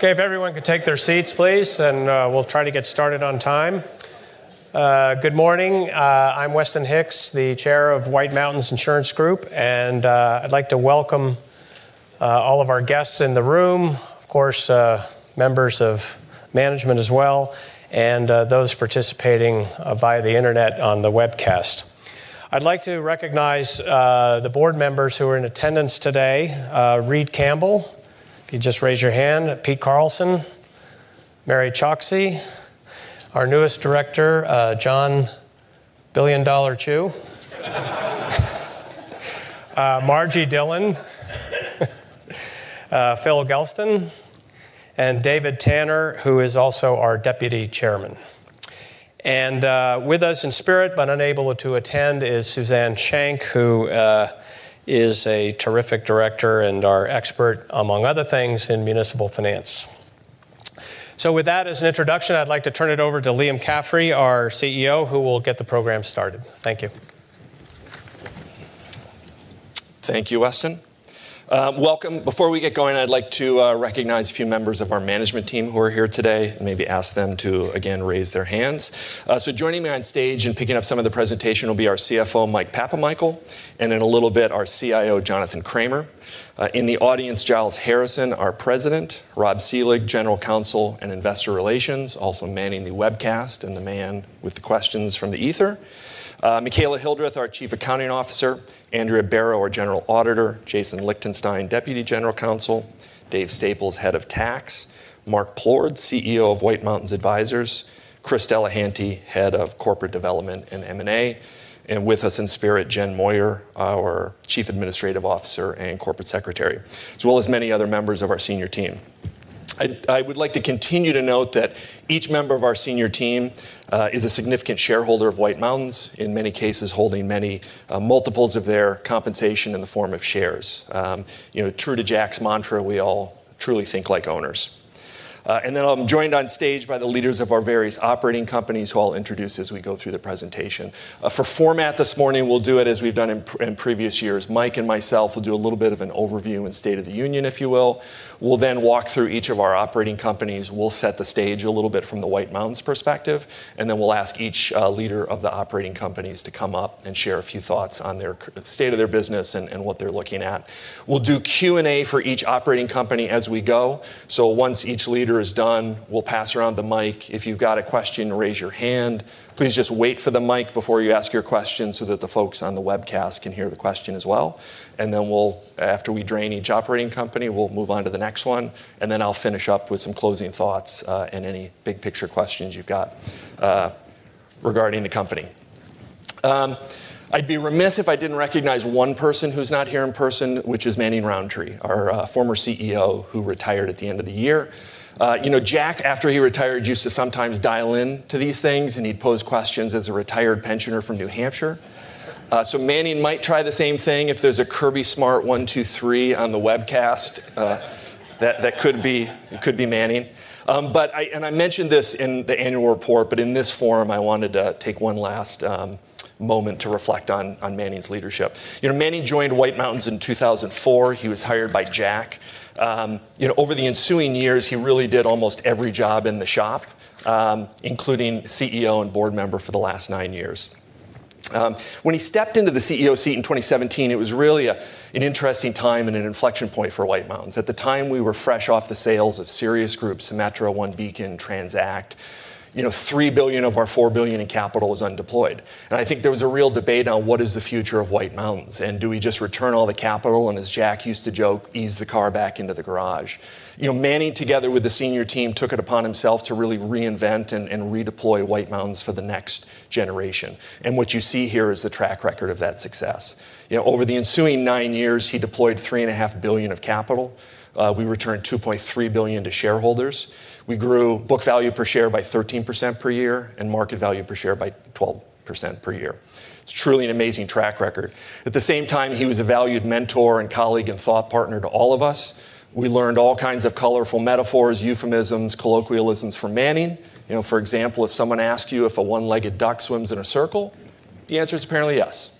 Okay. If everyone could take their seats, please, and we'll try to get started on time. Good morning. I'm Weston Hicks, the chair of White Mountains Insurance Group, and I'd like to welcome all of our guests in the room. Of course, members of management as well, and those participating via the Internet on the webcast. I'd like to recognize the board members who are in attendance today. Reid Campbell, if you'd just raise your hand. Pete Carlson. Mary C. Choksi. Our newest director, John "Billion Dollar" Chu. Margie Dillon. Phil Gelston and David Tanner, who is also our deputy chairman. With us in spirit, but unable to attend, is Suzanne Shank, who is a terrific director and our expert, among other things, in municipal finance. With that as an introduction, I'd like to turn it over to Liam Caffrey, our CEO, who will get the program started. Thank you. Thank you, Weston. Welcome. Before we get going, I'd like to recognize a few members of our management team who are here today, and maybe ask them to, again, raise their hands. Joining me on stage and picking up some of the presentation will be our CFO, Mike Papamichael, and in a little bit, our CIO, Jonathan Cramer. In the audience, Giles Harrison, our President. Rob Seelig, General Counsel and Investor Relations, also manning the webcast and the man with the questions from the ether. Michaela Hildreth, our Chief Accounting Officer. Andrea Barrow, our General Auditor. Jason Lichtenstein, Deputy General Counsel. Dave Staples, Head of Tax. Mark Plourde, CEO of White Mountains Advisors. Chris Delehanty, Head of Corporate Development and M&A. With us in spirit, Jen Moyer, our Chief Administrative Officer and Corporate Secretary, as well as many other members of our senior team. I would like to continue to note that each member of our senior team is a significant shareholder of White Mountains. In many cases, holding many multiples of their compensation in the form of shares. True to Jack's mantra, we all truly think like owners. I'm joined on stage by the leaders of our various operating companies, who I'll introduce as we go through the presentation. For format this morning, we'll do it as we've done in previous years. Mike and myself will do a little bit of an overview and state of the union, if you will. We'll walk through each of our operating companies. We'll set the stage a little bit from the White Mountains perspective, and then we'll ask each leader of the operating companies to come up and share a few thoughts on the state of their business and what they're looking at. We'll do Q&A for each operating company as we go. Once each leader is done, we'll pass around the mic. If you've got a question, raise your hand. Please just wait for the mic before you ask your question so that the folks on the webcast can hear the question as well. After we drain each operating company, we'll move on to the next one, and then I'll finish up with some closing thoughts, and any big-picture questions you've got regarding the company. I'd be remiss if I didn't recognize one person who's not here in person, which is Manning Rountree, our former CEO who retired at the end of the year. Jack, after he retired, used to sometimes dial in to these things, and he'd pose questions as a retired pensioner from New Hampshire. Manning might try the same thing. If there's a Kirby Smart one, two, three on the webcast, that could be Manning. I mentioned this in the annual report, but in this forum, I wanted to take one last moment to reflect on Manning's leadership. Manning joined White Mountains in 2004. He was hired by Jack. Over the ensuing years, he really did almost every job in the shop, including CEO and board member for the last nine years. When he stepped into the CEO seat in 2017, it was really an interesting time and an inflection point for White Mountains. At the time, we were fresh off the sales of Sirius Group, Symetra, OneBeacon, Tranzact. $3 billion of our $4 billion in capital was undeployed. I think there was a real debate on what is the future of White Mountains, and do we just return all the capital and, as Jack used to joke, ease the car back into the garage? Manning, together with the senior team, took it upon himself to really reinvent and redeploy White Mountains for the next generation. What you see here is the track record of that success. Over the ensuing nine years, he deployed $3.5 billion of capital. We returned $2.3 billion to shareholders. We grew book value per share by 13% per year and market value per share by 12% per year. It's truly an amazing track record. At the same time, he was a valued mentor and colleague and thought partner to all of us. We learned all kinds of colorful metaphors, euphemisms, colloquialisms from Manning. For example, if someone asks you if a one-legged duck swims in a circle, the answer is apparently yes.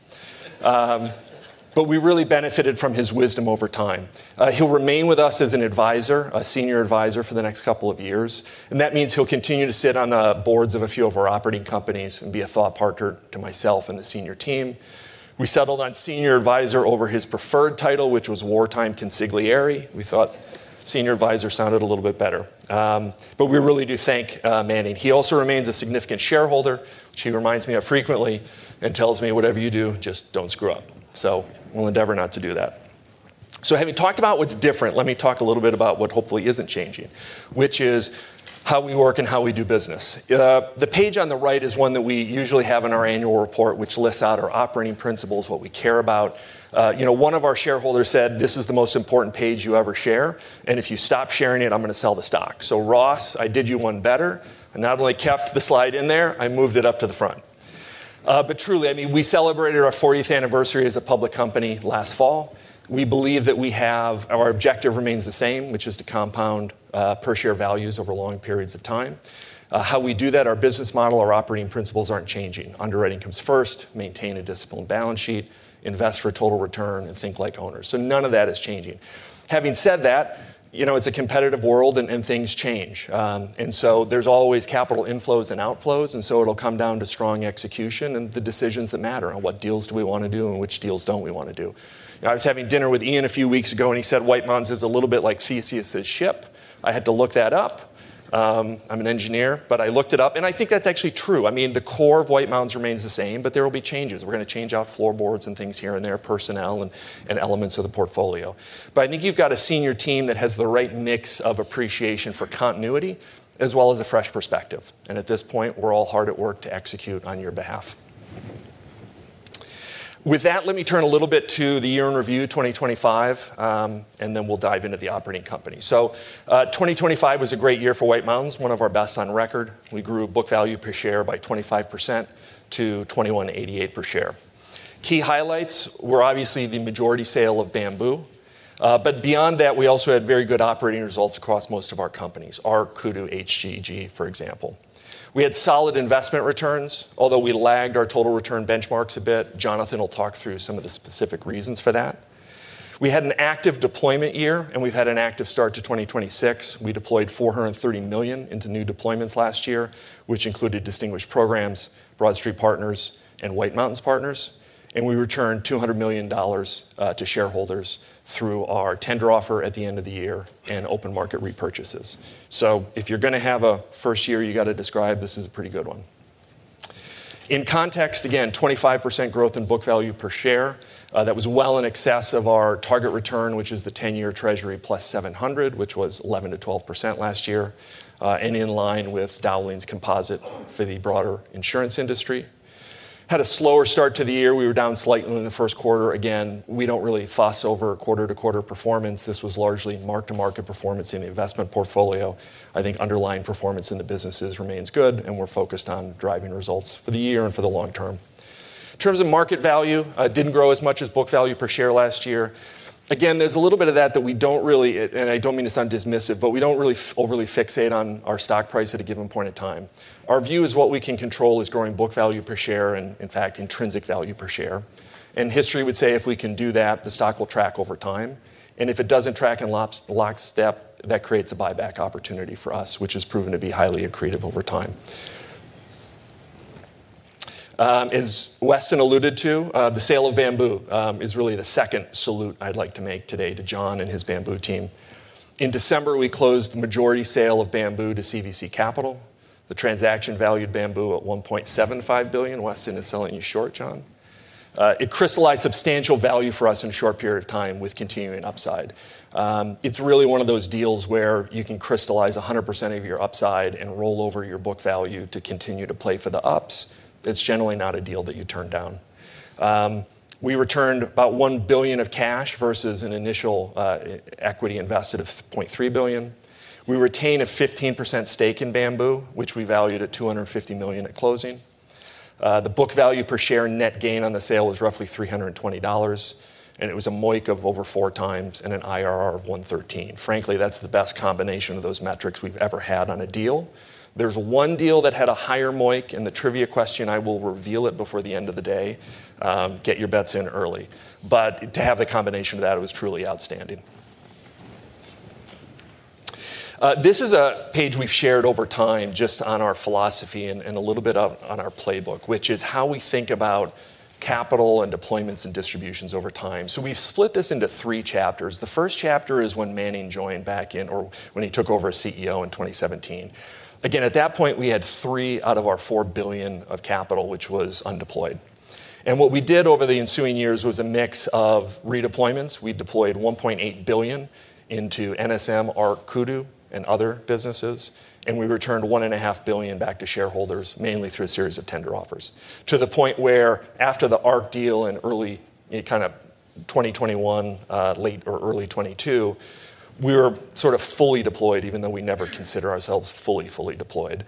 We really benefited from his wisdom over time. He'll remain with us as an advisor, a senior advisor for the next couple of years. That means he'll continue to sit on the boards of a few of our operating companies and be a thought partner to myself and the senior team. We settled on senior advisor over his preferred title, which was wartime consigliere. We thought senior advisor sounded a little bit better. We really do thank Manning. He also remains a significant shareholder, which he reminds me of frequently and tells me, Whatever you do, just don't screw up. We'll endeavor not to do that. Having talked about what's different, let me talk a little bit about what hopefully isn't changing, which is how we work and how we do business. The page on the right is one that we usually have in our annual report, which lists out our operating principles, what we care about. One of our shareholders said, This is the most important page you ever share, and if you stop sharing it, I'm going to sell the stock. Ross, I did you one better. I not only kept the slide in there, I moved it up to the front. Truly, we celebrated our 40th anniversary as a public company last fall. We believe that our objective remains the same, which is to compound per share values over long periods of time. How we do that, our business model, our operating principles aren't changing. Underwriting comes first, maintain a disciplined balance sheet, invest for total return, and think like owners. None of that is changing. Having said that, it's a competitive world and things change. There's always capital inflows and outflows, and so it'll come down to strong execution and the decisions that matter on what deals do we want to do and which deals don't we want to do. I was having dinner with Ian a few weeks ago and he said White Mountains is a little bit like Theseus's ship. I had to look that up. I'm an engineer, but I looked it up, and I think that's actually true. The core of White Mountains remains the same, but there will be changes. We're going to change out floorboards and things here and there, personnel, and elements of the portfolio. I think you've got a senior team that has the right mix of appreciation for continuity as well as a fresh perspective. At this point, we're all hard at work to execute on your behalf. With that, let me turn a little bit to the year in review 2025, and then we'll dive into the operating company. 2025 was a great year for White Mountains, one of our best on record. We grew book value per share by 25% to $21.88 per share. Key highlights were obviously the majority sale of Bamboo. Beyond that, we also had very good operating results across most of our companies, Ark, Kudu, HG Global, for example. We had solid investment returns. Although we lagged our total return benchmarks a bit, Jonathan will talk through some of the specific reasons for that. We had an active deployment year. We've had an active start to 2026. We deployed $430 million into new deployments last year, which included Distinguished Programs, BroadStreet Partners, and White Mountains Partners. We returned $200 million to shareholders through our tender offer at the end of the year and open market repurchases. If you're going to have a first year you got to describe, this is a pretty good one. In context, again, 25% growth in book value per share. That was well in excess of our target return, which is the 10-year treasury plus 700, which was 11%-12% last year, and in line with Dowling's composite for the broader insurance industry. We had a slower start to the year. We were down slightly in the first quarter. Again, we don't really fuss over quarter-to-quarter performance. This was largely mark-to-market performance in the investment portfolio. I think underlying performance in the businesses remains good, and we're focused on driving results for the year and for the long term. In terms of market value, didn't grow as much as book value per share last year. Again, there's a little bit of that that we don't really, and I mean to sound dismissive, but we don't really overly fixate on our stock price at a given point of time. Our view is what we can control is growing book value per share, and in fact, intrinsic value per share. History would say if we can do that, the stock will track over time. If it doesn't track in lockstep, that creates a buyback opportunity for us, which has proven to be highly accretive over time. As Weston alluded to, the sale of Bamboo is really the second salute I'd like to make today to John and his Bamboo team. In December, we closed the majority sale of Bamboo to CVC Capital. The transaction valued Bamboo at $1.75 billion. Weston is selling you short, John. It crystallized substantial value for us in a short period of time with continuing upside. It's really one of those deals where you can crystallize 100% of your upside and roll over your book value to continue to play for the ups. It's generally not a deal that you turn down. We returned about $1 billion of cash versus an initial equity invested of $0.3 billion. We retain a 15% stake in Bamboo, which we valued at $250 million at closing. The book value per share net gain on the sale was roughly $320. It was a MOIC of over four times and an IRR of 113. Frankly, that's the best combination of those metrics we've ever had on a deal. There's one deal that had a higher MOIC. The trivia question, I will reveal it before the end of the day. Get your bets in early. To have the combination of that was truly outstanding. This is a page we've shared over time just on our philosophy and a little bit on our playbook, which is how we think about capital and deployments and distributions over time. We've split this into three chapters. The first chapter is when Manning joined back in or when he took over as CEO in 2017. At that point, we had $3 billion out of our $4 billion of capital, which was undeployed. What we did over the ensuing years was a mix of redeployments. We deployed $1.8 billion into NSM, Ark, Kudu, and other businesses, and we returned $1.5 billion back to shareholders, mainly through a series of tender offers. The point where after the Ark deal in early 2021, late or early 2022, we were sort of fully deployed, even though we never consider ourselves fully deployed.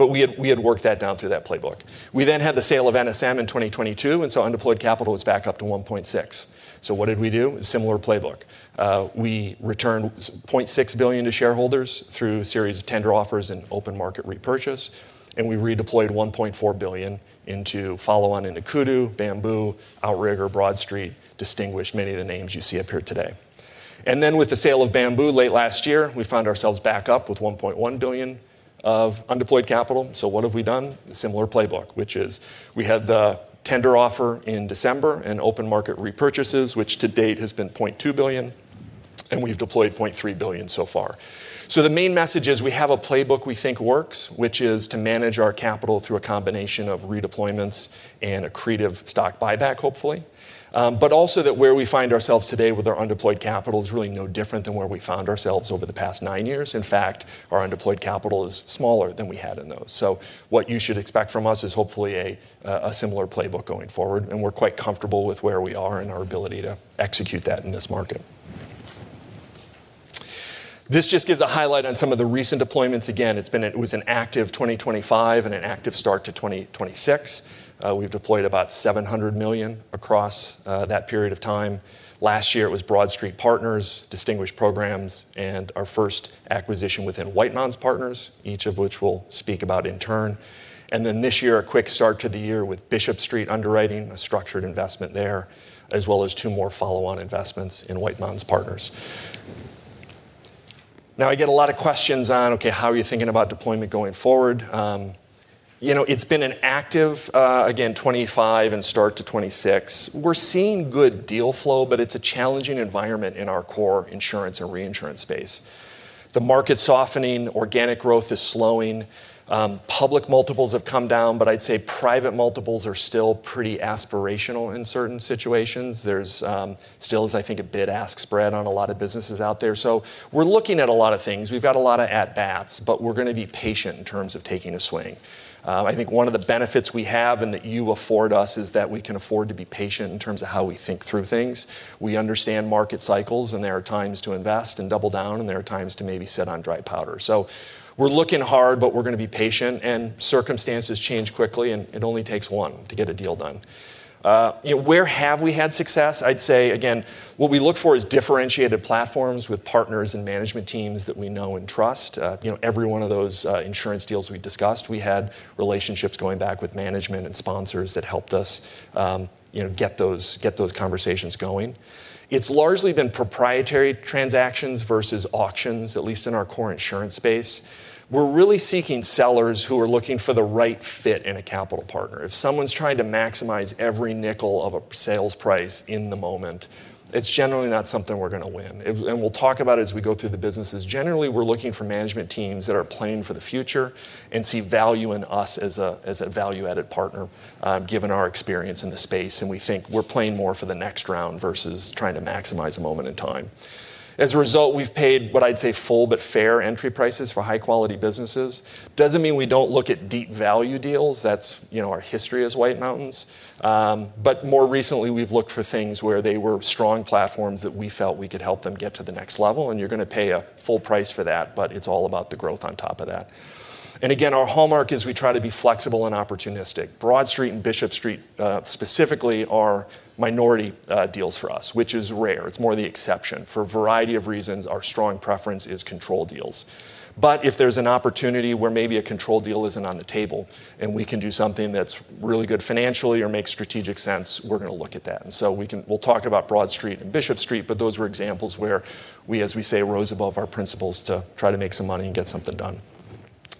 We had worked that down through that playbook. We had the sale of NSM in 2022. Undeployed capital was back up to $1.6 billion. What did we do? A similar playbook. We returned $0.6 billion to shareholders through a series of tender offers and open market repurchase. We redeployed $1.4 billion into follow-on into Kudu, Bamboo, Outrigger, BroadStreet, Distinguished, many of the names you see up here today. With the sale of Bamboo late last year, we found ourselves back up with $1.1 billion of undeployed capital. What have we done? A similar playbook, which is we had the tender offer in December and open market repurchases, which to date has been $0.2 billion, and we've deployed $0.3 billion so far. The main message is we have a playbook we think works, which is to manage our capital through a combination of redeployments and accretive stock buyback, hopefully. Also that where we find ourselves today with our undeployed capital is really no different than where we found ourselves over the past nine years. In fact, our undeployed capital is smaller than we had in those. What you should expect from us is hopefully a similar playbook going forward, and we're quite comfortable with where we are and our ability to execute that in this market. This just gives a highlight on some of the recent deployments. It was an active 2025 and an active start to 2026. We've deployed about $700 million across that period of time. Last year, it was BroadStreet Partners, Distinguished Programs, and our first acquisition within White Mountains Partners, each of which we'll speak about in turn. This year, a quick start to the year with Bishop Street Underwriters, a structured investment there, as well as two more follow-on investments in White Mountains Partners. I get a lot of questions on, okay, how are you thinking about deployment going forward? It's been an active, again, 2025 and start to 2026. We're seeing good deal flow, but it's a challenging environment in our core insurance and reinsurance space. The market's softening, organic growth is slowing. Public multiples have come down, but I'd say private multiples are still pretty aspirational in certain situations. There's still, I think, a bid-ask spread on a lot of businesses out there. We're looking at a lot of things. We've got a lot of at-bats, but we're going to be patient in terms of taking a swing. I think one of the benefits we have and that you afford us is that we can afford to be patient in terms of how we think through things. We understand market cycles, and there are times to invest and double down, and there are times to maybe sit on dry powder. We're looking hard, but we're going to be patient, and circumstances change quickly, and it only takes one to get a deal done. Where have we had success? I'd say, again, what we look for is differentiated platforms with partners and management teams that we know and trust. Every one of those insurance deals we discussed, we had relationships going back with management and sponsors that helped us get those conversations going. It's largely been proprietary transactions versus auctions, at least in our core insurance space. We're really seeking sellers who are looking for the right fit in a capital partner. If someone's trying to maximize every nickel of a sales price in the moment, it's generally not something we're going to win. We'll talk about it as we go through the businesses. Generally, we're looking for management teams that are playing for the future and see value in us as a value-added partner, given our experience in the space. We think we're playing more for the next round versus trying to maximize a moment in time. As a result, we've paid what I'd say full but fair entry prices for high-quality businesses. Doesn't mean we don't look at deep value deals. That's our history as White Mountains. More recently, we've looked for things where they were strong platforms that we felt we could help them get to the next level, and you're going to pay a full price for that, but it's all about the growth on top of that. Again, our hallmark is we try to be flexible and opportunistic. BroadStreet and Bishop Street, specifically, are minority deals for us, which is rare. It's more the exception. For a variety of reasons, our strong preference is control deals. If there's an opportunity where maybe a control deal isn't on the table and we can do something that's really good financially or makes strategic sense, we're going to look at that. We'll talk about BroadStreet and Bishop Street, but those were examples where we, as we say, rose above our principles to try to make some money and get something done.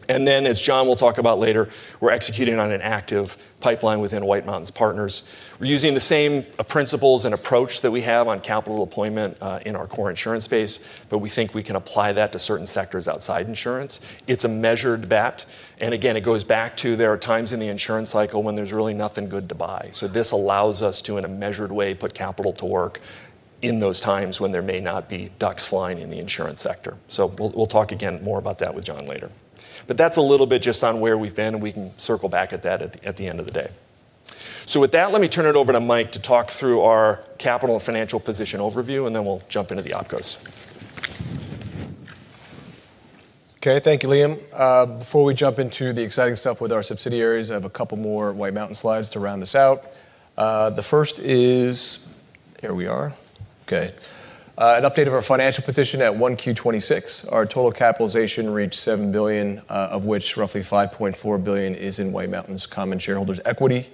As John will talk about later, we're executing on an active pipeline within White Mountains Partners. We're using the same principles and approach that we have on capital deployment in our core insurance space, but we think we can apply that to certain sectors outside insurance. It's a measured bet. Again, it goes back to there are times in the insurance cycle when there's really nothing good to buy. This allows us to, in a measured way, put capital to work in those times when there may not be ducks flying in the insurance sector. We'll talk again more about that with John later. That's a little bit just on where we've been, and we can circle back at that at the end of the day. With that, let me turn it over to Mike to talk through our capital and financial position overview, and then we'll jump into the opcos. Okay. Thank you, Liam. Before we jump into the exciting stuff with our subsidiaries, I have a couple more White Mountains slides to round this out. The first is an update of our financial position at 1Q 2026. Our total capitalization reached $7 billion, of which roughly $5.4 billion is in White Mountains common shareholders' equity.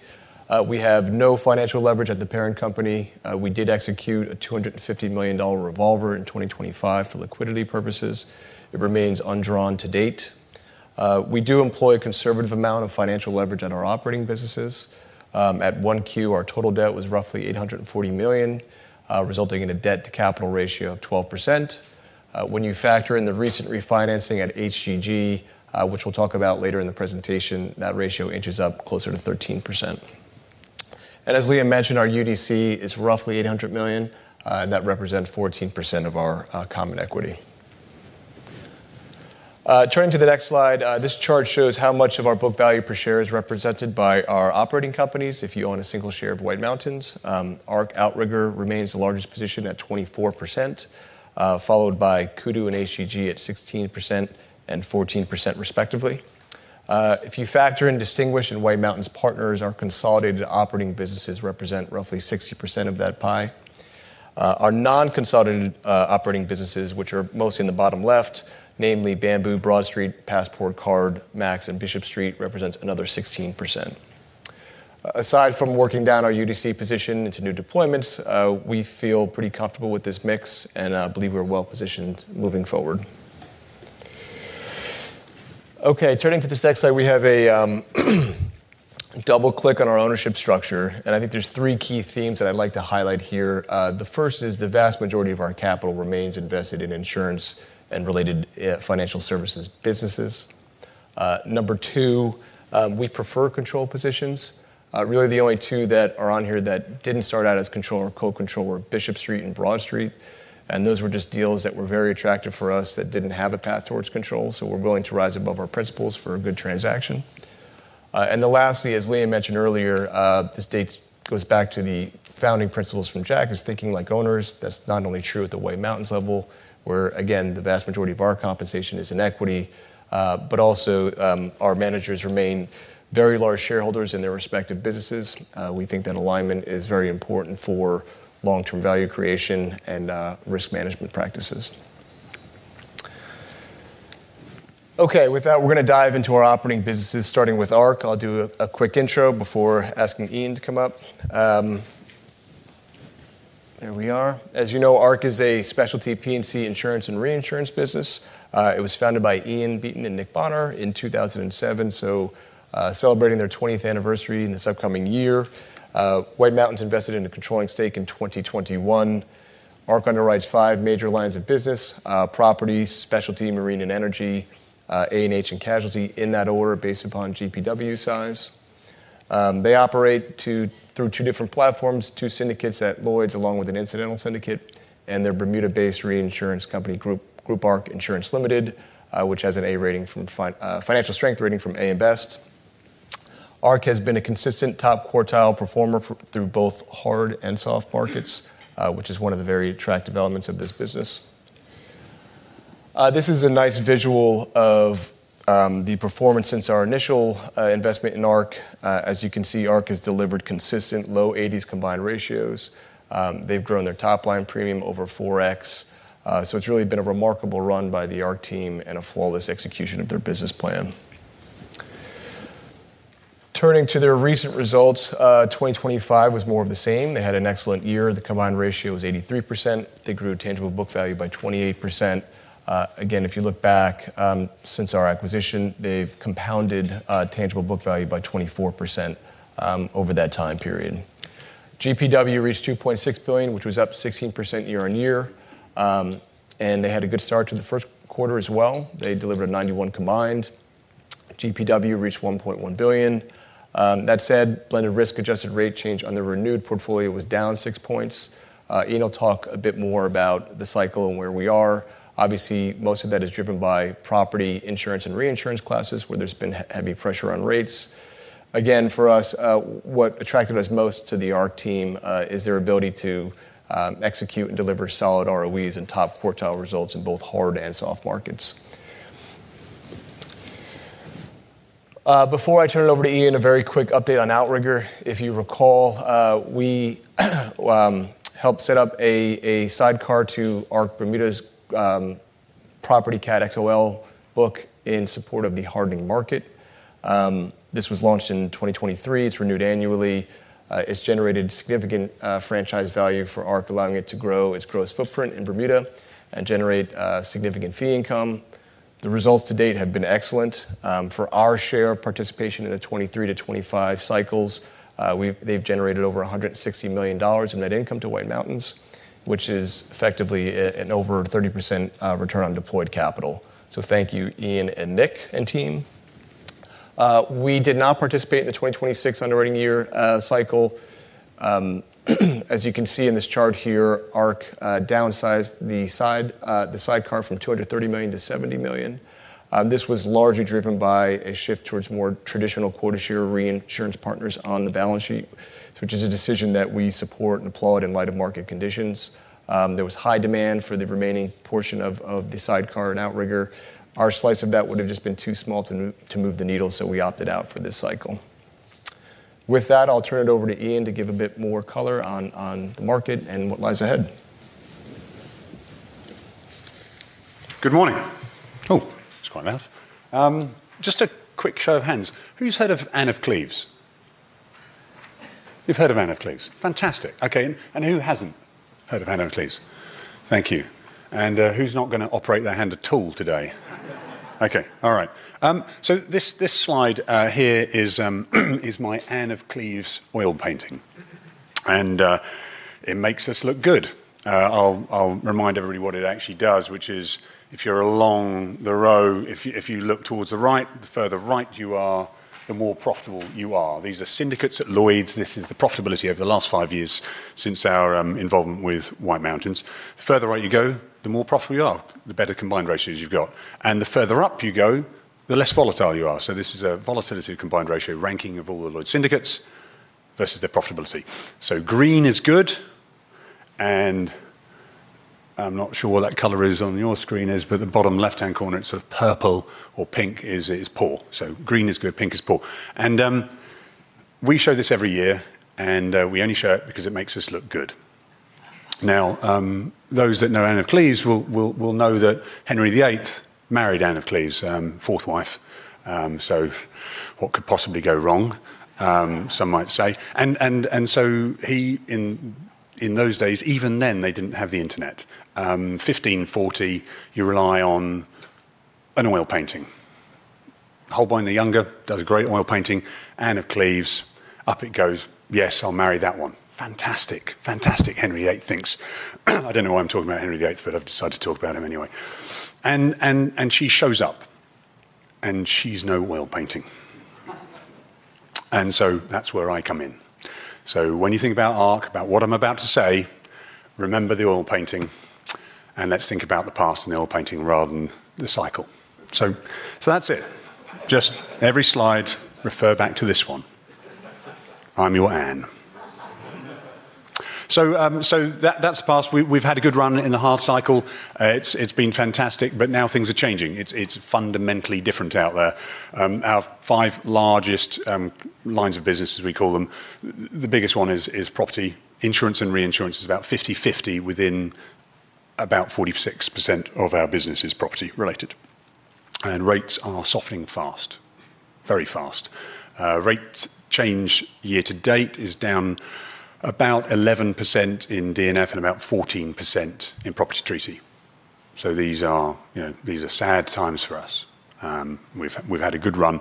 We have no financial leverage at the parent company. We did execute a $250 million revolver in 2025 for liquidity purposes. It remains undrawn to date. We do employ a conservative amount of financial leverage on our operating businesses. At 1Q, our total debt was roughly $840 million, resulting in a debt to capital ratio of 12%. When you factor in the recent refinancing at HGG, which we'll talk about later in the presentation, that ratio inches up closer to 13%. As Liam mentioned, our UDC is roughly $800 million. That represents 14% of our common equity. Turning to the next slide, this chart shows how much of our book value per share is represented by our operating companies if you own one share of White Mountains. Ark/Outrigger remains the largest position at 24%, followed by Kudu and HGG at 16% and 14% respectively. You factor in Distinguished and White Mountains Partners, our consolidated operating businesses represent roughly 60% of that pie. Our non-consolidated operating businesses, which are mostly in the bottom left, namely Bamboo, BroadStreet, PassportCard, Max, and Bishop Street, represents another 16%. Aside from working down our UDC position into new deployments, we feel pretty comfortable with this mix and believe we're well-positioned moving forward. Turning to this next slide, we have a double click on our ownership structure, and I think there's three key themes that I'd like to highlight here. The first is the vast majority of our capital remains invested in insurance and related financial services businesses. Number two, we prefer control positions. Really, the only two that are on here that didn't start out as control or co-control were Bishop Street and BroadStreet. Those were just deals that were very attractive for us that didn't have a path towards control, so we're willing to rise above our principles for a good transaction. Lastly, as Liam mentioned earlier, this goes back to the founding principles from Jack, is thinking like owners. That's not only true at the White Mountains level, where again, the vast majority of our compensation is in equity, but also our managers remain very large shareholders in their respective businesses. We think that alignment is very important for long-term value creation and risk management practices. Okay, with that, we're going to dive into our operating businesses, starting with Ark. I'll do a quick intro before asking Ian to come up. There we are. As you know, Ark is a specialty P&C insurance and reinsurance business. It was founded by Ian Beaton and Nick Bonnar in 2007, so celebrating their 20th anniversary this upcoming year. White Mountains invested in a controlling stake in 2021. Ark underwrites five major lines of business: property, specialty, marine and energy, A&H, and casualty, in that order based upon GPW size. They operate through two different platforms, two syndicates at Lloyd's along with an incidental syndicate and their Bermuda-based reinsurance company, Group Ark Insurance Limited, which has a financial strength rating from AM Best. Ark has been a consistent top quartile performer through both hard and soft markets, which is one of the very attractive elements of this business. This is a nice visual of the performance since our initial investment in Ark. As you can see, Ark has delivered consistent low 80s combined ratios. They've grown their top-line premium over 4x. It's really been a remarkable run by the Ark team and a flawless execution of their business plan. Turning to their recent results, 2025 was more of the same. They had an excellent year. The combined ratio was 83%. They grew tangible book value by 28%. Again, if you look back, since our acquisition, they've compounded tangible book value by 24% over that time period. GPW reached $2.6 billion, which was up 16% year-on-year. They had a good start to the first quarter as well. They delivered a 91 combined. GPW reached $1.1 billion. That said, blended risk-adjusted rate change on the renewed portfolio was down six points. Ian will talk a bit more about the cycle and where we are. Most of that is driven by property insurance and reinsurance classes, where there's been heavy pressure on rates. Again, for us, what attracted us most to the Ark team is their ability to execute and deliver solid ROEs and top quartile results in both hard and soft markets. Before I turn it over to Ian, a very quick update on Outrigger. If you recall, we helped set up a sidecar to Ark Bermuda's property cat XOL book in support of the hardening market. This was launched in 2023. It's renewed annually. It's generated significant franchise value for Ark, allowing it to grow its gross footprint in Bermuda and generate significant fee income. The results to date have been excellent. For our share participation in the 2023 to 2025 cycles, they've generated over $160 million in net income to White Mountains, which is effectively an over 30% return on deployed capital. Thank you, Ian and Nick and team. We did not participate in the 2026 underwriting year cycle. As you can see in this chart here, Ark downsized the sidecar from $230 million-$70 million. This was largely driven by a shift towards more traditional quota share reinsurance partners on the balance sheet, which is a decision that we support and applaud in light of market conditions. There was high demand for the remaining portion of the sidecar and Outrigger. Our slice of that would have just been too small to move the needle. We opted out for this cycle. With that, I'll turn it over to Ian to give a bit more color on the market and what lies ahead. Good morning. Oh, that's quite loud. Just a quick show of hands. Who's heard of Anne of Cleves? You've heard of Anne of Cleves. Fantastic. Okay. Who hasn't heard of Anne of Cleves? Thank you. Who's not going to operate their hand at all today? Okay. All right. This slide here is my Anne of Cleves oil painting. It makes us look good. I'll remind everybody what it actually does, which is if you're along the row, if you look towards the right, the further right you are, the more profitable you are. These are syndicates at Lloyd's. This is the profitability over the last five years since our involvement with White Mountains. The further right you go, the more profitable you are, the better combined ratios you've got. The further up you go, the less volatile you are. This is a volatility combined ratio ranking of all the Lloyd's syndicates versus their profitability. Green is good, I'm not sure what that color is on your screen, but the bottom left-hand corner, it's sort of purple or pink is poor. Green is good, pink is poor. We show this every year, and we only show it because it makes us look good. Now, those that know Anne of Cleves will know that Henry VIII married Anne of Cleves, fourth wife. What could possibly go wrong? Some might say. He in those days, even then, they didn't have the internet. 1540, you rely on an oil painting. Holbein the Younger does a great oil painting. Anne of Cleves. Up it goes. Yes, I'll marry that one. Fantastic. Fantastic, Henry VIII thinks. I don't know why I'm talking about Henry VIII, but I've decided to talk about him anyway. She shows up, and she's no oil painting. That's where I come in. When you think about Ark, about what I'm about to say, remember the oil painting, and let's think about the past and the oil painting rather than the cycle. That's it. Just every slide, refer back to this one. I'm your Anne. That's the past. We've had a good run in the hard cycle. It's been fantastic, but now things are changing. It's fundamentally different out there. Our five largest lines of business, as we call them, the biggest one is property insurance and reinsurance is about 50/50 within about 46% of our business is property related. Rates are softening fast, very fast. Rate change year-to-date is down about 11% in D&F and about 14% in property treaty. These are sad times for us. We've had a good run.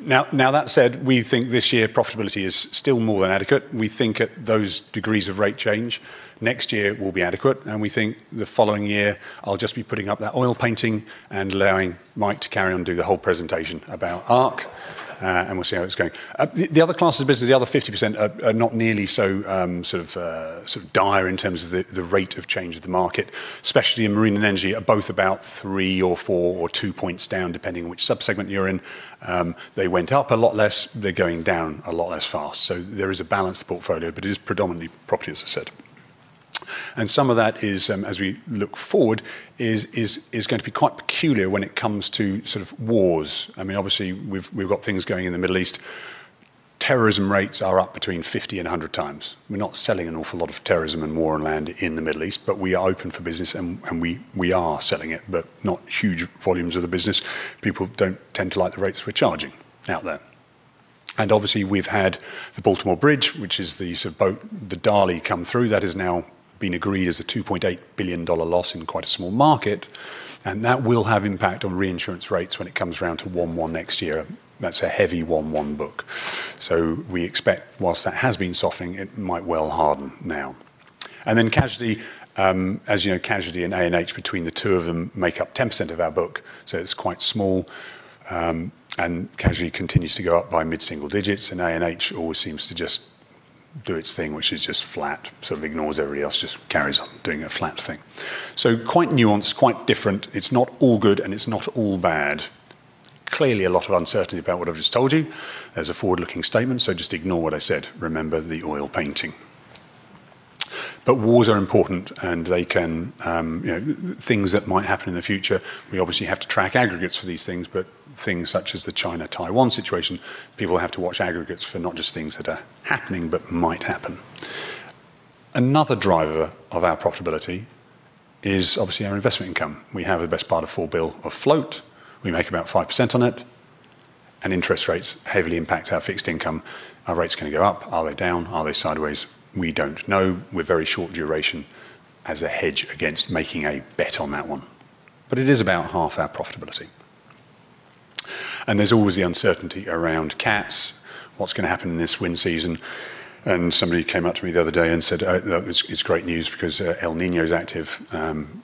Now that said, we think this year profitability is still more than adequate. We think at those degrees of rate change, next year will be adequate, and we think the following year, I'll just be putting up that oil painting and allowing Mike to carry on doing the whole presentation about Ark, and we'll see how it's going. The other classes of business, the other 50%, are not nearly so dire in terms of the rate of change of the market, especially in marine and energy, are both about three or four or two points down, depending on which sub-segment you're in. They went up a lot less. They're going down a lot less fast. There is a balanced portfolio, but it is predominantly property, as I said. Some of that is, as we look forward, is going to be quite peculiar when it comes to wars. Obviously we've got things going in the Middle East. Terrorism rates are up between 50x and 100x. We're not selling an awful lot of terrorism and war and land in the Middle East, but we are open for business and we are selling it, but not huge volumes of the business. People don't tend to like the rates we're charging out there. Obviously we've had the Baltimore Bridge, which is the boat, the Dali come through. That has now been agreed as a $2.8 billion loss in quite a small market, and that will have impact on reinsurance rates when it comes round to one-one next year. That's a heavy one, one book. We expect whilst that has been softening, it might well harden now. Casualty, as you know, casualty and A&H between the two of them make up 10% of our book, so it's quite small. Casualty continues to go up by mid-single digits, and A&H always seems to just do its thing, which is just flat, sort of ignores everybody else, just carries on doing a flat thing. Quite nuanced, quite different. It's not all good, and it's not all bad. Clearly a lot of uncertainty about what I've just told you as a forward-looking statement, so just ignore what I said. Remember the oil painting. Wars are important and things that might happen in the future, we obviously have to track aggregates for these things, but things such as the China-Taiwan situation, people have to watch aggregates for not just things that are happening, but might happen. Another driver of our profitability is obviously our investment income. We have the best part of $4 billion of float. We make about 5% on it, and interest rates heavily impact our fixed income. Are rates going to go up? Are they down? Are they sideways? We don't know. We're very short duration as a hedge against making a bet on that one. It is about half our profitability. There's always the uncertainty around cats. What's going to happen in this wind season? Somebody came up to me the other day and said, It's great news because El Niño is active.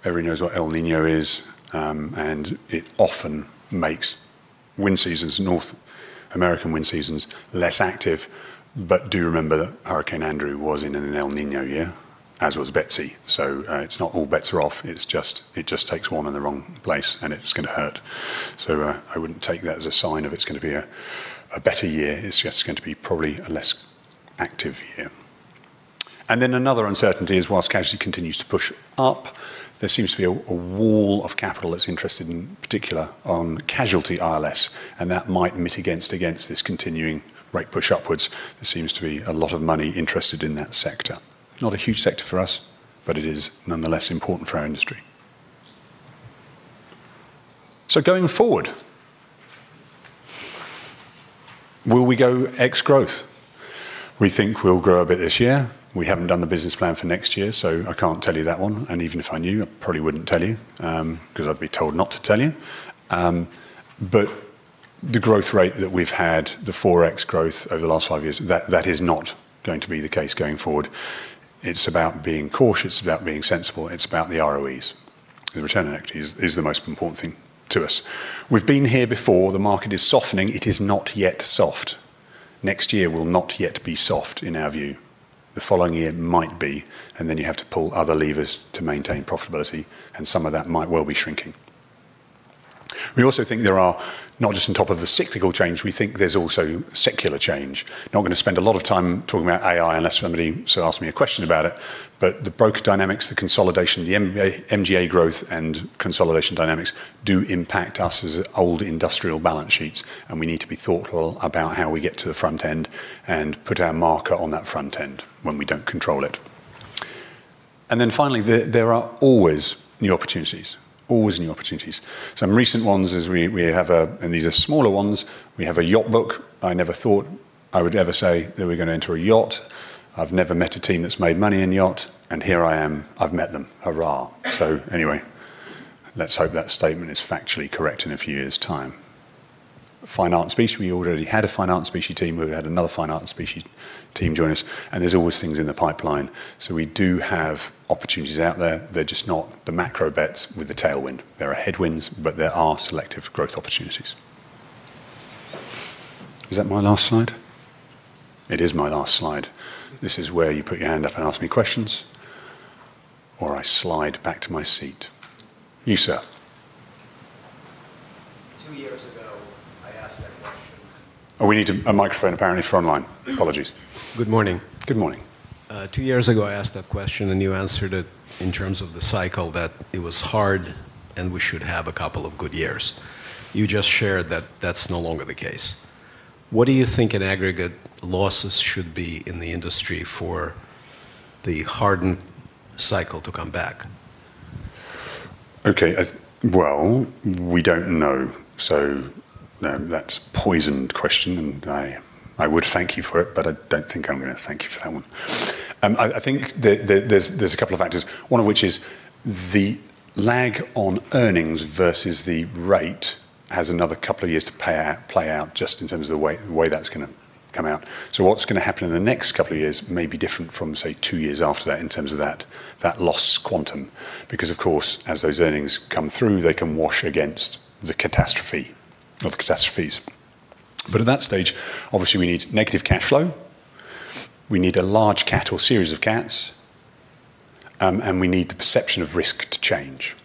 Everybody knows what El Niño is, and it often makes wind seasons, North American wind seasons, less active. Do remember that Hurricane Andrew was in an El Niño year, as was Betsy. It's not all bets are off. It just takes one in the wrong place and it's going to hurt. I wouldn't take that as a sign of it's going to be a better year. It's just going to be probably a less active year. Another uncertainty is whilst casualty continues to push up, there seems to be a wall of capital that's interested in particular on casualty ILS, and that might mitigate against this continuing rate push upwards. There seems to be a lot of money interested in that sector. Not a huge sector for us, but it is nonetheless important for our industry. Going forward, will we go X growth? We think we'll grow a bit this year. We haven't done the business plan for next year, so I can't tell you that one. Even if I knew, I probably wouldn't tell you, because I'd be told not to tell you. The growth rate that we've had, the 4x growth over the last five years, that is not going to be the case going forward. It's about being cautious. It's about being sensible. It's about the ROEs. The return on equity is the most important thing to us. We've been here before. The market is softening. It is not yet soft. Next year will not yet be soft in our view. The following year might be. You have to pull other levers to maintain profitability and some of that might well be shrinking. We also think there are not just on top of the cyclical change, we think there's also secular change. Not going to spend a lot of time talking about AI unless somebody sort of asks me a question about it. The broker dynamics, the consolidation, the MGA growth and consolidation dynamics do impact us as old industrial balance sheets and we need to be thoughtful about how we get to the front end and put our marker on that front end when we don't control it. Finally, there are always new opportunities. Always new opportunities. Some recent ones is we have a. These are smaller ones, we have a yacht book. I never thought I would ever say that we're going to enter a yacht. I've never met a team that's made money in yacht and here I am, I've met them. Hurrah. Anyway, let's hope that statement is factually correct in a few years' time. Fine art and specie, we already had a fine art and specie team. We've had another fine art and specie team join us and there's always things in the pipeline. We do have opportunities out there. They're just not the macro bets with the tailwind. There are headwinds, but there are selective growth opportunities. Is that my last slide? It is my last slide. This is where you put your hand up and ask me questions, or I slide back to my seat. You, sir. Two years ago, I asked that question. Oh, we need a microphone, apparently, front line. Apologies. Good morning. Good morning. Two years ago, I asked that question. You answered it in terms of the cycle that it was hard and we should have a couple of good years. You just shared that that's no longer the case. What do you think in aggregate losses should be in the industry for the hardened cycle to come back? We don't know, no, that's a poisoned question and I would thank you for it, I don't think I'm going to thank you for that one. I think there's a couple of factors, one of which is the lag on earnings versus the rate has another couple of years to play out just in terms of the way that's going to come out. What's going to happen in the next couple of years may be different from, say, two years after that in terms of that loss quantum. Of course, as those earnings come through, they can wash against the catastrophe or catastrophes. At that stage, obviously, we need negative cash flow, we need a large cat or series of cats, and we need the perception of risk to change.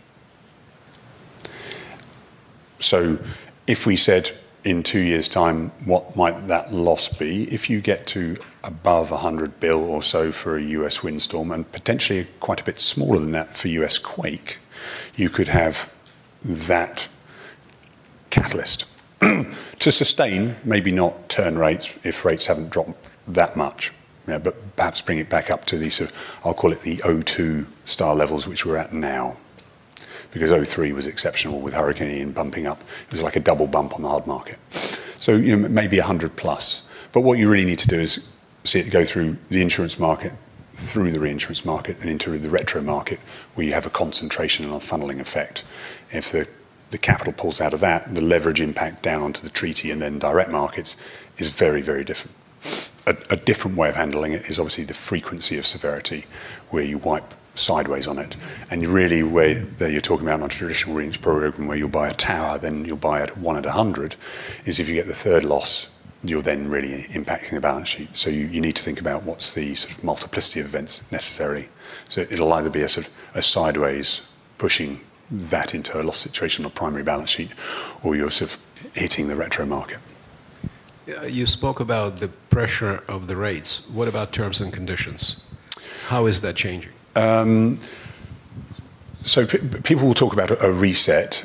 If we said in two years' time, what might that loss be? If you get to above $100 billion or so for a U.S. windstorm, and potentially quite a bit smaller than that for U.S. quake, you could have that catalyst to sustain, maybe not turn rates if rates haven't dropped that much. Perhaps bring it back up to the sort of, I'll call it the '02 star levels, which we're at now. '03 was exceptional with Hurricane Ian bumping up. It was like a double bump on the hard market. Maybe $100 billion+. What you really need to do is see it go through the insurance market, through the reinsurance market, and into the retro market, where you have a concentration and a funneling effect. If the capital pulls out of that, the leverage impact down onto the treaty and then direct markets is very different. A different way of handling it is obviously the frequency of severity, where you wipe sideways on it, and really where you're talking about much traditional reinsurance program where you'll buy a tower, then you'll buy it one at 100, is if you get the third loss, you're then really impacting the balance sheet. You need to think about what's the sort of multiplicity of events necessary. It'll either be a sort of a sideways pushing that into a loss situation or primary balance sheet, or you're sort of hitting the retro market. You spoke about the pressure of the rates. What about terms and conditions? How is that changing? People will talk about a reset,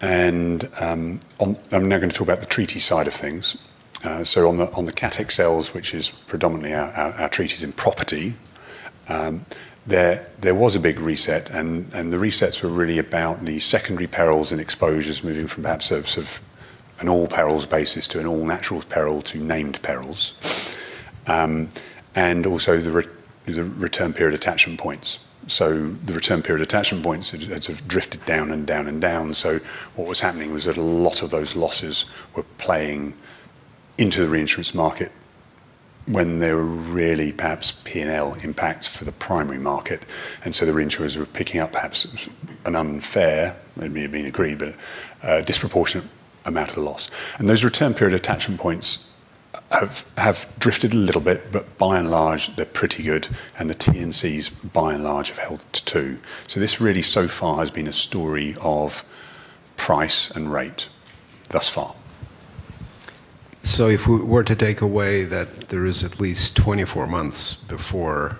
and I'm now going to talk about the treaty side of things. On the Cat XLs, which is predominantly our treaties in property, there was a big reset and the resets were really about the secondary perils and exposures moving from perhaps sort of an all perils basis to an all natural peril to named perils, and also the return period attachment points. The return period attachment points had sort of drifted down and down. What was happening was that a lot of those losses were playing into the reinsurance market when they were really perhaps P&L impacts for the primary market. The reinsurers were picking up perhaps an unfair, maybe being agreed, but a disproportionate amount of the loss. Those return period attachment points have drifted a little bit, but by and large, they're pretty good and the T&Cs by and large have held it, too. This really so far has been a story of price and rate thus far. If we were to take away that there is at least 24 months before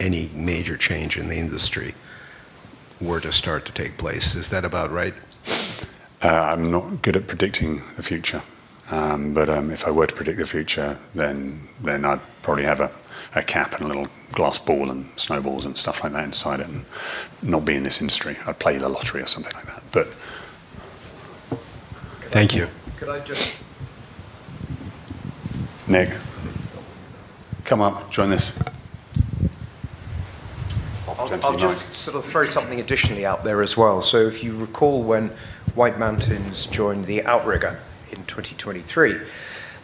any major change in the industry were to start to take place, is that about right? I'm not good at predicting the future. If I were to predict the future, I'd probably have a cap and a little glass ball and snowballs and stuff like that inside it and not be in this industry. I'd play the lottery or something like that. Thank you. Could I just- Nick. Come up. Join this. I'll just sort of throw something additionally out there as well. If you recall when White Mountains joined the Outrigger in 2023,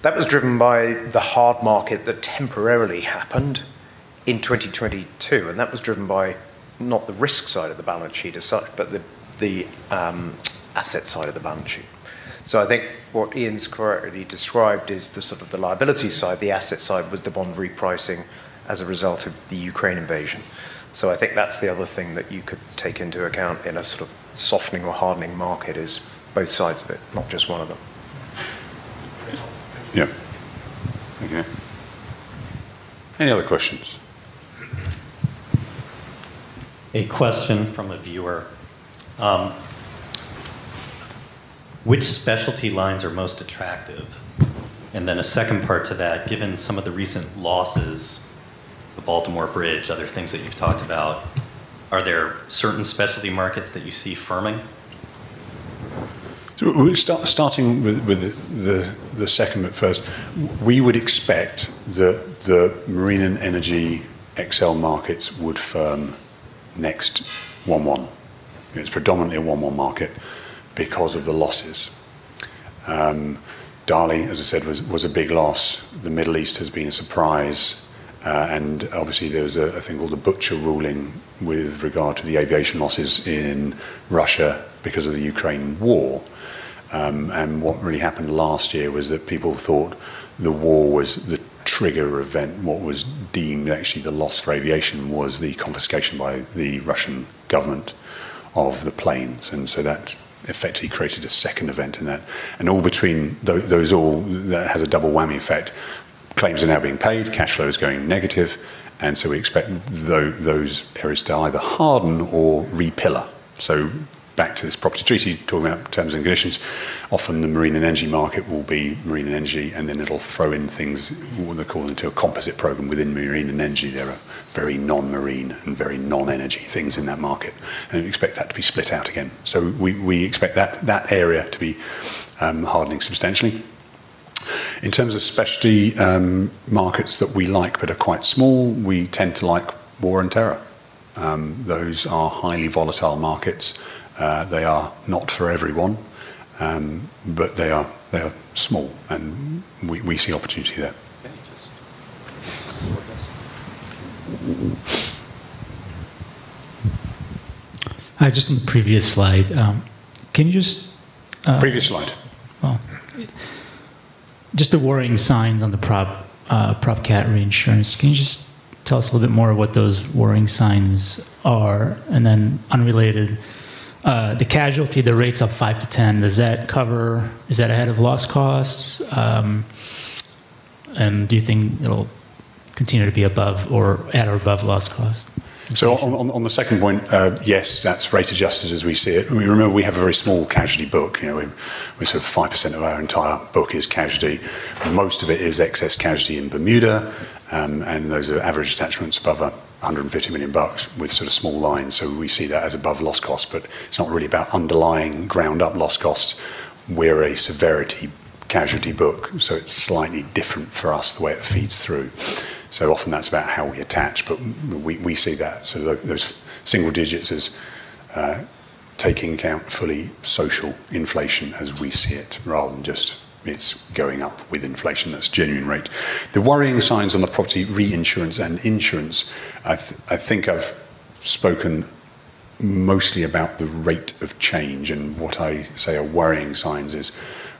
that was driven by the hard market that temporarily happened in 2022, and that was driven by not the risk side of the balance sheet as such, but the asset side of the balance sheet. I think what Ian's correctly described is the sort of the liability side, the asset side was the bond repricing as a result of the Ukraine invasion. I think that's the other thing that you could take into account in a sort of softening or hardening market is both sides of it, not just one of them. Yeah. Okay. Any other questions? A question from a viewer. Which specialty lines are most attractive? A second part to that, given some of the recent losses, the Baltimore Bridge, other things that you've talked about, are there certain specialty markets that you see firming? Starting with the second but first, we would expect that the marine and energy XL markets would firm next one, one. It's predominantly a one, one market because of the losses. Dali, as I said, was a big loss. The Middle East has been a surprise. Obviously there was a thing called the Butcher ruling with regard to the aviation losses in Russia because of the Ukraine war. What really happened last year was that people thought the war was the trigger event. What was deemed actually the loss for aviation was the confiscation by the Russian government of the planes. That effectively created a second event in that. All between those all has a double whammy effect. Claims are now being paid, cash flow is going negative, and so we expect those areas to either harden or repillar. Back to this property treaty, talking about terms and conditions. Often the marine and energy market will be marine and energy, and then it'll throw in things, what they call into a composite program within marine and energy. There are very non-marine and very non-energy things in that market, and we expect that to be split out again. We expect that area to be hardening substantially. In terms of specialty markets that we like but are quite small, we tend to like war and terror. Those are highly volatile markets. They are not for everyone, but they are small, and we see opportunity there. Can you just sort this? Hi, just on the previous slide. Can you just. Previous slide. Just the worrying signs on the prop cat reinsurance. Can you just tell us a little bit more what those worrying signs are? Unrelated, the casualty, the rate's up 5%-10%. Is that ahead of loss costs? Do you think it'll continue to be above or at or above loss cost? On the second point, yes, that's rate adjusted as we see it. Remember, we have a very small casualty book. Sort of 5% of our entire book is casualty, and most of it is excess casualty in Bermuda, and those are average attachments above $150 million with sort of small lines. We see that as above loss cost, but it's not really about underlying ground-up loss costs. We're a severity casualty book, so it's slightly different for us the way it feeds through. Often that's about how we attach, but we see that. Those single digits is taking account fully social inflation as we see it, rather than just it's going up with inflation. That's genuine rate. The worrying signs on the property reinsurance and insurance, I think I've spoken mostly about the rate of change, what I say are worrying signs is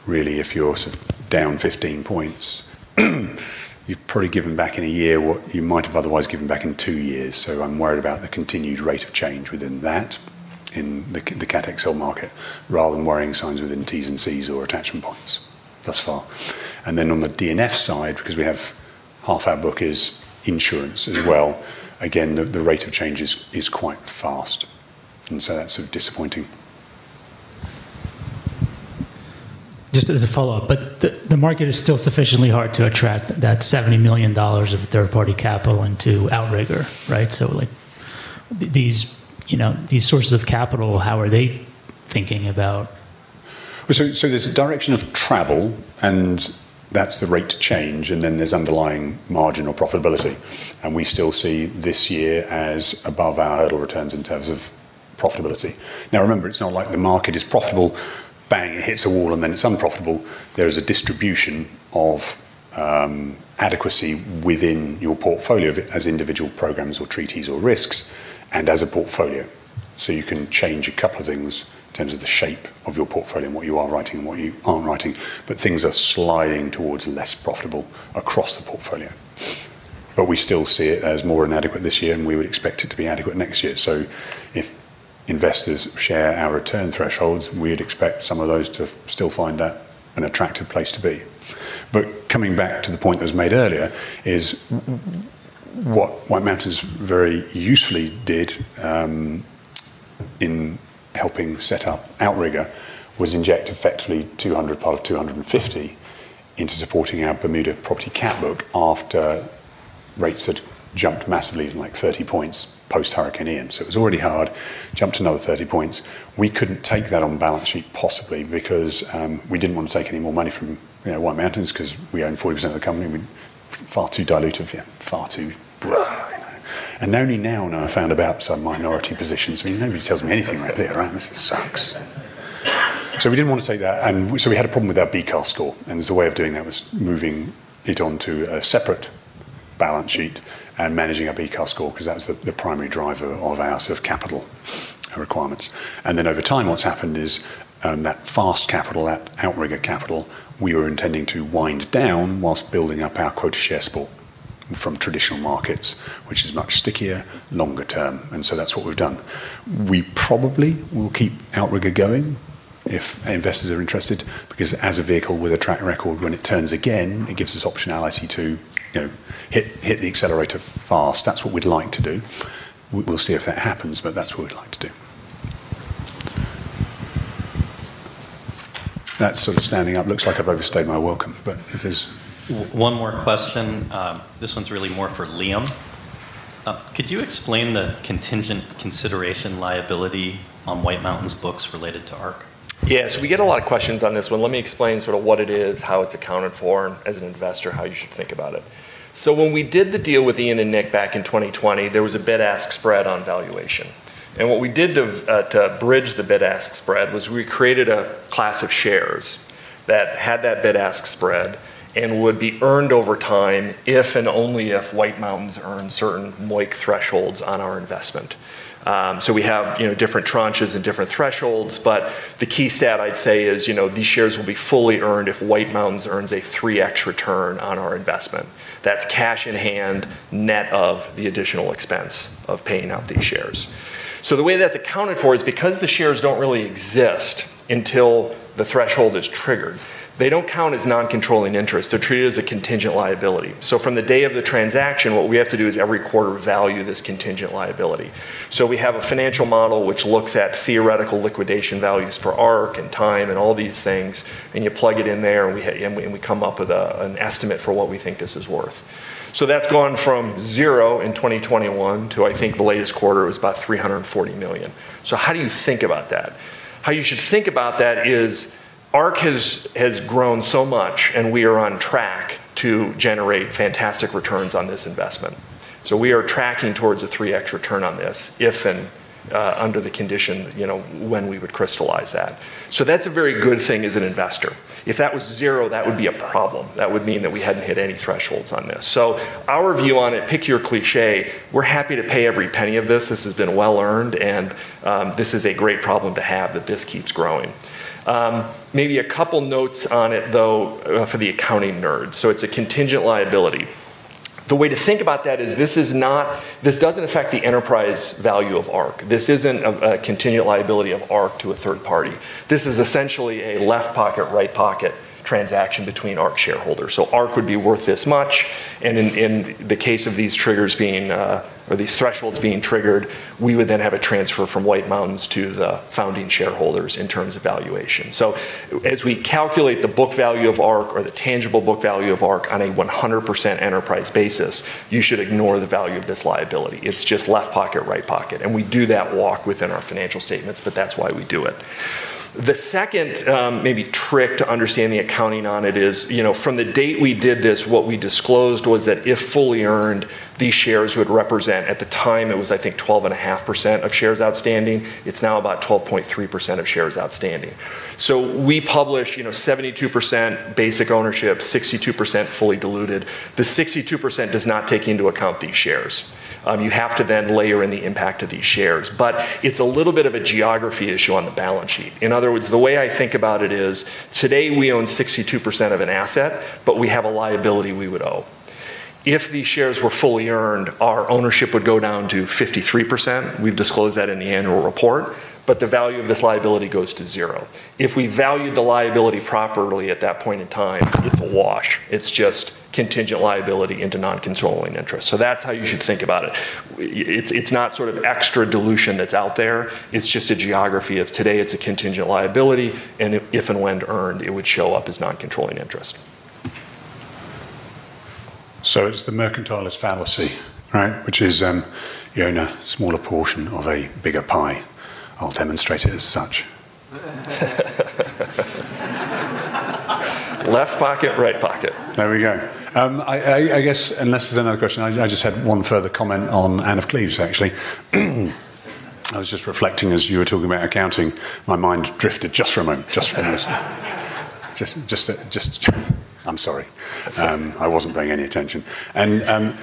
really if you're sort of down 15 points, you've probably given back in a year what you might have otherwise given back in two years. I'm worried about the continued rate of change within that in the Cat XL market rather than worrying signs within T&Cs or attachment points thus far. On the D&F side, because we have half our book is insurance as well. Again, the rate of change is quite fast, and so that's sort of disappointing. Just as a follow-up, the market is still sufficiently hard to attract that $70 million of third-party capital into Outrigger, right? like, these sources of capital, how are they thinking about There's a direction of travel, and that's the rate of change, and then there's underlying margin or profitability. We still see this year as above our hurdle returns in terms of profitability. Remember, it's not like the market is profitable, bang, it hits a wall, and then it's unprofitable. There is a distribution of adequacy within your portfolio as individual programs or treaties or risks, and as a portfolio. You can change a couple of things in terms of the shape of your portfolio and what you are writing and what you aren't writing. Things are sliding towards less profitable across the portfolio. We still see it as more inadequate this year, and we would expect it to be adequate next year. If investors share our return thresholds, we'd expect some of those to still find that an attractive place to be. Coming back to the point that was made earlier, is what White Mountains very usefully did in helping set up Outrigger was inject effectively $200 part of $250 into supporting our Bermuda property cat book after rates had jumped massively to like 30 points post Hurricane Ian. It was already hard, jumped another 30 points. We couldn't take that on the balance sheet possibly because we didn't want to take any more money from White Mountains because we own 40% of the company. We're far too dilutive, yeah. Far too blah. Only now when I found about some minority positions, I mean, nobody tells me anything around here, right? This sucks. We didn't want to take that, and so we had a problem with our BCAR score. There's a way of doing that was moving it onto a separate balance sheet and managing our BCAR score because that was the primary driver of our sort of capital requirements. Then over time what's happened is, that fast capital, that Outrigger capital we were intending to wind down whilst building up our quota share spool from traditional markets, which is much stickier longer term. So that's what we've done. We probably will keep Outrigger going if investors are interested because as a vehicle with a track record, when it turns again, it gives us optionality to hit the accelerator fast. That's what we'd like to do. We'll see if that happens, but that's what we'd like to do. That sort of standing up looks like I've overstayed my welcome. One more question. This one's really more for Liam. Could you explain the contingent consideration liability on White Mountains' books related to Ark? Yeah. We get a lot of questions on this one. Let me explain sort of what it is, how it's accounted for, and as an investor, how you should think about it. When we did the deal with Ian and Nick back in 2020, there was a bid-ask spread on valuation. What we did to bridge the bid-ask spread was we created a class of shares that had that bid-ask spread and would be earned over time if and only if White Mountains earn certain MOIC thresholds on our investment. We have different tranches and different thresholds, but the key stat I'd say is these shares will be fully earned if White Mountains earns a 3x return on our investment. That's cash in hand, net of the additional expense of paying out these shares. The way that's accounted for is because the shares don't really exist until the threshold is triggered, they don't count as non-controlling interest. They're treated as a contingent liability. From the day of the transaction, what we have to do is every quarter value this contingent liability. We have a financial model which looks at theoretical liquidation values for Ark and time and all these things, and you plug it in there, and we come up with an estimate for what we think this is worth. That's gone from zero in 2021 to, I think, the latest quarter was about $340 million. How do you think about that? How you should think about that is Ark has grown so much, and we are on track to generate fantastic returns on this investment. We are tracking towards a 3x return on this, if and under the condition, when we would crystallize that. That's a very good thing as an investor. If that was zero, that would be a problem. That would mean that we hadn't hit any thresholds on this. Our view on it, pick your cliché, we're happy to pay every penny of this. This has been well-earned, and this is a great problem to have, that this keeps growing. Maybe a couple notes on it, though, for the accounting nerds. It's a contingent liability. The way to think about that is this doesn't affect the enterprise value of Ark. This isn't a contingent liability of Ark to a third party. This is essentially a left pocket, right pocket transaction between Ark shareholders. Ark would be worth this much, and in the case of these triggers being, or these thresholds being triggered, we would then have a transfer from White Mountains to the founding shareholders in terms of valuation. As we calculate the book value of Ark or the tangible book value of Ark on a 100% enterprise basis, you should ignore the value of this liability. It's just left pocket, right pocket, and we do that walk within our financial statements, that's why we do it. The second maybe trick to understanding accounting on it is, from the date we did this, what we disclosed was that if fully earned, these shares would represent, at the time, it was, I think, 12.5% of shares outstanding. It's now about 12.3% of shares outstanding. We publish 72% basic ownership, 62% fully diluted. The 62% does not take into account these shares. You have to then layer in the impact of these shares. It's a little bit of a geography issue on the balance sheet. In other words, the way I think about it is today we own 62% of an asset, but we have a liability we would owe. If these shares were fully earned, our ownership would go down to 53%. We've disclosed that in the annual report, the value of this liability goes to zero. If we valued the liability properly at that point in time, it's a wash. It's just contingent liability into non-controlling interest. That's how you should think about it. It's not sort of extra dilution that's out there. It's just a geography of today, it's a contingent liability, and if and when earned, it would show up as non-controlling interest. It's the mercantilist fallacy, right? Which is you own a smaller portion of a bigger pie. I'll demonstrate it as such. Left pocket, right pocket. There we go. I guess unless there's another question, I just had one further comment on Anne of Cleves, actually. I was just reflecting as you were talking about accounting. My mind drifted just for a moment. I'm sorry. I wasn't paying any attention. Anne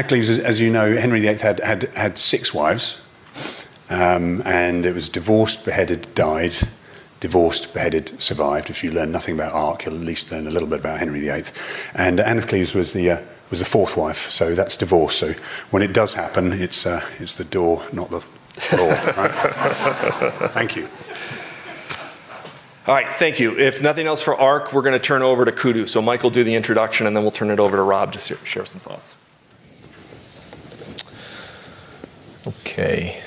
of Cleves, as you know, Henry VIII had six wives. It was divorced, beheaded, died. Divorced, beheaded, survived. If you learn nothing about Ark, you'll at least learn a little bit about Henry VIII. Anne of Cleves was the fourth wife, so that's divorce. When it does happen, it's the door, not the draw. Thank you. All right. Thank you. If nothing else for Ark, we're going to turn over to Kudu. Mike will do the introduction, and then we'll turn it over to Rob to share some thoughts. Okay.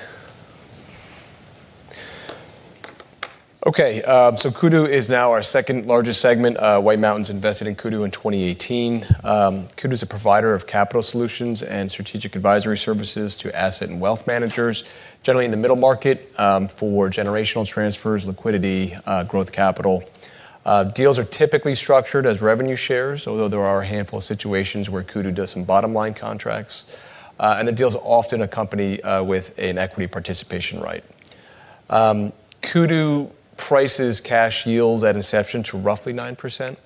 Kudu is now our second-largest segment. White Mountains invested in Kudu in 2018. Kudu's a provider of capital solutions and strategic advisory services to asset and wealth managers, generally in the middle market, for generational transfers, liquidity, growth capital. Deals are typically structured as revenue shares, although there are a handful of situations where Kudu does some bottom-line contracts. The deals often accompany with an equity participation right. Kudu prices cash yields at inception to roughly 9%.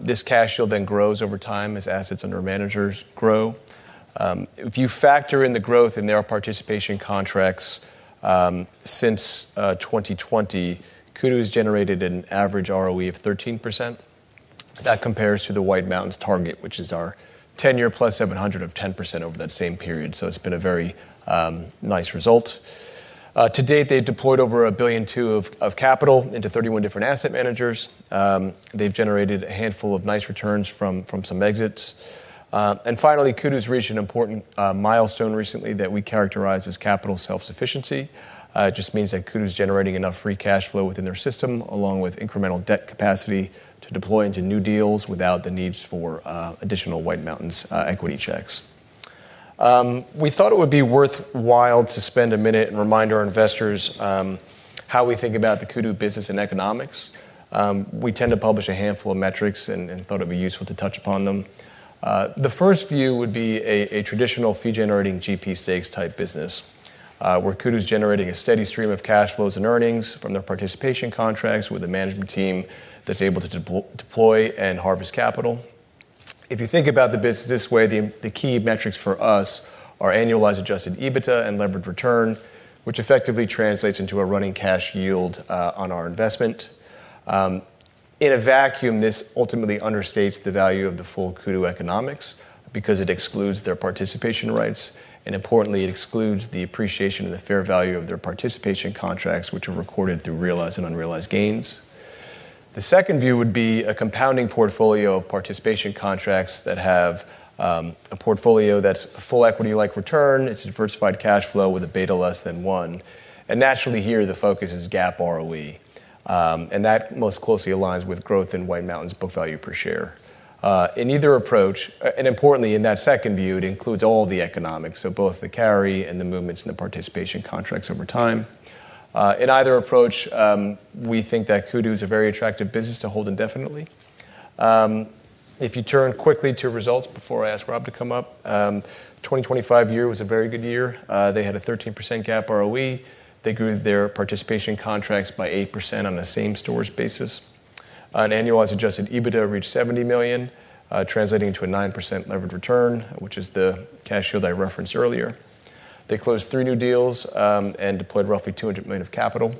This cash yield then grows over time as assets under managers grow. If you factor in the growth in their participation contracts, since 2020, Kudu has generated an average ROE of 13%. That compares to the White Mountains target, which is our 10-year+ 700 of 10% over that same period. It's been a very nice result. To date, they've deployed over $1.2 billion of capital into 31 different asset managers. They've generated a handful of nice returns from some exits. Finally, Kudu's reached an important milestone recently that we characterize as capital self-sufficiency. It just means that Kudu's generating enough free cash flow within their system, along with incremental debt capacity to deploy into new deals without the needs for additional White Mountains equity checks. We thought it would be worthwhile to spend a minute and remind our investors how we think about the Kudu business and economics. We tend to publish a handful of metrics and thought it'd be useful to touch upon them. The first view would be a traditional fee-generating GP stakes type business, where Kudu's generating a steady stream of cash flows and earnings from their participation contracts with a management team that's able to deploy and harvest capital. If you think about the business this way, the key metrics for us are annualized adjusted EBITDA and levered return, which effectively translates into a running cash yield on our investment. In a vacuum, this ultimately understates the value of the full Kudu economics because it excludes their participation rights, and importantly, it excludes the appreciation of the fair value of their participation contracts, which are recorded through realized and unrealized gains. The second view would be a compounding portfolio of participation contracts that have a portfolio that's a full equity-like return. It's a diversified cash flow with a beta less than one. Naturally here, the focus is GAAP ROE. That most closely aligns with growth in White Mountains' book value per share. In either approach, importantly, in that second view, it includes all the economics, both the carry and the movements in the participation contracts over time. In either approach, we think that Kudu is a very attractive business to hold indefinitely. If you turn quickly to results before I ask Rob to come up. 2025 year was a very good year. They had a 13% GAAP ROE. They grew their participation contracts by 8% on a same-stores basis. An annualized adjusted EBITDA reached $70 million, translating to a 9% levered return, which is the cash yield I referenced earlier. They closed three new deals, deployed roughly $200 million of capital.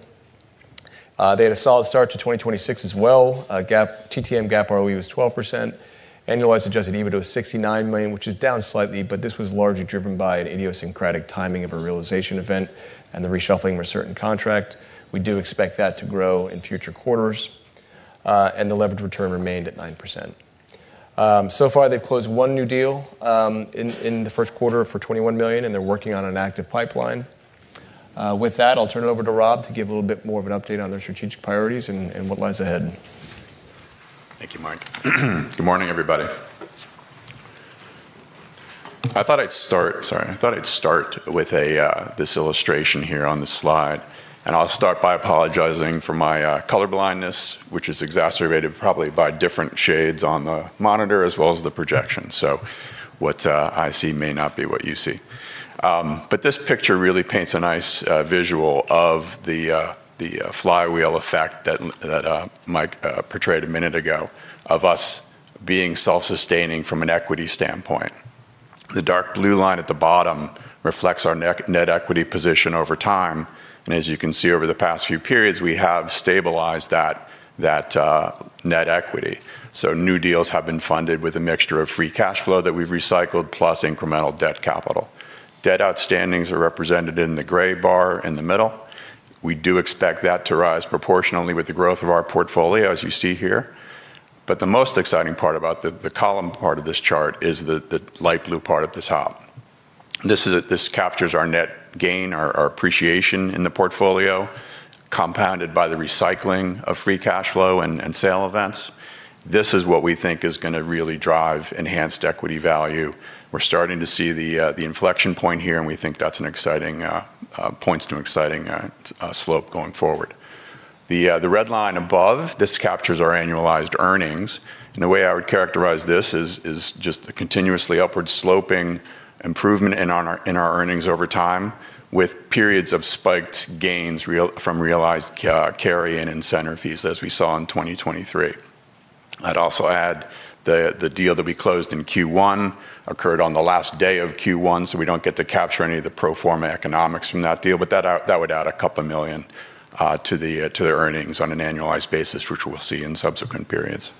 They had a solid start to 2026 as well. TTM GAAP ROE was 12%. Annualized adjusted EBITDA was $69 million, which is down slightly. This was largely driven by an idiosyncratic timing of a realization event and the reshuffling of a certain contract. We do expect that to grow in future quarters. The levered return remained at 9%. So far, they've closed one new deal in the first quarter for $21 million. They're working on an active pipeline. With that, I'll turn it over to Rob to give a little bit more of an update on their strategic priorities and what lies ahead. Thank you, Mike. Good morning, everybody. I thought I'd start with this illustration here on the slide, and I'll start by apologizing for my color blindness, which is exacerbated probably by different shades on the monitor as well as the projection. What I see may not be what you see. This picture really paints a nice visual of the flywheel effect that Mike portrayed a minute ago of us being self-sustaining from an equity standpoint. The dark blue line at the bottom reflects our net equity position over time. As you can see over the past few periods, we have stabilized that net equity. New deals have been funded with a mixture of free cash flow that we've recycled plus incremental debt capital. Debt outstandings are represented in the gray bar in the middle. We do expect that to rise proportionally with the growth of our portfolio, as you see here. The most exciting part about the column part of this chart is the light blue part at the top. This captures our net gain, our appreciation in the portfolio, compounded by the recycling of free cash flow and sale events. This is what we think is going to really drive enhanced equity value. We're starting to see the inflection point here, and we think that points to an exciting slope going forward. The red line above, this captures our annualized earnings. The way I would characterize this is just a continuously upward-sloping improvement in our earnings over time, with periods of spiked gains from realized carry and incentive fees as we saw in 2023. I'd also add the deal that we closed in Q1 occurred on the last day of Q1, so we don't get to capture any of the pro forma economics from that deal, but that would add a couple million to their earnings on an annualized basis, which we'll see in subsequent periods.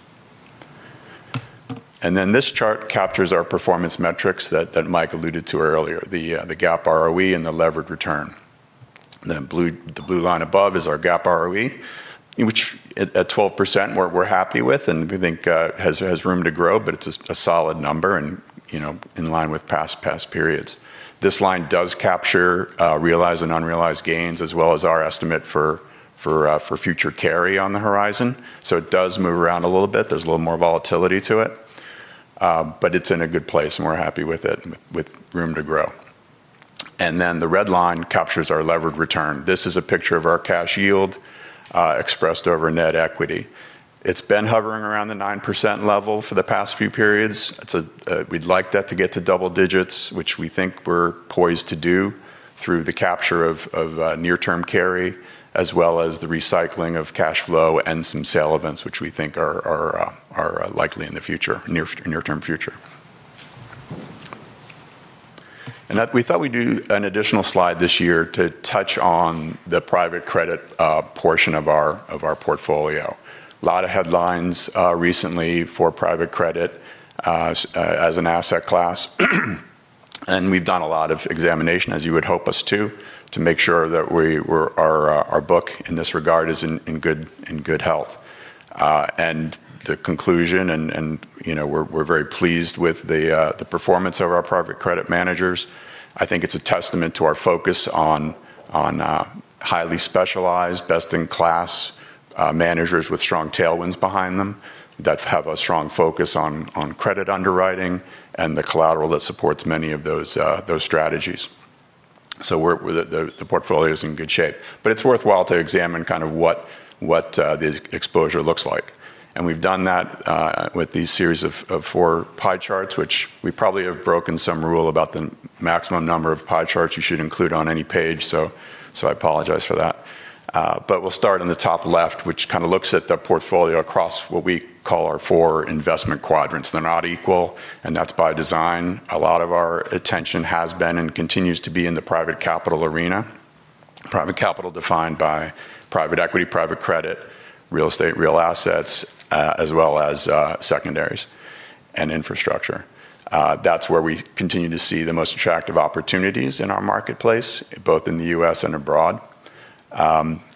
This chart captures our performance metrics that Mike alluded to earlier, the GAAP ROE and the levered return. The blue line above is our GAAP ROE, which at 12% we're happy with and we think has room to grow, but it's a solid number and in line with past periods. This line does capture realized and unrealized gains, as well as our estimate for future carry on the horizon. It does move around a little bit. There's a little more volatility to it. It's in a good place, and we're happy with it, with room to grow. The red line captures our levered return. This is a picture of our cash yield expressed over net equity. It's been hovering around the 9% level for the past few periods. We'd like that to get to double-digits, which we think we're poised to do through the capture of near-term carry, as well as the recycling of cash flow and some sale events, which we think are likely in the near-term future. We thought we'd do an additional slide this year to touch on the private credit portion of our portfolio. A lot of headlines recently for private credit as an asset class. We've done a lot of examination, as you would hope us to make sure that our book in this regard is in good health. The conclusion, and we're very pleased with the performance of our private credit managers. I think it's a testament to our focus on highly specialized, best-in-class managers with strong tailwinds behind them that have a strong focus on credit underwriting and the collateral that supports many of those strategies. The portfolio's in good shape. It's worthwhile to examine what the exposure looks like. We've done that with these series of four pie charts, which we probably have broken some rule about the maximum number of pie charts you should include on any page. I apologize for that. We'll start in the top left, which looks at the portfolio across what we call our four investment quadrants. They're not equal, and that's by design. A lot of our attention has been and continues to be in the private capital arena. Private capital defined by private equity, private credit, real estate, real assets, as well as secondaries and infrastructure. That's where we continue to see the most attractive opportunities in our marketplace, both in the U.S. and abroad.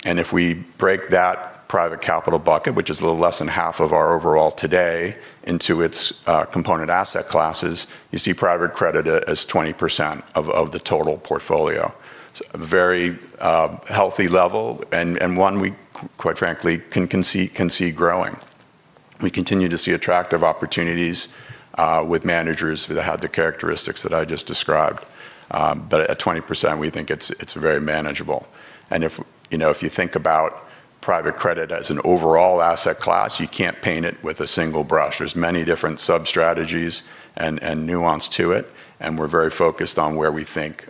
If we break that private capital bucket, which is a little less than half of our overall today, into its component asset classes, you see private credit as 20% of the total portfolio. It's a very healthy level and one we, quite frankly, can see growing. We continue to see attractive opportunities with managers that have the characteristics that I just described. At 20%, we think it's very manageable. If you think about private credit as an overall asset class, you can't paint it with a single brush. There's many different sub-strategies and nuance to it, and we're very focused on where we think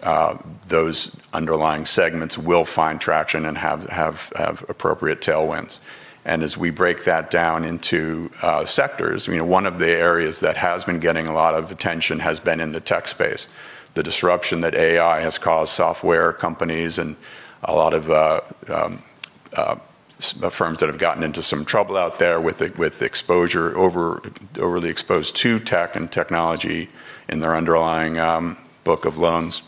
those underlying segments will find traction and have appropriate tailwinds. As we break that down into sectors, one of the areas that has been getting a lot of attention has been in the tech space. The disruption that AI has caused software companies and a lot of firms that have gotten into some trouble out there with exposure, overly exposed to tech and technology in their underlying book of loans,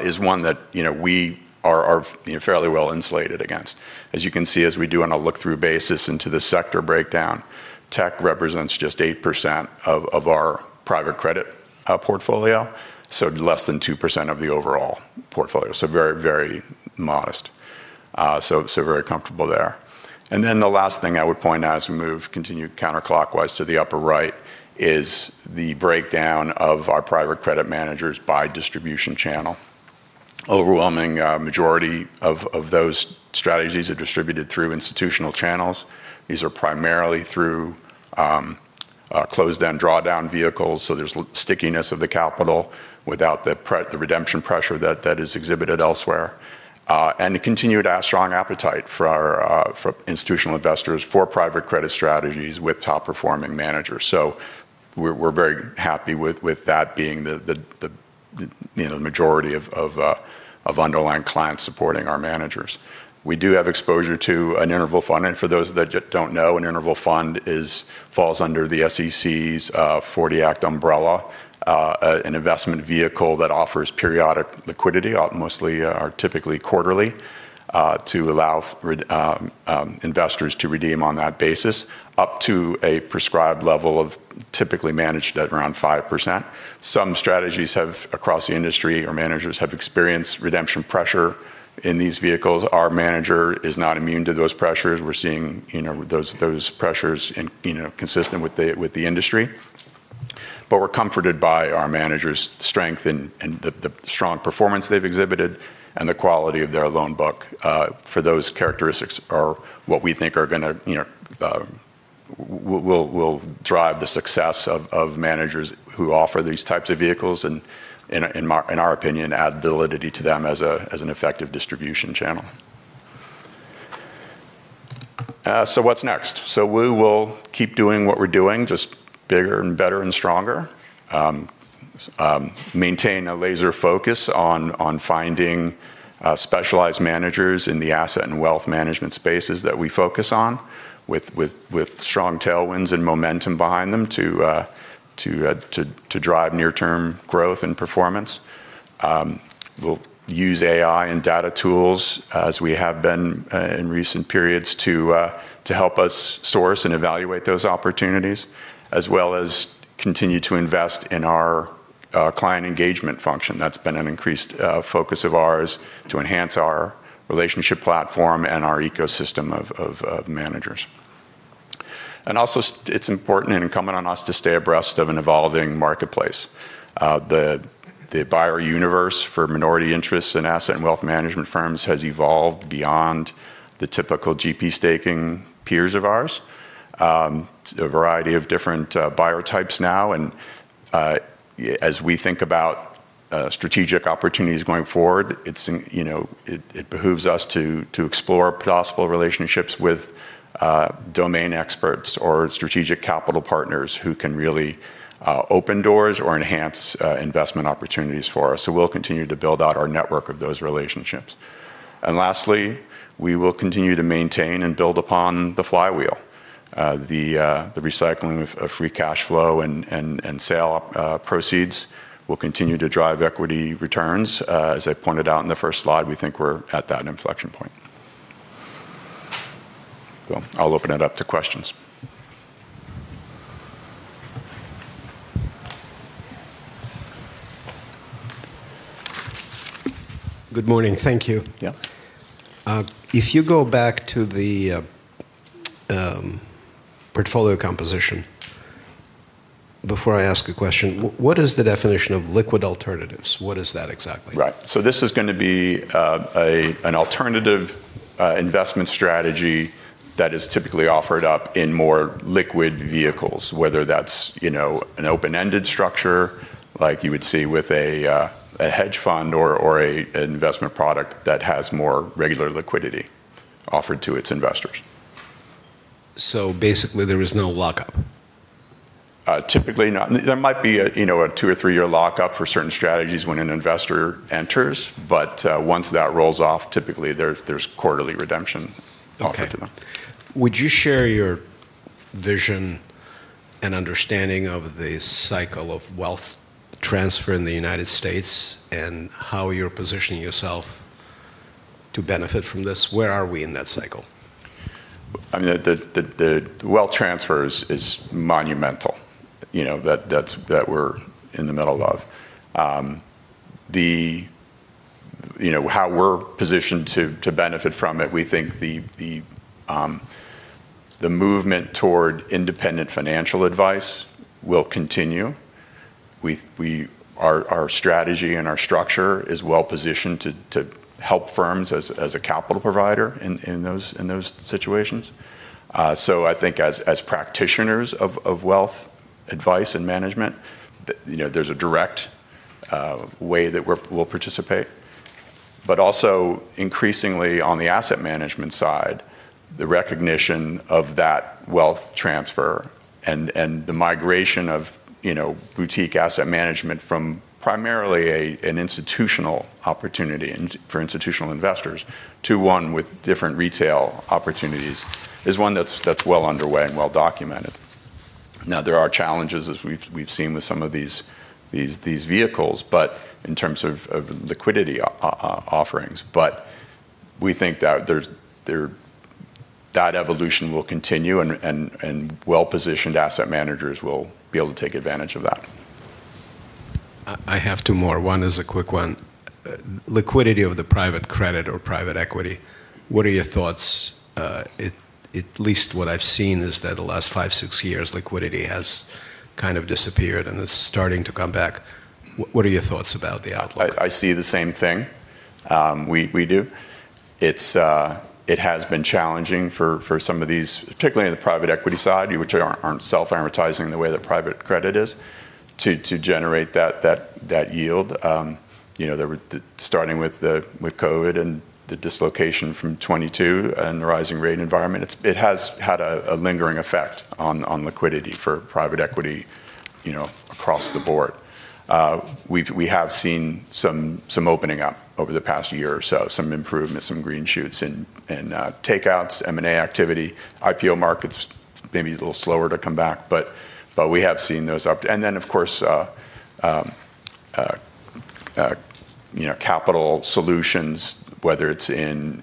is one that we are fairly well insulated against. As you can see, as we do on a look-through basis into the sector breakdown, tech represents just 8% of our private credit portfolio, so less than 2% of the overall portfolio. Very modest. Very comfortable there. The last thing I would point out as we continue counterclockwise to the upper right, is the breakdown of our private credit managers by distribution channel. Overwhelming majority of those strategies are distributed through institutional channels. These are primarily through closed-end drawdown vehicles, so there's stickiness of the capital without the redemption pressure that is exhibited elsewhere. The continued strong appetite for institutional investors for private credit strategies with top-performing managers. We're very happy with that being the majority of underlying clients supporting our managers. We do have exposure to an interval fund, and for those that don't know, an interval fund falls under the SEC's 40 Act umbrella, an investment vehicle that offers periodic liquidity, mostly or typically quarterly, to allow investors to redeem on that basis up to a prescribed level of typically managed at around 5%. Some strategies across the industry or managers have experienced redemption pressure in these vehicles. Our manager is not immune to those pressures. We're seeing those pressures consistent with the industry, but we're comforted by our manager's strength and the strong performance they've exhibited and the quality of their loan book for those characteristics are what we think will drive the success of managers who offer these types of vehicles and in our opinion, add validity to them as an effective distribution channel. What's next? We will keep doing what we're doing, just bigger and better and stronger. Maintain a laser focus on finding specialized managers in the asset and wealth management spaces that we focus on with strong tailwinds and momentum behind them to drive near-term growth and performance. We'll use AI and data tools as we have been in recent periods to help us source and evaluate those opportunities, as well as continue to invest in our client engagement function. That's been an increased focus of ours to enhance our relationship platform and our ecosystem of managers. Also, it's important and incumbent on us to stay abreast of an evolving marketplace. The buyer universe for minority interests in asset and wealth management firms has evolved beyond the typical GP staking peers of ours to a variety of different buyer types now. As we think about strategic opportunities going forward, it behooves us to explore possible relationships with domain experts or strategic capital partners who can really open doors or enhance investment opportunities for us. We'll continue to build out our network of those relationships. Lastly, we will continue to maintain and build upon the flywheel. The recycling of free cash flow and sale proceeds will continue to drive equity returns. As I pointed out in the first slide, we think we're at that inflection point. I'll open it up to questions. Good morning. Thank you. Yeah. If you go back to the portfolio composition, before I ask a question, what is the definition of liquid alternatives? What is that exactly? Right. This is going to be an alternative investment strategy that is typically offered up in more liquid vehicles, whether that is an open-ended structure like you would see with a hedge fund or an investment product that has more regular liquidity offered to its investors. Basically, there is no lock-up. Typically, no. There might be a two or three-year lock-up for certain strategies when an investor enters. Once that rolls off, typically, there's quarterly redemption offered to them. Okay. Would you share your vision and understanding of the cycle of wealth transfer in the U.S. and how you're positioning yourself to benefit from this? Where are we in that cycle? The wealth transfer is monumental that we're in the middle of. How we're positioned to benefit from it, we think the movement toward independent financial advice will continue. Our strategy and our structure is well-positioned to help firms as a capital provider in those situations. I think as practitioners of wealth advice and management, there's a direct way that we'll participate. Also increasingly on the asset management side, the recognition of that wealth transfer and the migration of boutique asset management from primarily an institutional opportunity for institutional investors to one with different retail opportunities is one that's well underway and well documented. Now, there are challenges, as we've seen with some of these vehicles, but in terms of liquidity offerings. We think that evolution will continue, and well-positioned asset managers will be able to take advantage of that. I have two more. One is a quick one. Liquidity of the private credit or private equity, what are your thoughts? At least what I've seen is that the last five, six years, liquidity has kind of disappeared, and it's starting to come back. What are your thoughts about the outlook? I see the same thing. We do. It has been challenging for some of these, particularly on the private equity side, which aren't self-amortizing the way that private credit is, to generate that yield. Starting with COVID, the dislocation from 2022, the rising rate environment, it has had a lingering effect on liquidity for private equity across the board. We have seen some opening up over the past year or so, some improvement, some green shoots in takeouts, M&A activity. IPO markets may be a little slower to come back, we have seen those up. Of course, capital solutions, whether it's in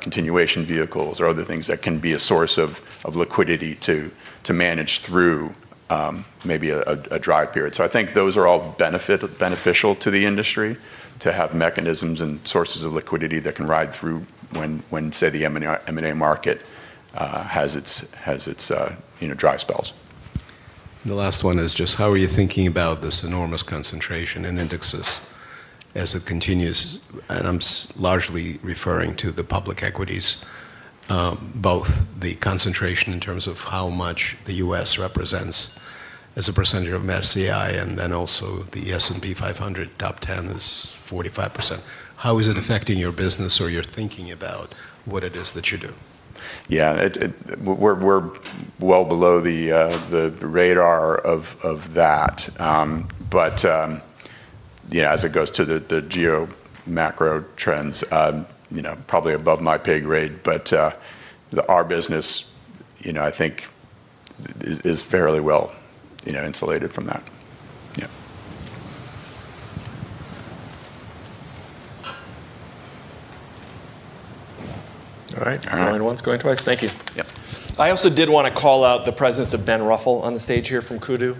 continuation vehicles or other things that can be a source of liquidity to manage through maybe a dry period. I think those are all beneficial to the industry to have mechanisms and sources of liquidity that can ride through when, say, the M&A market has its dry spells. The last one is just how are you thinking about this enormous concentration in indexes as it continues? I'm largely referring to the public equities both the concentration in terms of how much the U.S. represents as a percentage of MSCI, and then also the S&P 500 top 10 is 45%. How is it affecting your business or your thinking about what it is that you do? Yeah. We're well below the radar of that. Yeah, as it goes to the geo macro trends, probably above my pay grade. Our business, I think, is fairly well insulated from that. Yeah. All right. All right. Going once, going twice. Thank you. Yeah. I also did want to call out the presence of Ben Ruffle on the stage here from Kudu.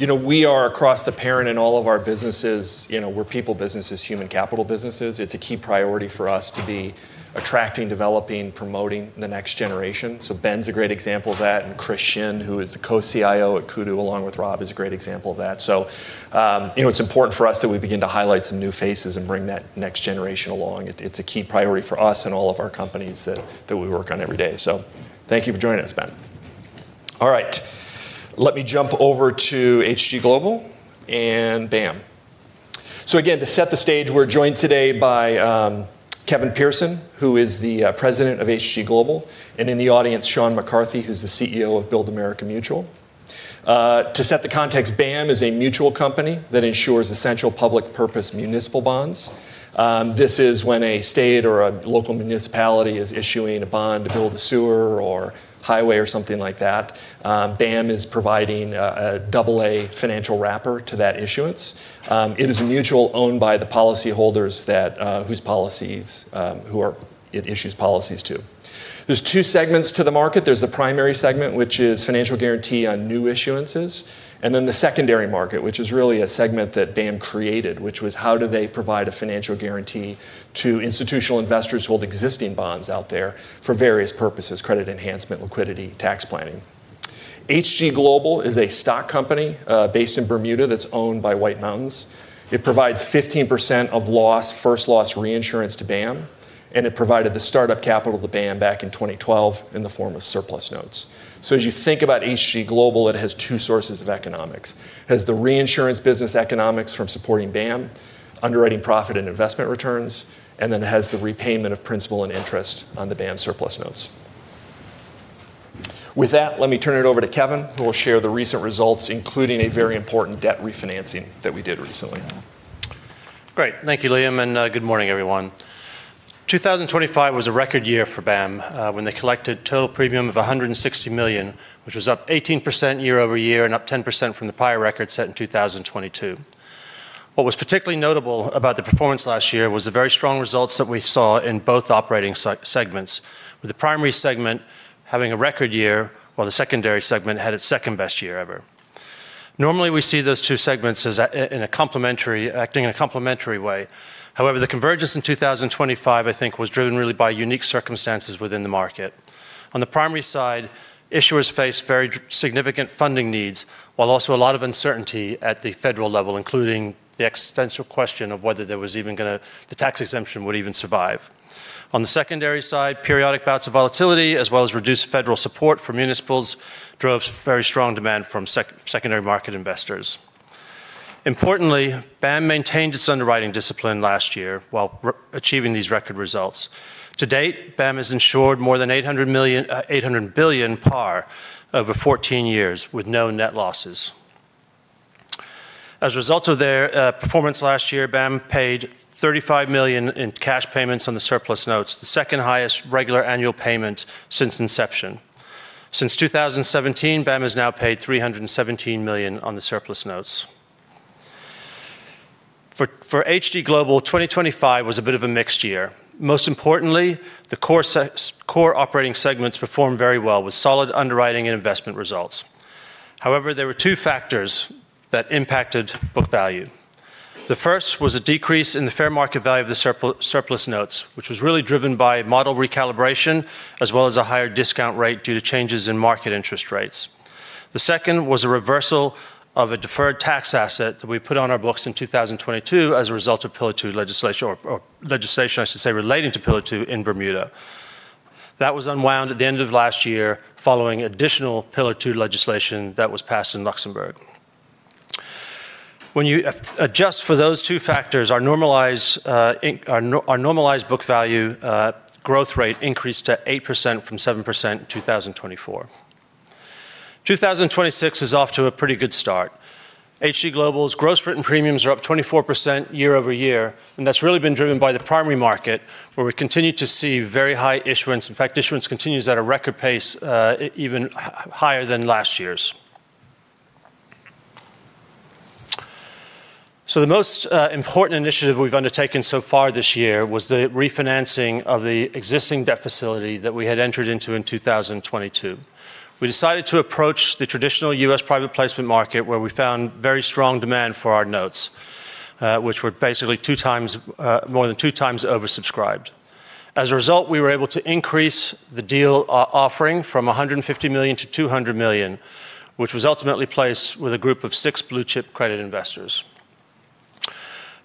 We are across the parent in all of our businesses. We're people businesses, human capital businesses. It's a key priority for us to be attracting, developing, promoting the next generation. Ben's a great example of that, and Chris Shin, who is the Co-CIO at Kudu, along with Rob, is a great example of that. It's important for us that we begin to highlight some new faces and bring that next generation along. It's a key priority for us and all of our companies that we work on every day. Thank you for joining us, Ben. All right. Let me jump over to HG Global and BAM. Again, to set the stage, we're joined today by Kevin Pearson, who is the President of HG Global, and in the audience, Seán McCarthy, who's the CEO of Build America Mutual. To set the context, BAM is a mutual company that insures essential public purpose municipal bonds. This is when a state or a local municipality is issuing a bond to build a sewer or highway or something like that. BAM is providing a double A financial wrapper to that issuance. It is a mutual owned by the policyholders who it issues policies to. There's two segments to the market. There's the primary segment, which is financial guarantee on new issuances, and then the secondary market, which is really a segment that BAM created, which was how do they provide a financial guarantee to institutional investors who hold existing bonds out there for various purposes, credit enhancement, liquidity, tax planning. HG Global is a stock company based in Bermuda that's owned by White Mountains. It provides 15% of first loss reinsurance to BAM, and it provided the startup capital to BAM back in 2012 in the form of surplus notes. As you think about HG Global, it has two sources of economics. It has the reinsurance business economics from supporting BAM, underwriting profit and investment returns, and then it has the repayment of principal and interest on the BAM surplus notes. With that, let me turn it over to Kevin, who will share the recent results, including a very important debt refinancing that we did recently. Great. Thank you, Liam, good morning, everyone. 2025 was a record year for BAM, when they collected total premium of $160 million, which was up 18% year-over-year and up 10% from the prior record set in 2022. What was particularly notable about the performance last year was the very strong results that we saw in both operating segments, with the primary segment having a record year, while the secondary segment had its second-best year ever. Normally, we see those two segments acting in a complementary way. However, the convergence in 2025, I think, was driven really by unique circumstances within the market. On the primary side, issuers face very significant funding needs, while also a lot of uncertainty at the federal level, including the existential question of whether the tax exemption would even survive. On the secondary side, periodic bouts of volatility as well as reduced federal support for municipals drove very strong demand from secondary market investors. Importantly, BAM maintained its underwriting discipline last year while achieving these record results. To date, BAM has insured more than 800 billion par over 14 years with no net losses. As a result of their performance last year, BAM paid $35 million in cash payments on the surplus notes, the second highest regular annual payment since inception. Since 2017, BAM has now paid $317 million on the surplus notes. For HG Global, 2025 was a bit of a mixed year. Most importantly, the core operating segments performed very well, with solid underwriting and investment results. However, there were two factors that impacted book value. The first was a decrease in the fair market value of the surplus notes, which was really driven by model recalibration as well as a higher discount rate due to changes in market interest rates. The second was a reversal of a deferred tax asset that we put on our books in 2022 as a result of Pillar Two legislation, or legislation I should say, relating to Pillar Two in Bermuda. That was unwound at the end of last year following additional Pillar Two legislation that was passed in Luxembourg. When you adjust for those two factors, our normalized book value growth rate increased to 8% from 7% in 2024. 2026 is off to a pretty good start. HG Global's gross written premiums are up 24% year-over-year. That's really been driven by the primary market, where we continue to see very high issuance. In fact, issuance continues at a record pace even higher than last year's. The most important initiative we've undertaken so far this year was the refinancing of the existing debt facility that we had entered into in 2022. We decided to approach the traditional U.S. private placement market, where we found very strong demand for our notes, which were basically more than two times oversubscribed. As a result, we were able to increase the deal offering from $150 million-$200 million, which was ultimately placed with a group of six blue-chip credit investors.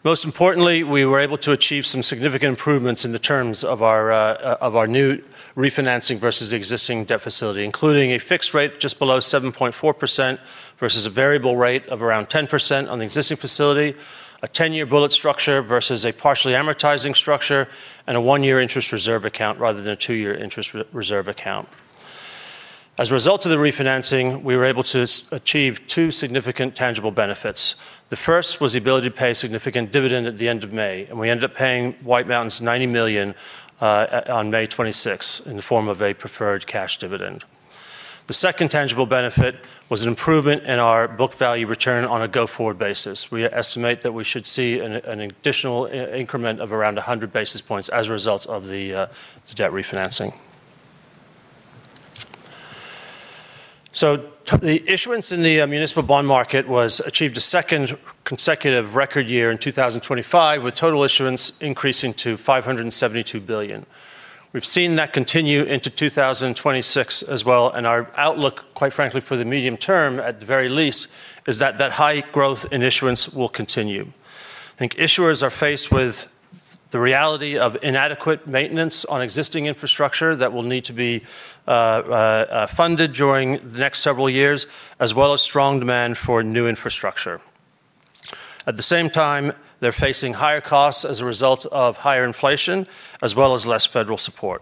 Most importantly, we were able to achieve some significant improvements in the terms of our new refinancing versus the existing debt facility, including a fixed rate just below 7.4% versus a variable rate of around 10% on the existing facility, a 10-year bullet structure versus a partially amortizing structure, and a one-year interest reserve account rather than a two-year interest reserve account. As a result of the refinancing, we were able to achieve two significant tangible benefits. The first was the ability to pay a significant dividend at the end of May, and we ended up paying White Mountains $90 million on May 26 in the form of a preferred cash dividend. The second tangible benefit was an improvement in our book value return on a go-forward basis. We estimate that we should see an additional increment of around 100 basis points as a result of the debt refinancing. The issuance in the municipal bond market achieved a second consecutive record year in 2025, with total issuance increasing to $572 billion. We've seen that continue into 2026 as well, and our outlook, quite frankly, for the medium term, at the very least, is that that high growth in issuance will continue. I think issuers are faced with the reality of inadequate maintenance on existing infrastructure that will need to be funded during the next several years, as well as strong demand for new infrastructure. At the same time, they're facing higher costs as a result of higher inflation, as well as less federal support.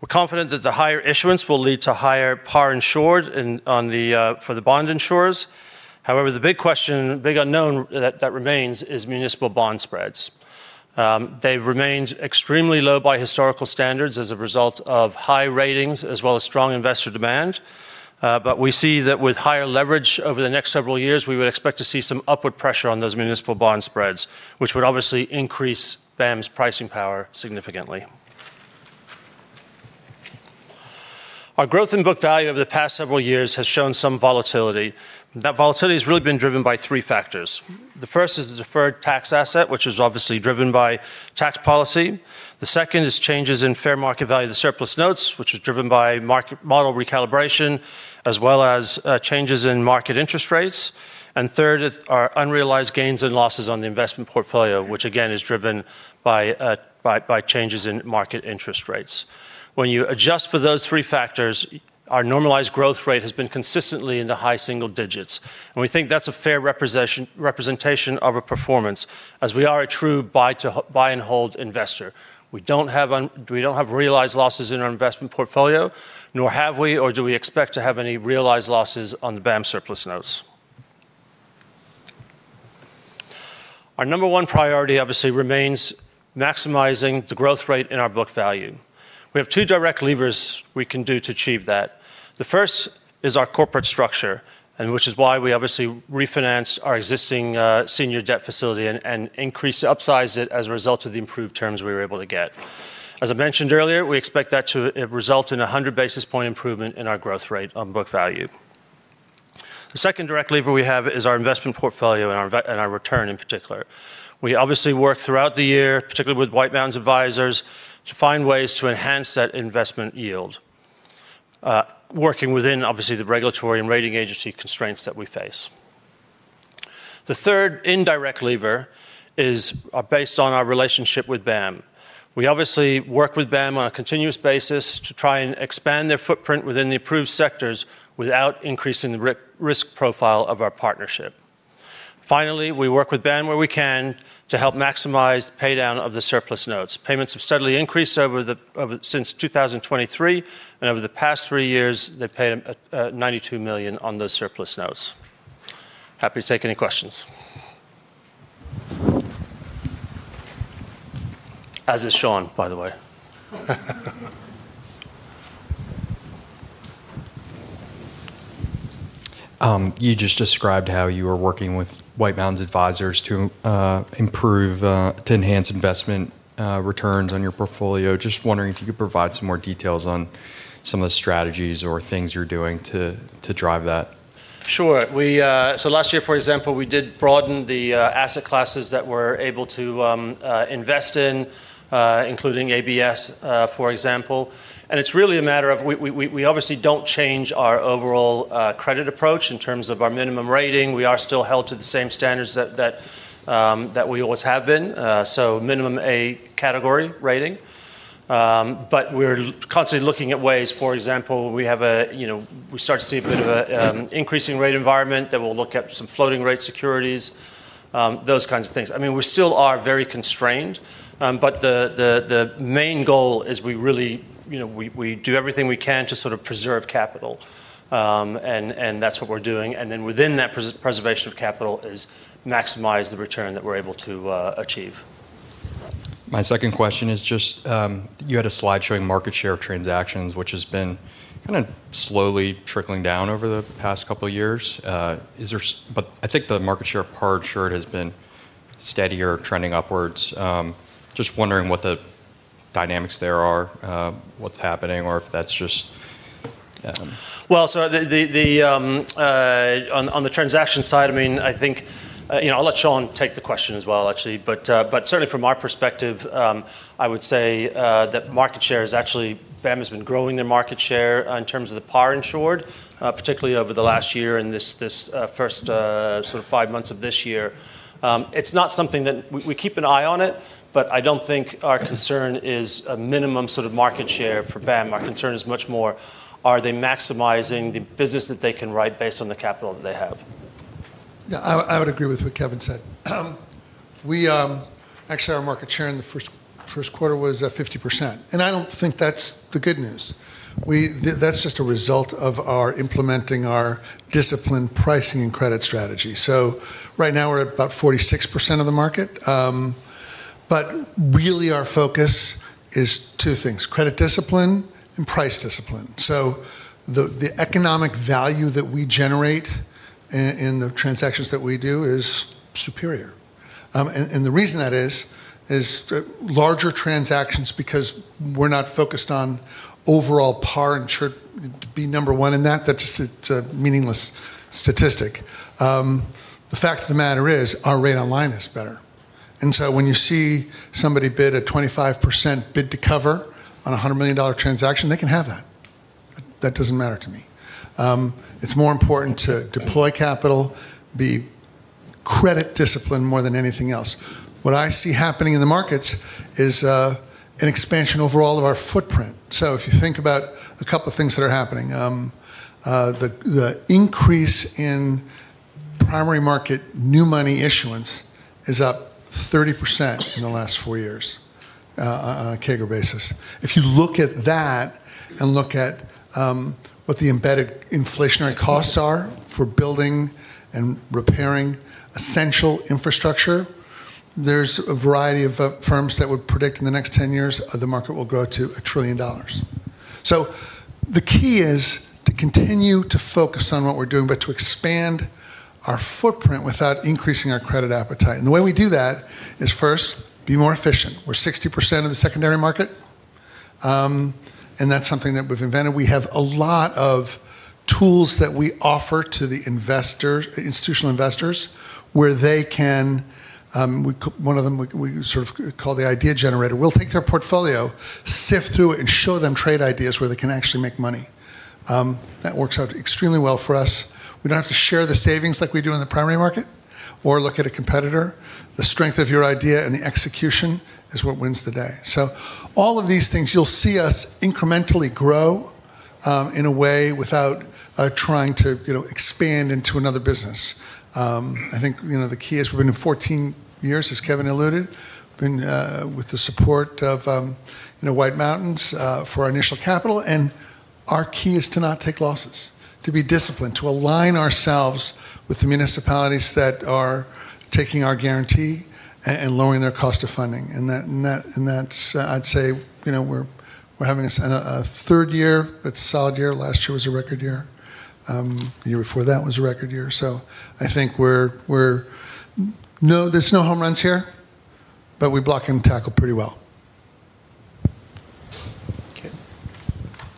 We're confident that the higher issuance will lead to higher par insured for the bond insurers. However, the big question, big unknown that remains is municipal bond spreads. They've remained extremely low by historical standards as a result of high ratings as well as strong investor demand. We see that with higher leverage over the next several years, we would expect to see some upward pressure on those municipal bond spreads, which would obviously increase BAM's pricing power significantly. Our growth in book value over the past several years has shown some volatility. That volatility has really been driven by three factors. The first is the deferred tax asset, which is obviously driven by tax policy. The second is changes in fair market value of the surplus notes, which is driven by model recalibration as well as changes in market interest rates. Third are unrealized gains and losses on the investment portfolio, which again is driven by changes in market interest rates. When you adjust for those three factors, our normalized growth rate has been consistently in the high single digits. We think that's a fair representation of our performance as we are a true buy-and-hold investor. We don't have realized losses in our investment portfolio, nor have we or do we expect to have any realized losses on the BAM surplus notes. Our number one priority obviously remains maximizing the growth rate in our book value. We have two direct levers we can do to achieve that. The first is our corporate structure, which is why we obviously refinanced our existing senior debt facility and upsized it as a result of the improved terms we were able to get. As I mentioned earlier, we expect that to result in a 100-basis point improvement in our growth rate on book value. The second direct lever we have is our investment portfolio and our return in particular. We obviously work throughout the year, particularly with White Mountains Advisors, to find ways to enhance that investment yield, working within obviously the regulatory and rating agency constraints that we face. The third indirect lever is based on our relationship with BAM. We obviously work with BAM on a continuous basis to try and expand their footprint within the approved sectors without increasing the risk profile of our partnership. Finally, we work with BAM where we can to help maximize the paydown of the surplus notes. Payments have steadily increased since 2023. Over the past three years, they paid $92 million on those surplus notes. Happy to take any questions. As is Seán, by the way. You just described how you are working with White Mountains Advisors to enhance investment returns on your portfolio. Just wondering if you could provide some more details on some of the strategies or things you're doing to drive that. Last year, for example, we did broaden the asset classes that we're able to invest in, including ABS, for example. It's really a matter of we obviously don't change our overall credit approach in terms of our minimum rating. We are still held to the same standards that we always have been, so minimum A category rating. We're constantly looking at ways, for example, we start to see a bit of an increasing rate environment, then we'll look at some floating rate securities, those kinds of things. We still are very constrained, but the main goal is we do everything we can to sort of preserve capital, and that's what we're doing. Within that preservation of capital is maximize the return that we're able to achieve. My second question is just, you had a slide showing market share of transactions which has been kind of slowly trickling down over the past couple of years. I think the market share part sure has been steadier, trending upwards. Wondering what the dynamics there are, what's happening or if that's just On the transaction side, I'll let Seán take the question as well actually, but certainly from our perspective, I would say that market share is actually, BAM has been growing their market share in terms of the par insured, particularly over the last year and this first sort of five months of this year. We keep an eye on it, but I don't think our concern is a minimum sort of market share for BAM. Our concern is much more, are they maximizing the business that they can write based on the capital that they have? Yeah, I would agree with what Kevin said. Actually, our market share in the first quarter was at 50%, and I don't think that's the good news. That's just a result of our implementing our disciplined pricing and credit strategy. Right now we're at about 46% of the market. Really our focus is two things, credit discipline and price discipline. The economic value that we generate in the transactions that we do is superior. The reason that is larger transactions because we're not focused on overall par insured to be number one in that. That's a meaningless statistic. The fact of the matter is our rate online is better. When you see somebody bid a 25% bid to cover on a $100 million transaction, they can have that. That doesn't matter to me. It's more important to deploy capital, be credit discipline more than anything else. What I see happening in the markets is an expansion overall of our footprint. If you think about a couple of things that are happening. The increase in primary market new money issuance is up 30% in the last four years on a CAGR basis. If you look at that and look at what the embedded inflationary costs are for building and repairing essential infrastructure, there's a variety of firms that would predict in the next 10 years the market will grow to $1 trillion. The key is to continue to focus on what we're doing, but to expand our footprint without increasing our credit appetite. The way we do that is first, be more efficient. We're 60% of the secondary market, and that's something that we've invented. We have a lot of tools that we offer to the institutional investors where they can. One of them we call the Idea Generator. We'll take their portfolio, sift through it, and show them trade ideas where they can actually make money. That works out extremely well for us. We don't have to share the savings like we do in the primary market or look at a competitor. The strength of your idea and the execution is what wins the day. All of these things, you'll see us incrementally grow, in a way without trying to expand into another business. I think, the key is we've been here 14 years, as Kevin alluded, with the support of White Mountains for our initial capital. Our key is to not take losses, to be disciplined, to align ourselves with the municipalities that are taking our guarantee and lowering their cost of funding. That's, I'd say, we're having a third year that's a solid year. Last year was a record year. The year before that was a record year. I think there's no home runs here, but we block and tackle pretty well. Okay.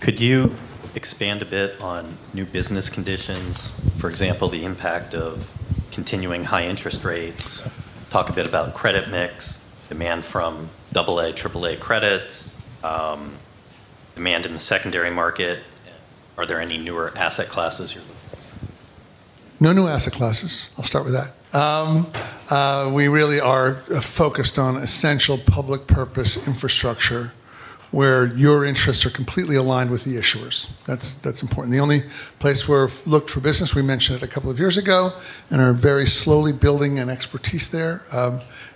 Could you expand a bit on new business conditions, for example, the impact of continuing high interest rates? Talk a bit about credit mix, demand from AA, AAA credits, demand in the secondary market. Are there any newer asset classes you're looking at? No new asset classes. I'll start with that. We really are focused on essential public purpose infrastructure, where your interests are completely aligned with the issuers. That's important. The only place where we've looked for business, we mentioned it a couple of years ago, and are very slowly building an expertise there,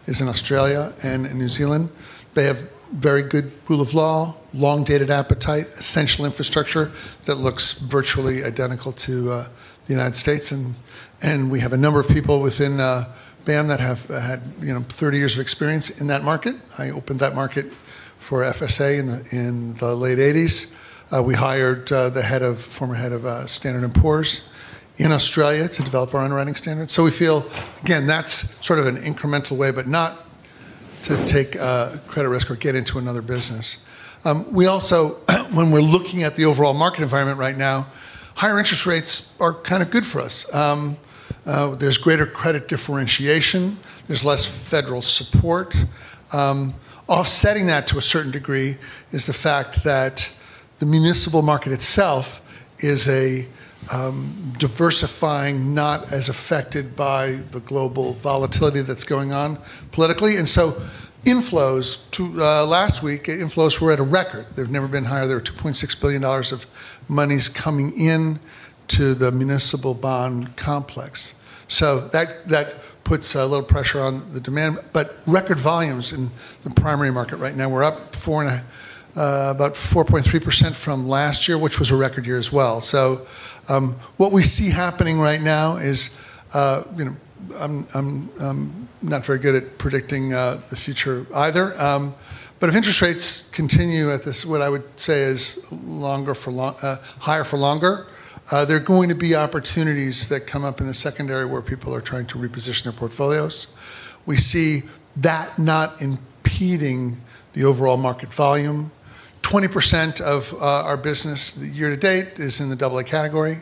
is in Australia and in New Zealand. They have very good rule of law, long-dated appetite, essential infrastructure that looks virtually identical to the United States. We have a number of people within BAM that have had 30 years of experience in that market. I opened that market for FSA in the late 1980s. We hired the former head of Standard & Poor's in Australia to develop our underwriting standards. We feel, again, that's sort of an incremental way, but not to take credit risk or get into another business. We also, when we're looking at the overall market environment right now, higher interest rates are kind of good for us. There's greater credit differentiation. There's less federal support. Offsetting that to a certain degree is the fact that the municipal market itself is diversifying, not as affected by the global volatility that's going on politically. Inflows, last week, inflows were at a record. They've never been higher. There were $2.6 billion of monies coming in to the municipal bond complex. That puts a little pressure on the demand. Record volumes in the primary market right now. We're up about 4.3% from last year, which was a record year as well. What we see happening right now is, I'm not very good at predicting the future either, but if interest rates continue at this, what I would say is higher for longer, there are going to be opportunities that come up in the secondary where people are trying to reposition their portfolios. We see that not impeding the overall market volume. 20% of our business year to date is in the double A category.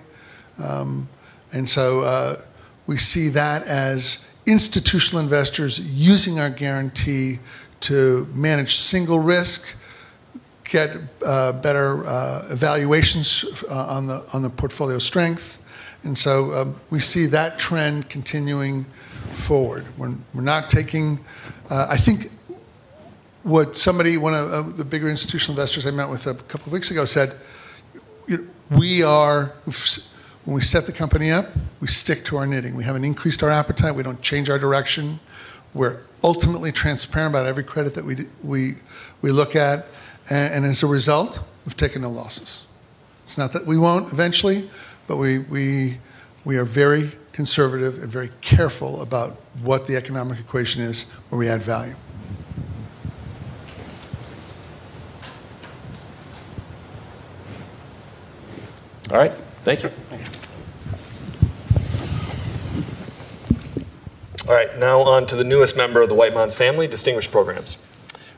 We see that as institutional investors using our guarantee to manage single risk, get better evaluations on the portfolio strength. We see that trend continuing forward. We're not taking I think what somebody, one of the bigger institutional investors I met with a couple of weeks ago said, When we set the company up, we stick to our knitting. We haven't increased our appetite. We don't change our direction. We're ultimately transparent about every credit that we look at, and as a result, we've taken no losses. It's not that we won't eventually, but we are very conservative and very careful about what the economic equation is where we add value. All right. Thank you. Thank you. All right. Now on to the newest member of the White Mountains family, Distinguished Programs.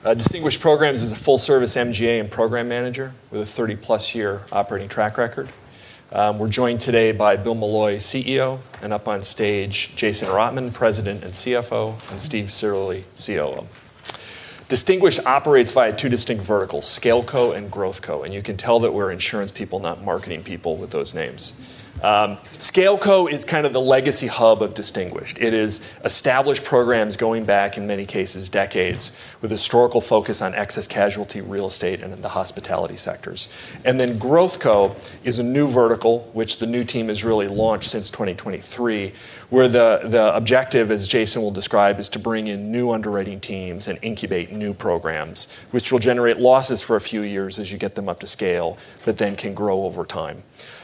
Distinguished Programs is a full-service MGA and program manager with a 30-plus-year operating track record. We're joined today by Bill Malloy, CEO, and up on stage, Jason Rotman, President and CFO, and Steve Sitterly, COO. Distinguished operates via two distinct verticals, ScaleCo and GrowthCo, and you can tell that we're insurance people, not marketing people with those names. ScaleCo is kind of the legacy hub of Distinguished. It is established programs going back, in many cases, decades, with a historical focus on excess casualty, real estate, and the hospitality sectors. GrowthCo is a new vertical which the new team has really launched since 2023, where the objective, as Jason will describe, is to bring in new underwriting teams and incubate new programs, which will generate losses for a few years as you get them up to scale, then can grow over time.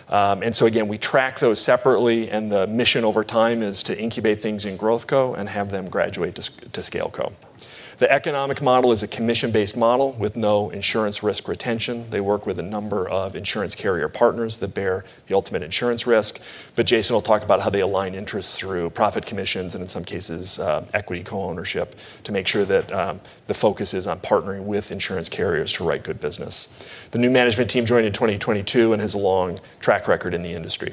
Again, we track those separately and the mission over time is to incubate things in GrowthCo and have them graduate to ScaleCo. The economic model is a commission-based model with no insurance risk retention. They work with a number of insurance carrier partners that bear the ultimate insurance risk. Jason will talk about how they align interests through profit commissions and in some cases, equity co-ownership to make sure that the focus is on partnering with insurance carriers to write good business. The new management team joined in 2022 and has a long track record in the industry.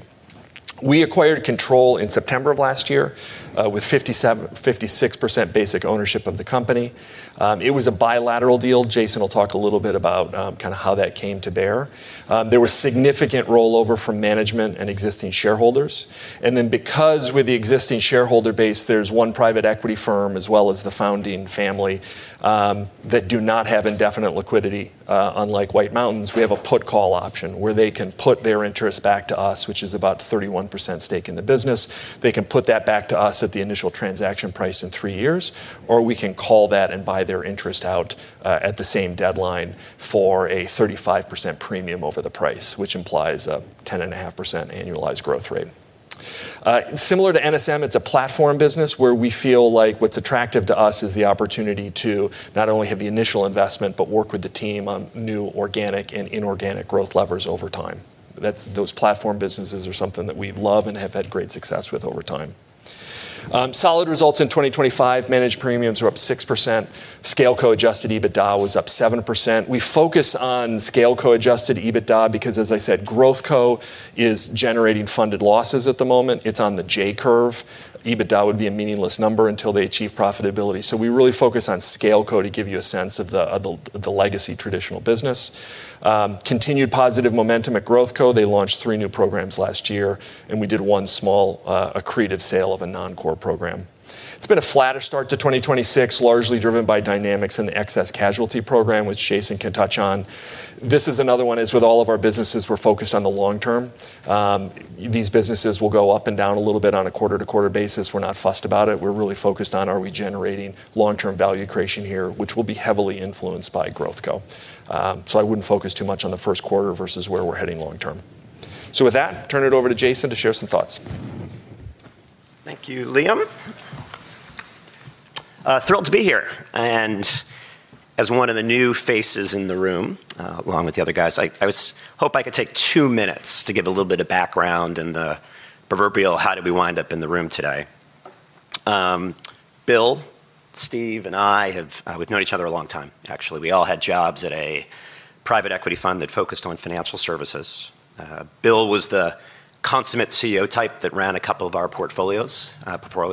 We acquired control in September of last year with 56% basic ownership of the company. It was a bilateral deal. Jason will talk a little bit about how that came to bear. There was significant rollover from management and existing shareholders. Because with the existing shareholder base, there's one private equity firm as well as the founding family that do not have indefinite liquidity. Unlike White Mountains, we have a put call option where they can put their interest back to us, which is about a 31% stake in the business. They can put that back to us at the initial transaction price in three years, or we can call that and buy their interest out at the same deadline for a 35% premium over the price, which implies a 10.5% annualized growth rate. Similar to NSM, it's a platform business where we feel like what's attractive to us is the opportunity to not only have the initial investment but work with the team on new organic and inorganic growth levers over time. Those platform businesses are something that we love and have had great success with over time. Solid results in 2025. Managed premiums were up 6%. ScaleCo-adjusted EBITDA was up 7%. We focus on ScaleCo-adjusted EBITDA because, as I said, GrowthCo is generating funded losses at the moment. It's on the J curve. EBITDA would be a meaningless number until they achieve profitability. We really focus on ScaleCo to give you a sense of the legacy traditional business. Continued positive momentum at GrowthCo. They launched three new programs last year, and we did one small accretive sale of a non-core program. It's been a flatter start to 2026, largely driven by dynamics in the excess casualty program, which Jason can touch on. This is another one, as with all of our businesses, we're focused on the long term. These businesses will go up and down a little bit on a quarter-to-quarter basis. We're not fussed about it. We're really focused on, are we generating long-term value creation here, which will be heavily influenced by GrowthCo. I wouldn't focus too much on the first quarter versus where we're heading long term. With that, turn it over to Jason to share some thoughts. Thank you, Liam. Thrilled to be here. As one of the new faces in the room, along with the other guys, I was hoping I could take two minutes to give a little bit of background in the proverbial how did we wind up in the room today. Bill, Steve, and I, we've known each other a long time, actually. We all had jobs at a private equity fund that focused on financial services. Bill was the consummate CEO type that ran a couple of our portfolio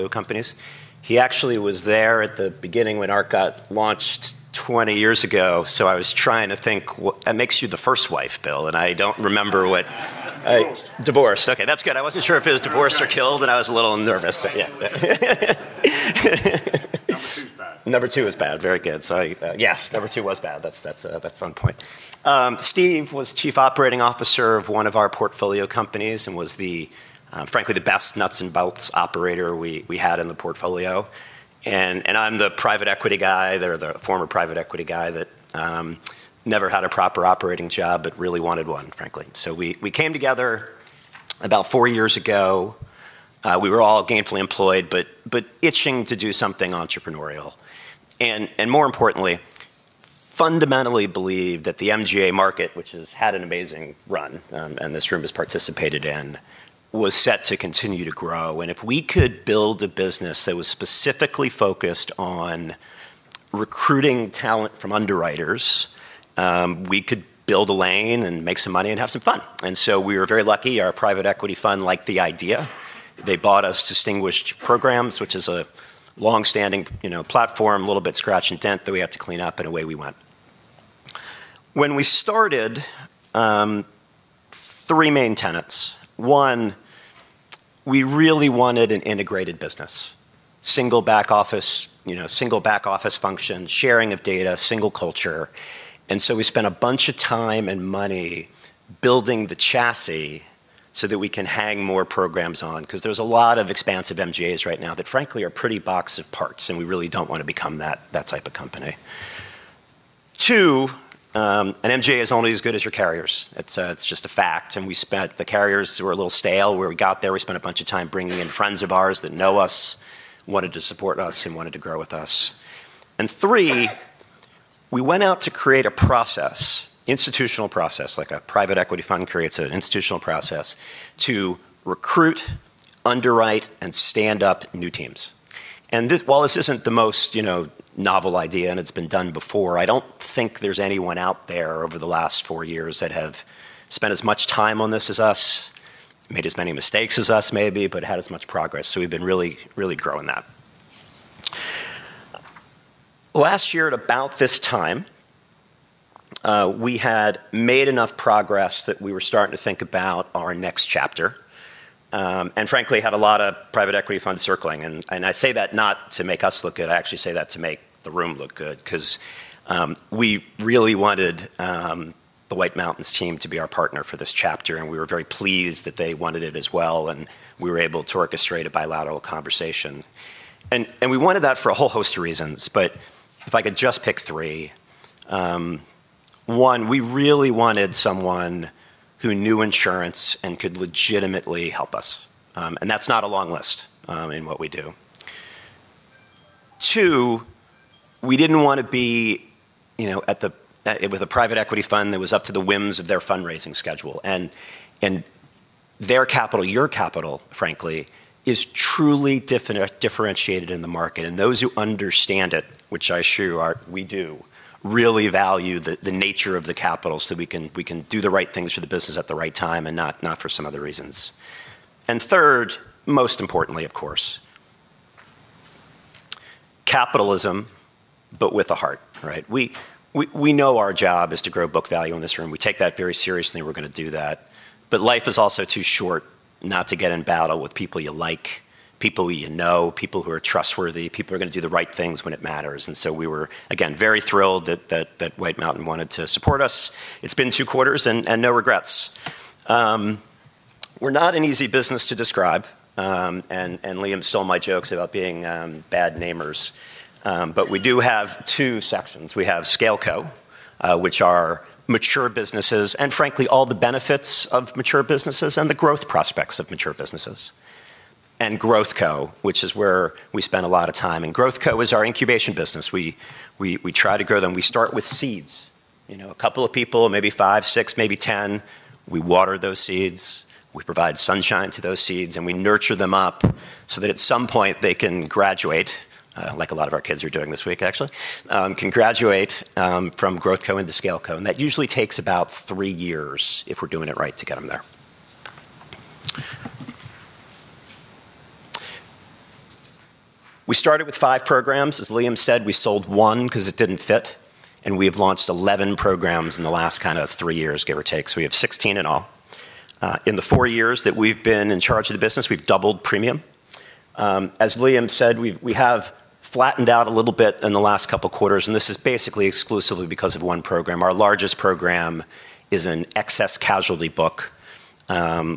companies. He actually was there at the beginning when Ark launched 20 years ago. I was trying to think, that makes you the first wife, Bill, and I don't remember what. Divorced. Divorced. Okay, that's good. I wasn't sure if it was divorced or killed, and I was a little nervous. Yeah. Number two's bad. Number two is bad. Very good. Yes, Number two was bad. That's on point. Steve was Chief Operating Officer of one of our portfolio companies and was frankly the best nuts and bolts operator we had in the portfolio. I'm the private equity guy, the former private equity guy that never had a proper operating job but really wanted one, frankly. We came together about four years ago. We were all gainfully employed but itching to do something entrepreneurial and, more importantly, fundamentally believed that the MGA market, which has had an amazing run, and this room has participated in, was set to continue to grow. If we could build a business that was specifically focused on recruiting talent from underwriters, we could build a lane and make some money and have some fun. We were very lucky. Our private equity fund liked the idea. They bought us Distinguished Programs, which is a long-standing platform, a little bit scratch and dent that we had to clean up. Away we went. When we started, three main tenets. One, we really wanted an integrated business. Single back office function, sharing of data, single culture. We spent a bunch of time and money building the chassis so that we can hang more programs on, because there's a lot of expansive MGAs right now that, frankly, are pretty box of parts, and we really don't want to become that type of company. Two, an MGA is only as good as your carriers. It's just a fact. The carriers were a little stale when we got there. We spent a bunch of time bringing in friends of ours that know us, wanted to support us, and wanted to grow with us. Three, we went out to create a process, institutional process, like a private equity fund creates an institutional process, to recruit, underwrite, and stand up new teams. While this isn't the most novel idea, and it's been done before, I don't think there's anyone out there over the last 4 years that have spent as much time on this as us, made as many mistakes as us maybe, but had as much progress. We've been really growing that. Last year at about this time, we had made enough progress that we were starting to think about our next chapter. Frankly, had a lot of private equity funds circling. I say that not to make us look good. I actually say that to make the room look good, because we really wanted the White Mountains team to be our partner for this chapter, and we were very pleased that they wanted it as well, and we were able to orchestrate a bilateral conversation. We wanted that for a whole host of reasons. If I could just pick three. One, we really wanted someone who knew insurance and could legitimately help us. That's not a long list in what we do. Two, we didn't want to be with a private equity fund that was up to the whims of their fundraising schedule. Their capital, your capital, frankly, is truly differentiated in the market. Those who understand it, which I assure you we do, really value the nature of the capital so we can do the right things for the business at the right time and not for some other reasons. Third, most importantly, of course, capitalism, but with a heart, right? We know our job is to grow book value in this room. We take that very seriously, and we're going to do that. Life is also too short not to get in battle with people you like, people you know, people who are trustworthy, people who are going to do the right things when it matters. We were, again, very thrilled that White Mountains wanted to support us. It's been two quarters and no regrets. We're not an easy business to describe. Liam stole my jokes about being bad namers. We do have two sections. We have ScaleCo, which are mature businesses, and frankly, all the benefits of mature businesses and the growth prospects of mature businesses. GrowthCo, which is where we spend a lot of time, is our incubation business. We try to grow them. We start with seeds. A couple of people, maybe five, six, maybe 10. We water those seeds, we provide sunshine to those seeds, and we nurture them up so that at some point they can graduate, like a lot of our kids are doing this week, actually, graduate from GrowthCo into ScaleCo, and that usually takes about three years, if we're doing it right, to get them there. We started with five programs. As Liam said, we sold one because it didn't fit, and we have launched 11 programs in the last kind of three years, give or take. We have 16 in all. In the four years that we've been in charge of the business, we've doubled premium. As Liam said, we have flattened out a little bit in the last couple of quarters, this is basically exclusively because of one program. Our largest program is an excess casualty book,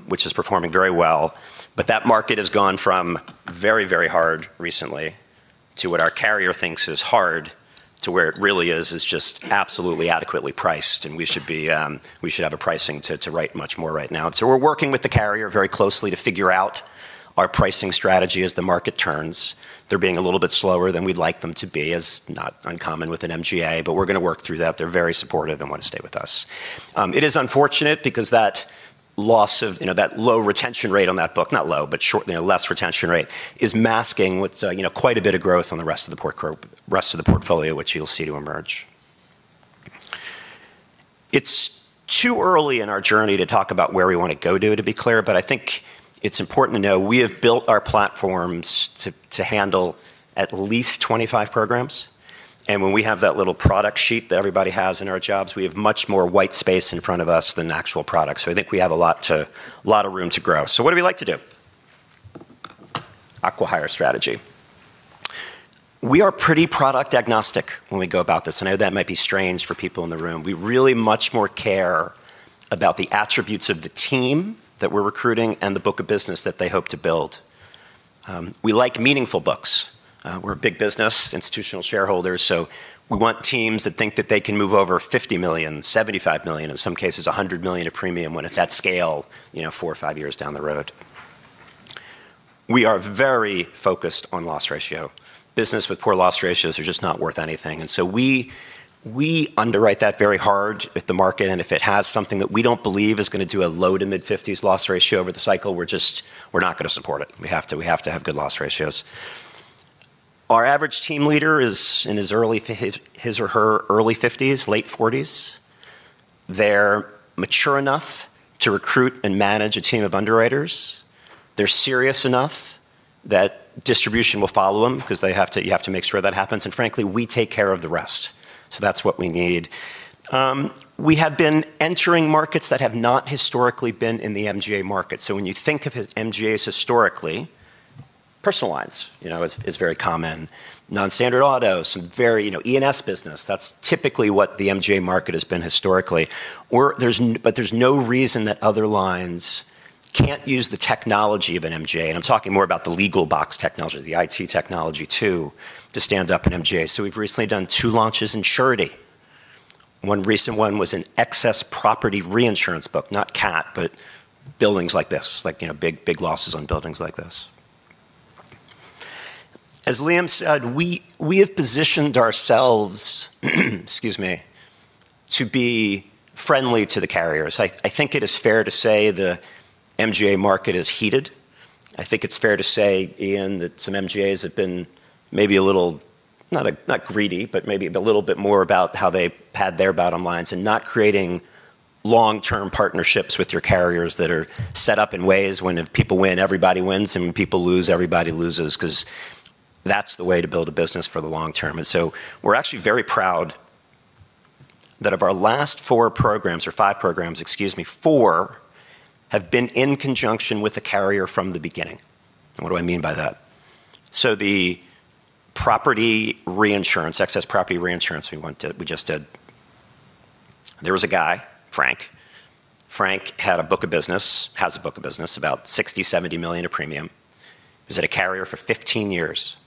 which is performing very well. That market has gone from very, very hard recently to what our carrier thinks is hard to where it really is just absolutely adequately priced, and we should have a pricing to write much more right now. We're working with the carrier very closely to figure out our pricing strategy as the market turns. They're being a little bit slower than we'd like them to be, as not uncommon with an MGA, but we're going to work through that. They're very supportive and want to stay with us. It is unfortunate because that low retention rate on that book, not low, but less retention rate, is masking with quite a bit of growth on the rest of the portfolio, which you'll see to emerge. It's too early in our journey to talk about where we want to go to be clear, but I think it's important to know we have built our platforms to handle at least 25 programs. When we have that little product sheet that everybody has in our jobs, we have much more white space in front of us than actual product. I think we have a lot of room to grow. What do we like to do? Acqui-hire strategy. We are pretty product agnostic when we go about this. I know that might be strange for people in the room. We really much more care about the attributes of the team that we're recruiting and the book of business that they hope to build. We like meaningful books. We're a big business, institutional shareholders, we want teams that think that they can move over $50 million, $75 million, in some cases $100 million of premium when it's at scale four or five years down the road. We are very focused on loss ratio. Business with poor loss ratios are just not worth anything. We underwrite that very hard with the market, and if it has something that we don't believe is going to do a low to mid-50s loss ratio over the cycle, we're not going to support it. We have to have good loss ratios. Our average team leader is in his or her early 50s, late 40s. They're mature enough to recruit and manage a team of underwriters. They're serious enough that distribution will follow them because you have to make sure that happens. Frankly, we take care of the rest. That's what we need. We have been entering markets that have not historically been in the MGA market. When you think of MGAs historically, personal lines is very common. Non-standard auto, some very E&S business. That's typically what the MGA market has been historically. There's no reason that other lines can't use the technology of an MGA, and I'm talking more about the legal box technology, the IT technology too, to stand up an MGA. We've recently done two launches in surety. One recent one was an excess property reinsurance book, not cat, but buildings like this, big losses on buildings like this. As Liam said, we have positioned ourselves, excuse me, to be friendly to the carriers. I think it is fair to say the MGA market is heated. I think it's fair to say, Ian, that some MGAs have been maybe a little, not greedy, but maybe a little bit more about how they pad their bottom lines and not creating long-term partnerships with your carriers that are set up in ways when if people win, everybody wins, and when people lose, everybody loses because that's the way to build a business for the long term. We're actually very proud that of our last four programs or five programs, excuse me, four have been in conjunction with the carrier from the beginning. What do I mean by that? The excess property reinsurance we just did. There was a guy, Frank. Frank had a book of business, has a book of business, about $60 million-$70 million of premium. Was at a carrier for 15 years.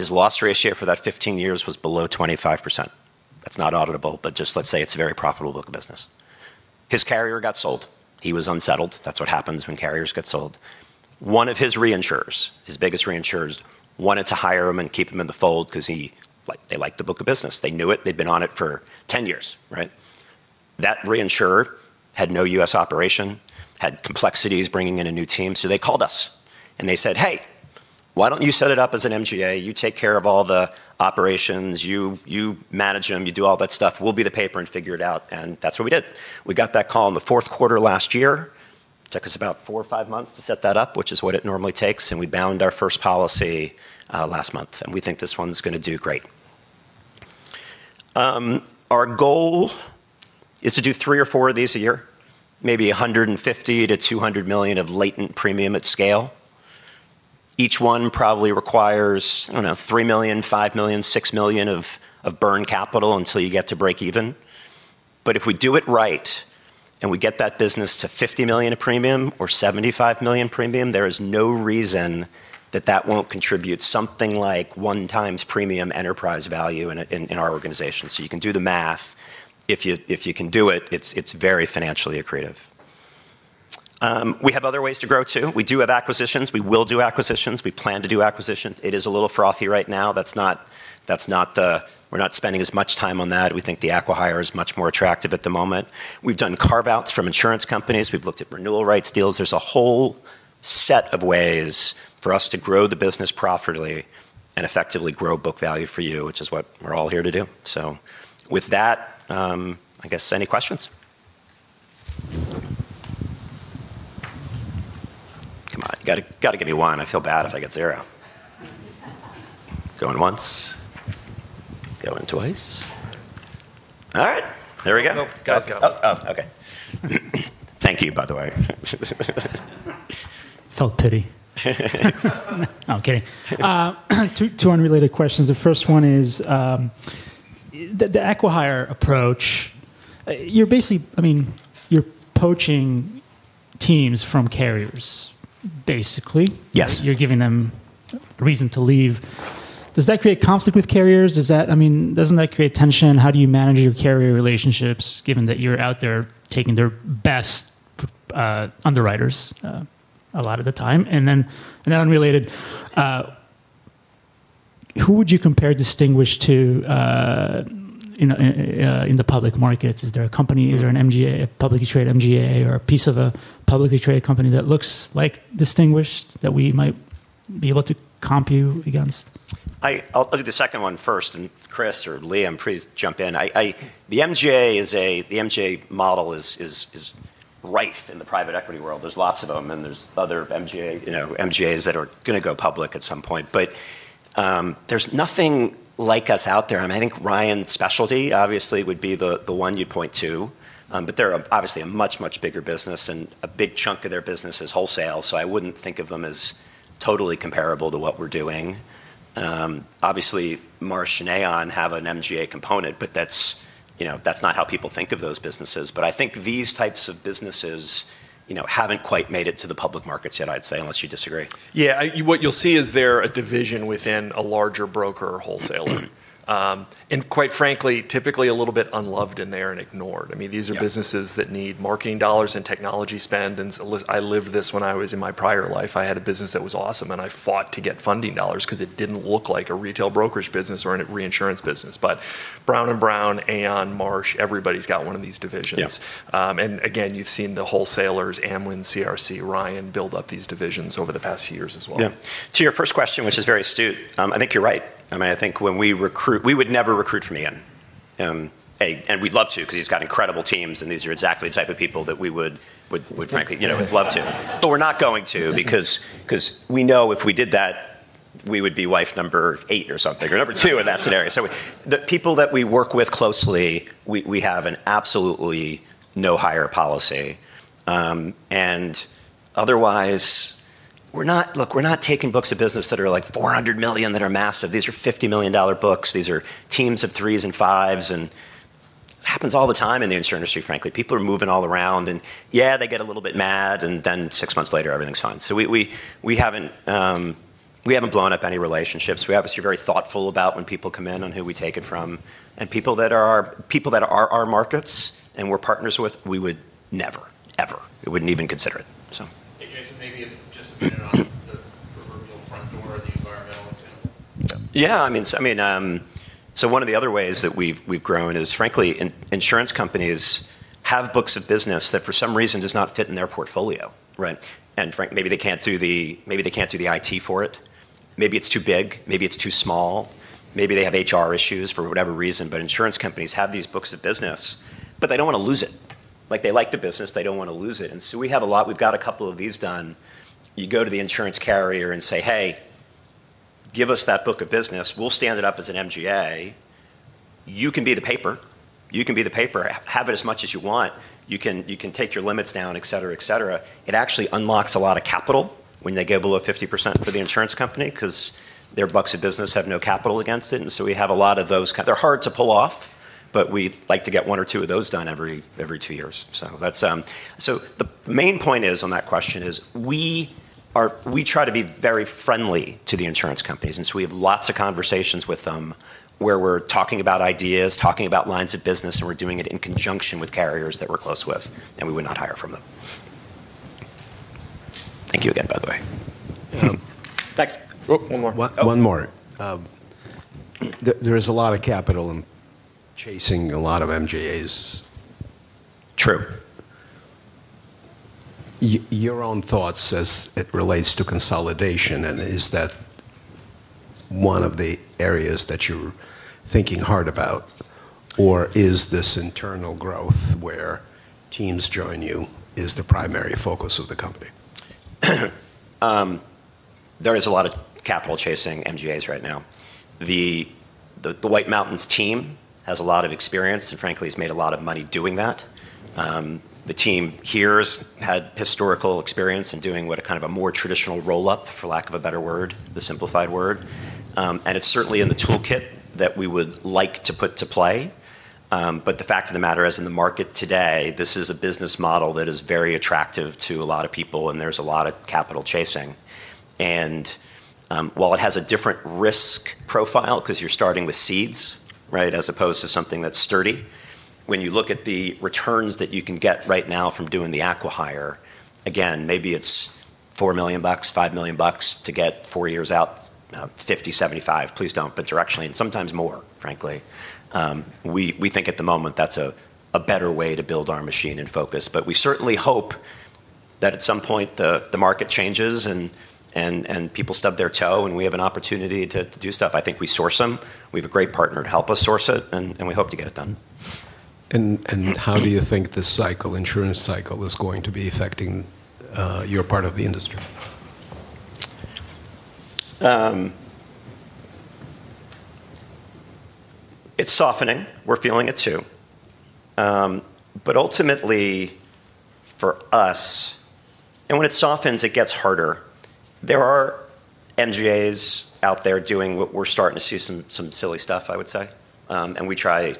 His loss ratio for that 15 years was below 25%. That's not auditable, just let's say it's a very profitable book of business. His carrier got sold. He was unsettled. That's what happens when carriers get sold. One of his reinsurers, his biggest reinsurers, wanted to hire him and keep him in the fold because they liked the book of business. They knew it. They'd been on it for 10 years, right? That reinsurer had no U.S. operation, had complexities bringing in a new team. They called us, and they said, Hey, why don't you set it up as an MGA? You take care of all the operations. You manage them. You do all that stuff. We'll be the paper and figure it out. That's what we did. We got that call in the fourth quarter last year. It took us about four or five months to set that up, which is what it normally takes. We bound our first policy last month. We think this one's going to do great. Our goal is to do three or four of these a year, maybe $150 million-$200 million of latent premium at scale. Each one probably requires, I don't know, $3 million, $5 million, $6 million of burned capital until you get to breakeven. If we do it right, we get that business to $50 million of premium or $75 million premium, there is no reason that that won't contribute something like one times premium enterprise value in our organization. You can do the math. If you can do it's very financially accretive. We have other ways to grow, too. We do have acquisitions. We will do acquisitions. We plan to do acquisitions. It is a little frothy right now. We're not spending as much time on that. We think the acquihire is much more attractive at the moment. We've done carve-outs from insurance companies. We've looked at renewal rights deals. There's a whole set of ways for us to grow the business profitably and effectively grow book value for you, which is what we're all here to do. With that, I guess, any questions? Come on, you've got to give me one. I feel bad if I get zero. Going once. Going twice. All right, there we go. Nope. Guy's got them. Oh, okay. Thank you, by the way. Felt pity. Okay. Two unrelated questions. The first one is, the acquihire approach, you're poaching teams from carriers, basically. Yes. You're giving them reason to leave. Does that create conflict with carriers? Doesn't that create tension? How do you manage your carrier relationships, given that you're out there taking their best underwriters a lot of the time? Unrelated, who would you compare Distinguished to in the public markets? Is there a company, is there an MGA, a publicly traded MGA, or a piece of a publicly traded company that looks like Distinguished that we might be able to comp you against? I'll do the second one first, and Chris or Liam, please jump in. The MGA model is rife in the private equity world. There's lots of them, and there's other MGAs that are going to go public at some point. There's nothing like us out there. I think Ryan Specialty obviously would be the one you'd point to, but they're obviously a much, much bigger business, and a big chunk of their business is wholesale, so I wouldn't think of them as totally comparable to what we're doing. Obviously, Marsh and Aon have an MGA component, but that's not how people think of those businesses. I think these types of businesses haven't quite made it to the public markets yet, I'd say, unless you disagree. Yeah. What you'll see is they're a division within a larger broker or wholesaler. Quite frankly, typically a little bit unloved in there and ignored. Yeah. These are businesses that need marketing dollars and technology spend. I lived this when I was in my prior life. I had a business that was awesome, and I fought to get funding dollars because it didn't look like a retail brokerage business or a reinsurance business. Brown & Brown, Aon, Marsh, everybody's got one of these divisions. Yeah. Again, you've seen the wholesalers, Amwins, CRC, Ryan, build up these divisions over the past years as well. To your first question, which is very astute, I think you're right. We would never recruit from Aon. We'd love to because he's got incredible teams, and these are exactly the type of people that we would frankly love to. We're not going to because we know if we did that, we would be wife number eight or something, or number two in that scenario. The people that we work with closely, we have an absolutely no hire policy. Otherwise, look, we're not taking books of business that are like $400 million that are massive. These are $50 million books. These are teams of threes and fives, and it happens all the time in the insurance industry, frankly. People are moving all around, and yeah, they get a little bit mad, and then six months later, everything's fine. We haven't blown up any relationships. We're obviously very thoughtful about when people come in on who we take it from. People that are our markets and we're partners with, we would never, ever, we wouldn't even consider it. Hey, Jason, maybe just to put it on the proverbial front door of the environmental table. Yeah. One of the other ways that we've grown is, frankly, insurance companies have books of business that for some reason does not fit in their portfolio, right? Maybe they can't do the IT for it. Maybe it's too big. Maybe it's too small. Maybe they have HR issues for whatever reason, insurance companies have these books of business, but they don't want to lose it. They like the business, they don't want to lose it. We have a lot. We've got a couple of these done. You go to the insurance carrier and say, Hey, give us that book of business. We'll stand it up as an MGA. You can be the paper. Have it as much as you want. You can take your limits down, et cetera. It actually unlocks a lot of capital when they go below 50% for the insurance company because their books of business have no capital against it. We have a lot of those. They're hard to pull off, but we like to get one or two of those done every two years. The main point is, on that question is, we try to be very friendly to the insurance companies. We have lots of conversations with them where we're talking about ideas, talking about lines of business, and we're doing it in conjunction with carriers that we're close with, and we would not hire from them. Thank you again, by the way. Thanks. Oh, one more. Oh. One more. There is a lot of capital in chasing a lot of MGAs. True. Your own thoughts as it relates to consolidation, and is that One of the areas that you're thinking hard about, or is this internal growth where teams join you is the primary focus of the company? There is a lot of capital chasing MGAs right now. The White Mountains team has a lot of experience, and frankly, has made a lot of money doing that. The team here has had historical experience in doing what a more traditional roll-up, for lack of a better word, the simplified word. It's certainly in the toolkit that we would like to put to play. The fact of the matter is, in the market today, this is a business model that is very attractive to a lot of people, and there's a lot of capital chasing. While it has a different risk profile because you're starting with seeds, right, as opposed to something that's sturdy. When you look at the returns that you can get right now from doing the acquihire, again, maybe it's $4 million, $5 million to get four years out, $50 million, $75 million. Please don't, but directionally and sometimes more, frankly. We think at the moment that's a better way to build our machine and focus. We certainly hope that at some point the market changes and people stub their toe and we have an opportunity to do stuff. I think we source them. We have a great partner to help us source it, and we hope to get it done. How do you think this insurance cycle is going to be affecting your part of the industry? It's softening. We're feeling it too. Ultimately for us. When it softens, it gets harder. There are MGAs out there doing what we're starting to see some silly stuff, I would say. We try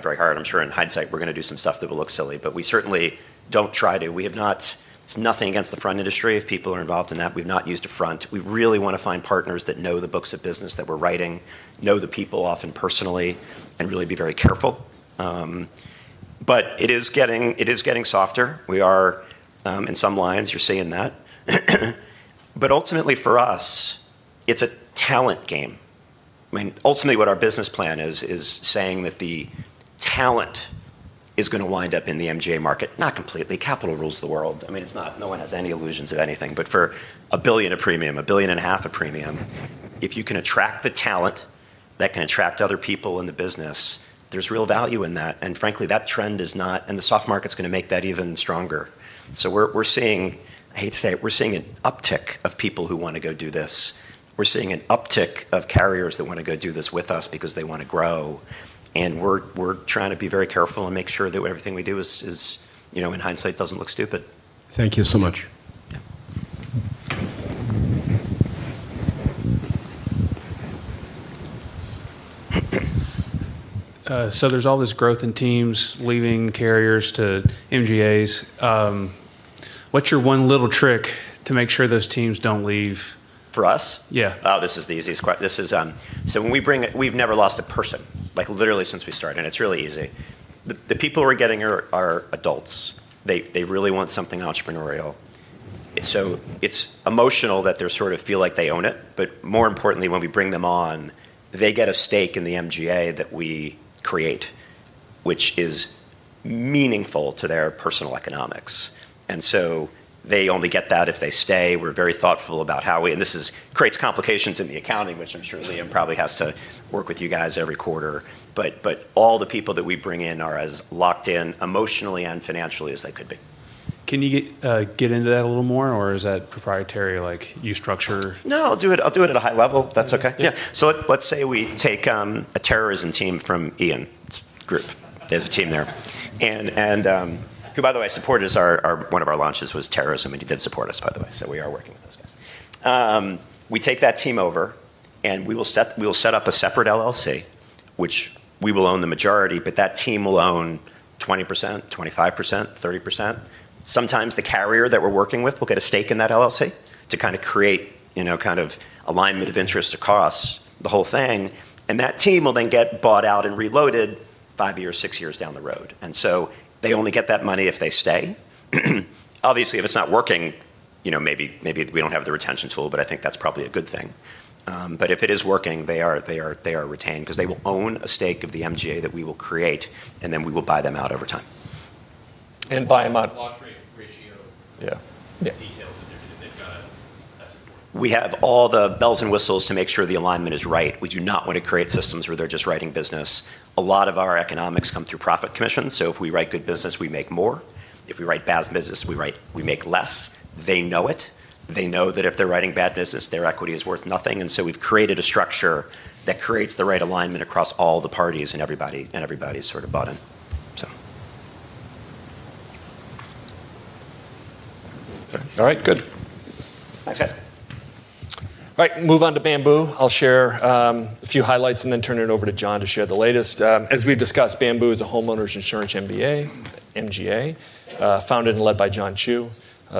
very hard. I'm sure in hindsight, we're going to do some stuff that will look silly, but we certainly don't try to. It's nothing against the front industry if people are involved in that. We've not used a front. We really want to find partners that know the books of business that we're writing, know the people often personally, and really be very careful. It is getting softer. We are, in some lines, you're seeing that. Ultimately for us, it's a talent game. Ultimately, what our business plan is saying that the talent is going to wind up in the MGA market, not completely. Capital rules the world. No one has any illusions of anything. For $1 billion of premium, $1.5 billion of premium, if you can attract the talent that can attract other people in the business, there's real value in that, and the soft market's going to make that even stronger. We're seeing, I hate to say it, we're seeing an uptick of people who want to go do this. We're seeing an uptick of carriers that want to go do this with us because they want to grow, and we're trying to be very careful and make sure that everything we do, in hindsight, doesn't look stupid. Thank you so much. Yeah. There's all this growth in teams leaving carriers to MGAs. What's your one little trick to make sure those teams don't leave? For us? Yeah. This is the easiest. We've never lost a person, like literally since we started. It's really easy. The people we're getting are adults. They really want something entrepreneurial. It's emotional that they sort of feel like they own it, but more importantly, when we bring them on, they get a stake in the MGA that we create, which is meaningful to their personal economics. They only get that if they stay. This creates complications in the accounting, which I'm sure Liam probably has to work with you guys every quarter. All the people that we bring in are as locked in emotionally and financially as they could be. Can you get into that a little more, or is that proprietary, like you structure-? No, I'll do it at a high level, if that's okay. Yeah. Yeah. Let's say we take a terrorism team from Ian's group. There's a team there. Who, by the way, supported us. One of our launches was terrorism, and he did support us, by the way. We are working with those guys. We take that team over, and we will set up a separate LLC, which we will own the majority, but that team will own 20%, 25%, 30%. Sometimes the carrier that we're working with will get a stake in that LLC to kind of create alignment of interest across the whole thing, and that team will then get bought out and reloaded five years, six years down the road. They only get that money if they stay. Obviously, if it's not working, maybe we don't have the retention tool, but I think that's probably a good thing. If it is working, they are retained because they will own a stake of the MGA that we will create, and then we will buy them out over time. Buy them out. Loss ratio. Yeah. Details in there because they've got it. That's important. We have all the bells and whistles to make sure the alignment is right. We do not want to create systems where they're just writing business. A lot of our economics come through profit commissions, so if we write good business, we make more. If we write bad business, we make less. They know it. They know that if they're writing bad business, their equity is worth nothing. We've created a structure that creates the right alignment across all the parties, and everybody's sort of bought in. All right, good. Thanks, guys. All right, move on to Bamboo. I'll share a few highlights and then turn it over to John to share the latest. As we've discussed, Bamboo is a homeowners insurance MGA, founded and led by John Chu,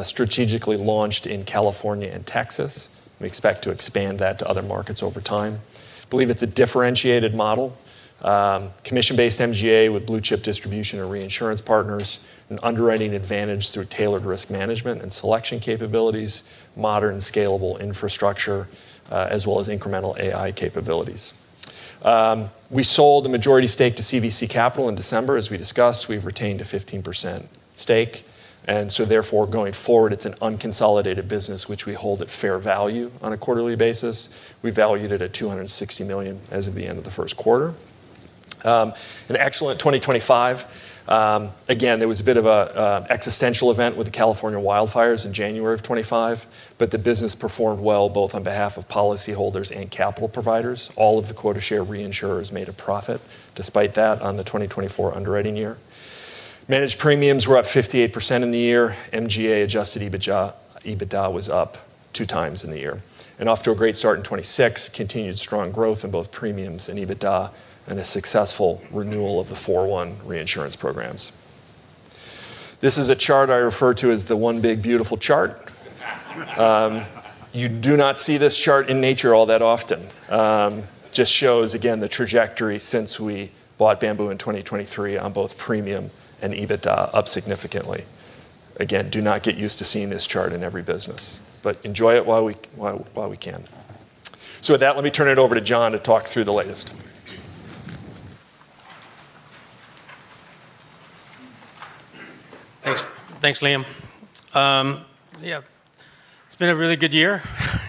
strategically launched in California and Texas. We expect to expand that to other markets over time. Believe it's a differentiated model. Commission-based MGA with blue-chip distribution and reinsurance partners, an underwriting advantage through tailored risk management and selection capabilities, modern scalable infrastructure, as well as incremental AI capabilities. We sold a majority stake to CVC Capital in December. As we discussed, we've retained a 15% stake, and so therefore going forward, it's an unconsolidated business which we hold at fair value on a quarterly basis. We valued it at $260 million as of the end of the first quarter. An excellent 2025. There was a bit of an existential event with the California wildfires in January of 2025, but the business performed well both on behalf of policyholders and capital providers. All of the quota share reinsurers made a profit despite that on the 2024 underwriting year. Managed premiums were up 58% in the year. MGA adjusted EBITDA was up two times in the year. Off to a great start in 2026, continued strong growth in both premiums and EBITDA and a successful renewal of the 41 reinsurance programs. This is a chart I refer to as the one big beautiful chart. You do not see this chart in nature all that often. Just shows again the trajectory since we bought Bamboo in 2023 on both premium and EBITDA up significantly. Do not get used to seeing this chart in every business, but enjoy it while we can. With that, let me turn it over to John to talk through the latest. Thanks, Liam. Yeah, it's been a really good year,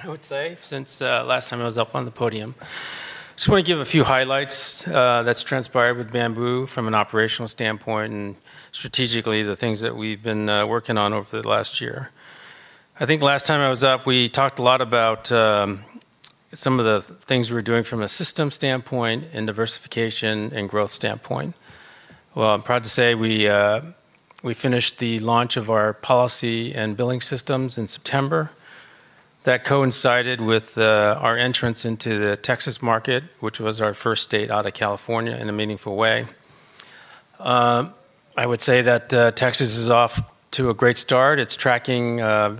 I would say, since last time I was up on the podium. Just want to give a few highlights that's transpired with Bamboo from an operational standpoint and strategically the things that we've been working on over the last year. I think last time I was up, we talked a lot about some of the things we were doing from a system standpoint and diversification and growth standpoint. Well, I'm proud to say we finished the launch of our policy and billing systems in September. That coincided with our entrance into the Texas market, which was our first state out of California in a meaningful way. I would say that Texas is off to a great start. It's tracking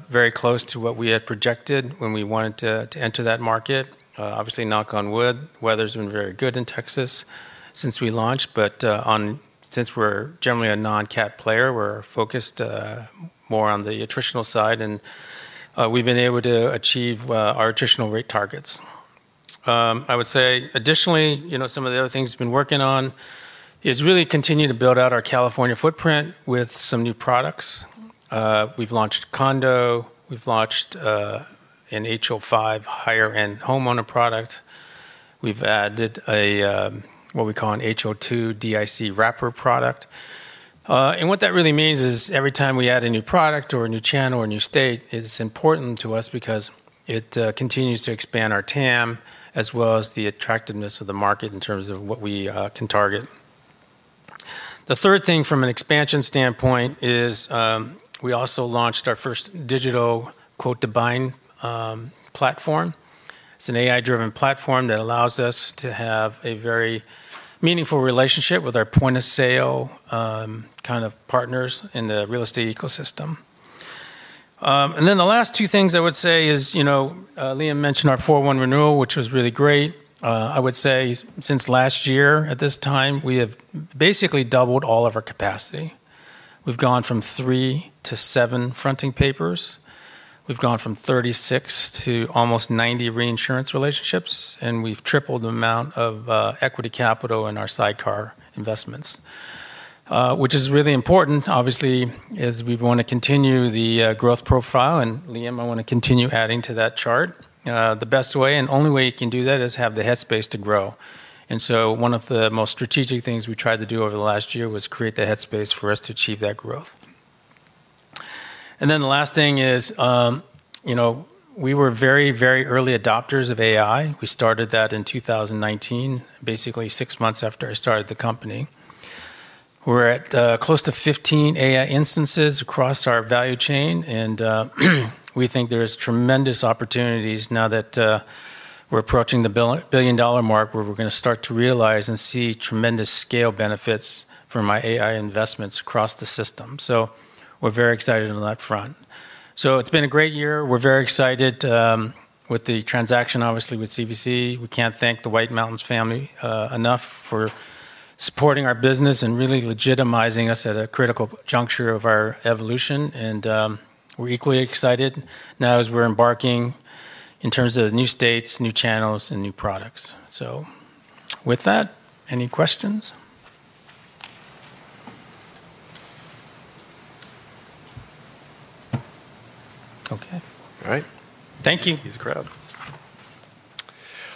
very close to what we had projected when we wanted to enter that market. Obviously, knock on wood, weather's been very good in Texas since we launched. Since we're generally a non-cat player, we're focused more on the attritional side and we've been able to achieve our attritional rate targets. I would say additionally, some of the other things we've been working on is really continue to build out our California footprint with some new products. We've launched condo, we've launched an HO5 higher-end homeowner product. We've added what we call an HO2 DIC wrapper product. What that really means is every time we add a new product or a new channel or a new state, it's important to us because it continues to expand our TAM as well as the attractiveness of the market in terms of what we can target. The third thing from an expansion standpoint is we also launched our first digital quote-to-bind platform. It's an AI-driven platform that allows us to have a very meaningful relationship with our point-of-sale kind of partners in the real estate ecosystem. The last two things I would say is, Liam mentioned our 41 renewal, which was really great. I would say since last year at this time, we have basically doubled all of our capacity. We've gone from three to seven fronting papers. We've gone from 36 to almost 90 reinsurance relationships, and we've tripled the amount of equity capital in our sidecar investments. Which is really important, obviously, as we want to continue the growth profile and Liam, I want to continue adding to that chart. The best way and only way you can do that is have the headspace to grow. One of the most strategic things we tried to do over the last year was create the headspace for us to achieve that growth. The last thing is, we were very early adopters of AI. We started that in 2019, basically six months after I started the company. We're at close to 15 AI instances across our value chain, and we think there is tremendous opportunities now that we're approaching the billion-dollar mark where we're going to start to realize and see tremendous scale benefits from our AI investments across the system. We're very excited on that front. It's been a great year. We're very excited with the transaction, obviously, with CVC. We can't thank the White Mountains family enough for supporting our business and really legitimizing us at a critical juncture of our evolution. We're equally excited now as we're embarking in terms of new states, new channels, and new products. With that, any questions? Okay. All right. Thank you. Easy crowd.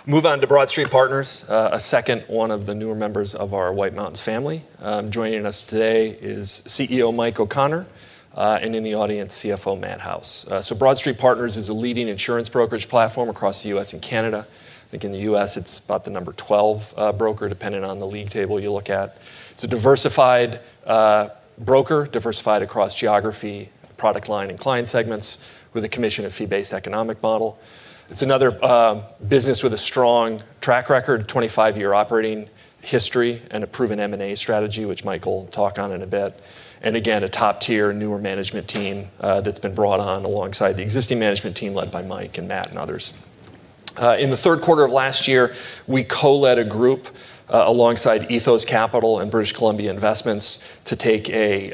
Move on to BroadStreet Partners, a second one of the newer members of our White Mountains family. Joining us today is CEO Mike O'Connor, and in the audience, CFO Matt House. BroadStreet Partners is a leading insurance brokerage platform across the U.S. and Canada. I think in the U.S., it's about the number 12 broker, depending on the league table you look at. It's a diversified broker, diversified across geography, product line, and client segments with a commission and fee-based economic model. It's another business with a strong track record, 25-year operating history and a proven M&A strategy, which Mike will talk on in a bit. Again, a top-tier newer management team that's been brought on alongside the existing management team led by Mike and Matt and others. In the third quarter of last year, we co-led a group alongside Ethos Capital and British Columbia Investments to take a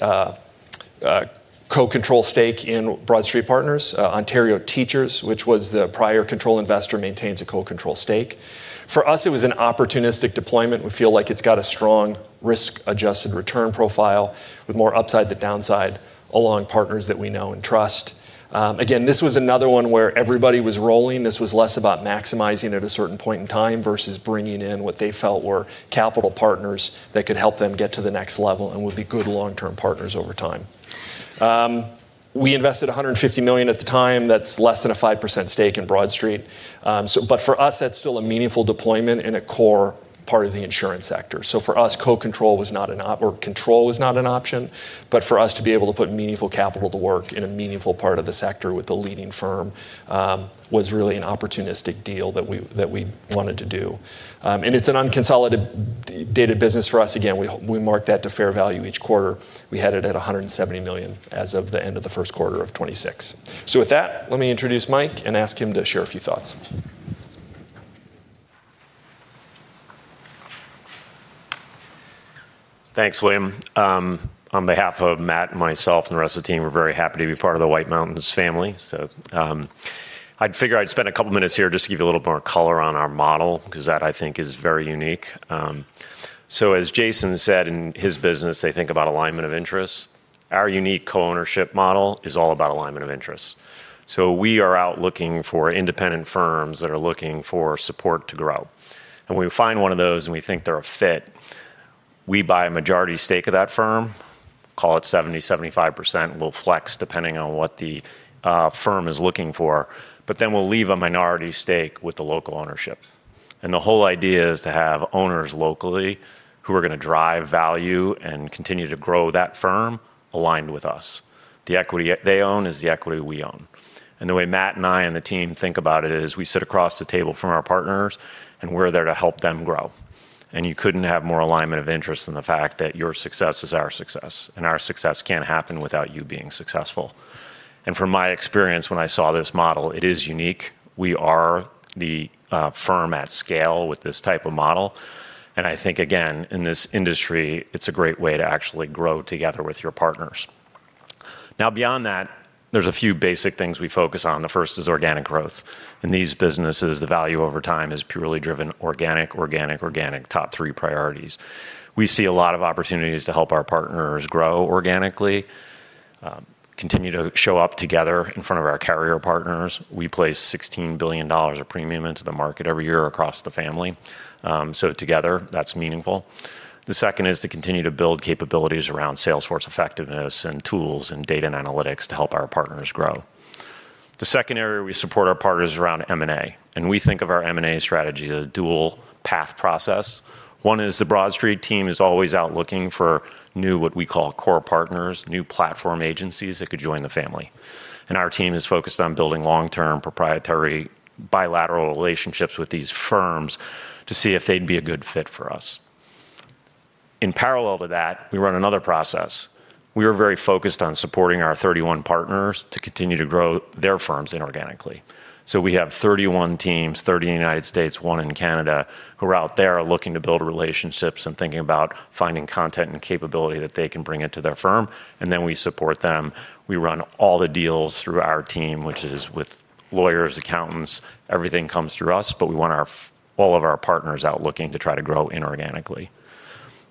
co-control stake in BroadStreet Partners. Ontario Teachers, which was the prior control investor, maintains a co-control stake. For us, it was an opportunistic deployment. We feel like it's got a strong risk-adjusted return profile with more upside than downside along partners that we know and trust. This was another one where everybody was rolling. This was less about maximizing at a certain point in time versus bringing in what they felt were capital partners that could help them get to the next level and would be good long-term partners over time. We invested $150 million at the time. That's less than a 5% stake in BroadStreet. For us, that's still a meaningful deployment in a core part of the insurance sector. For us, or control was not an option. For us to be able to put meaningful capital to work in a meaningful part of the sector with a leading firm was really an opportunistic deal that we wanted to do. It's an unconsolidated business for us. Again, we mark that to fair value each quarter. We had it at $170 million as of the end of the first quarter of 2026. With that, let me introduce Mike and ask him to share a few thoughts. Thanks, Liam. On behalf of Matt and myself and the rest of the team, we're very happy to be part of the White Mountains family. I figured I'd spend a couple of minutes here just to give you a little more color on our model, because that, I think, is very unique. As Jason said, in his business, they think about alignment of interests. Our unique co-ownership model is all about alignment of interests. We are out looking for independent firms that are looking for support to grow. When we find one of those and we think they're a fit, we buy a majority stake of that firm, call it 70%, 75%. We'll flex depending on what the firm is looking for. We'll leave a minority stake with the local ownership. The whole idea is to have owners locally who are going to drive value and continue to grow that firm aligned with us. The equity they own is the equity we own. The way Matt and I and the team think about it is we sit across the table from our partners, and we're there to help them grow. You couldn't have more alignment of interest than the fact that your success is our success, and our success can't happen without you being successful. From my experience when I saw this model, it is unique. We are the firm at scale with this type of model, and I think, again, in this industry, it's a great way to actually grow together with your partners. Beyond that, there's a few basic things we focus on. The first is organic growth. In these businesses, the value over time is purely driven organic, organic, top three priorities. We see a lot of opportunities to help our partners grow organically, continue to show up together in front of our carrier partners. We place $16 billion of premium into the market every year across the family. Together, that's meaningful. The second is to continue to build capabilities around salesforce effectiveness and tools and data and analytics to help our partners grow. The second area we support our partners is around M&A, and we think of our M&A strategy as a dual path process. One is the BroadStreet team is always out looking for new, what we call, core partners, new platform agencies that could join the family. Our team is focused on building long-term proprietary bilateral relationships with these firms to see if they'd be a good fit for us. In parallel to that, we run another process. We are very focused on supporting our 31 partners to continue to grow their firms inorganically. We have 31 teams, 30 in the United States, one in Canada, who are out there looking to build relationships and thinking about finding content and capability that they can bring into their firm, and then we support them. We run all the deals through our team, which is with lawyers, accountants. Everything comes through us, but we want all of our partners out looking to try to grow inorganically.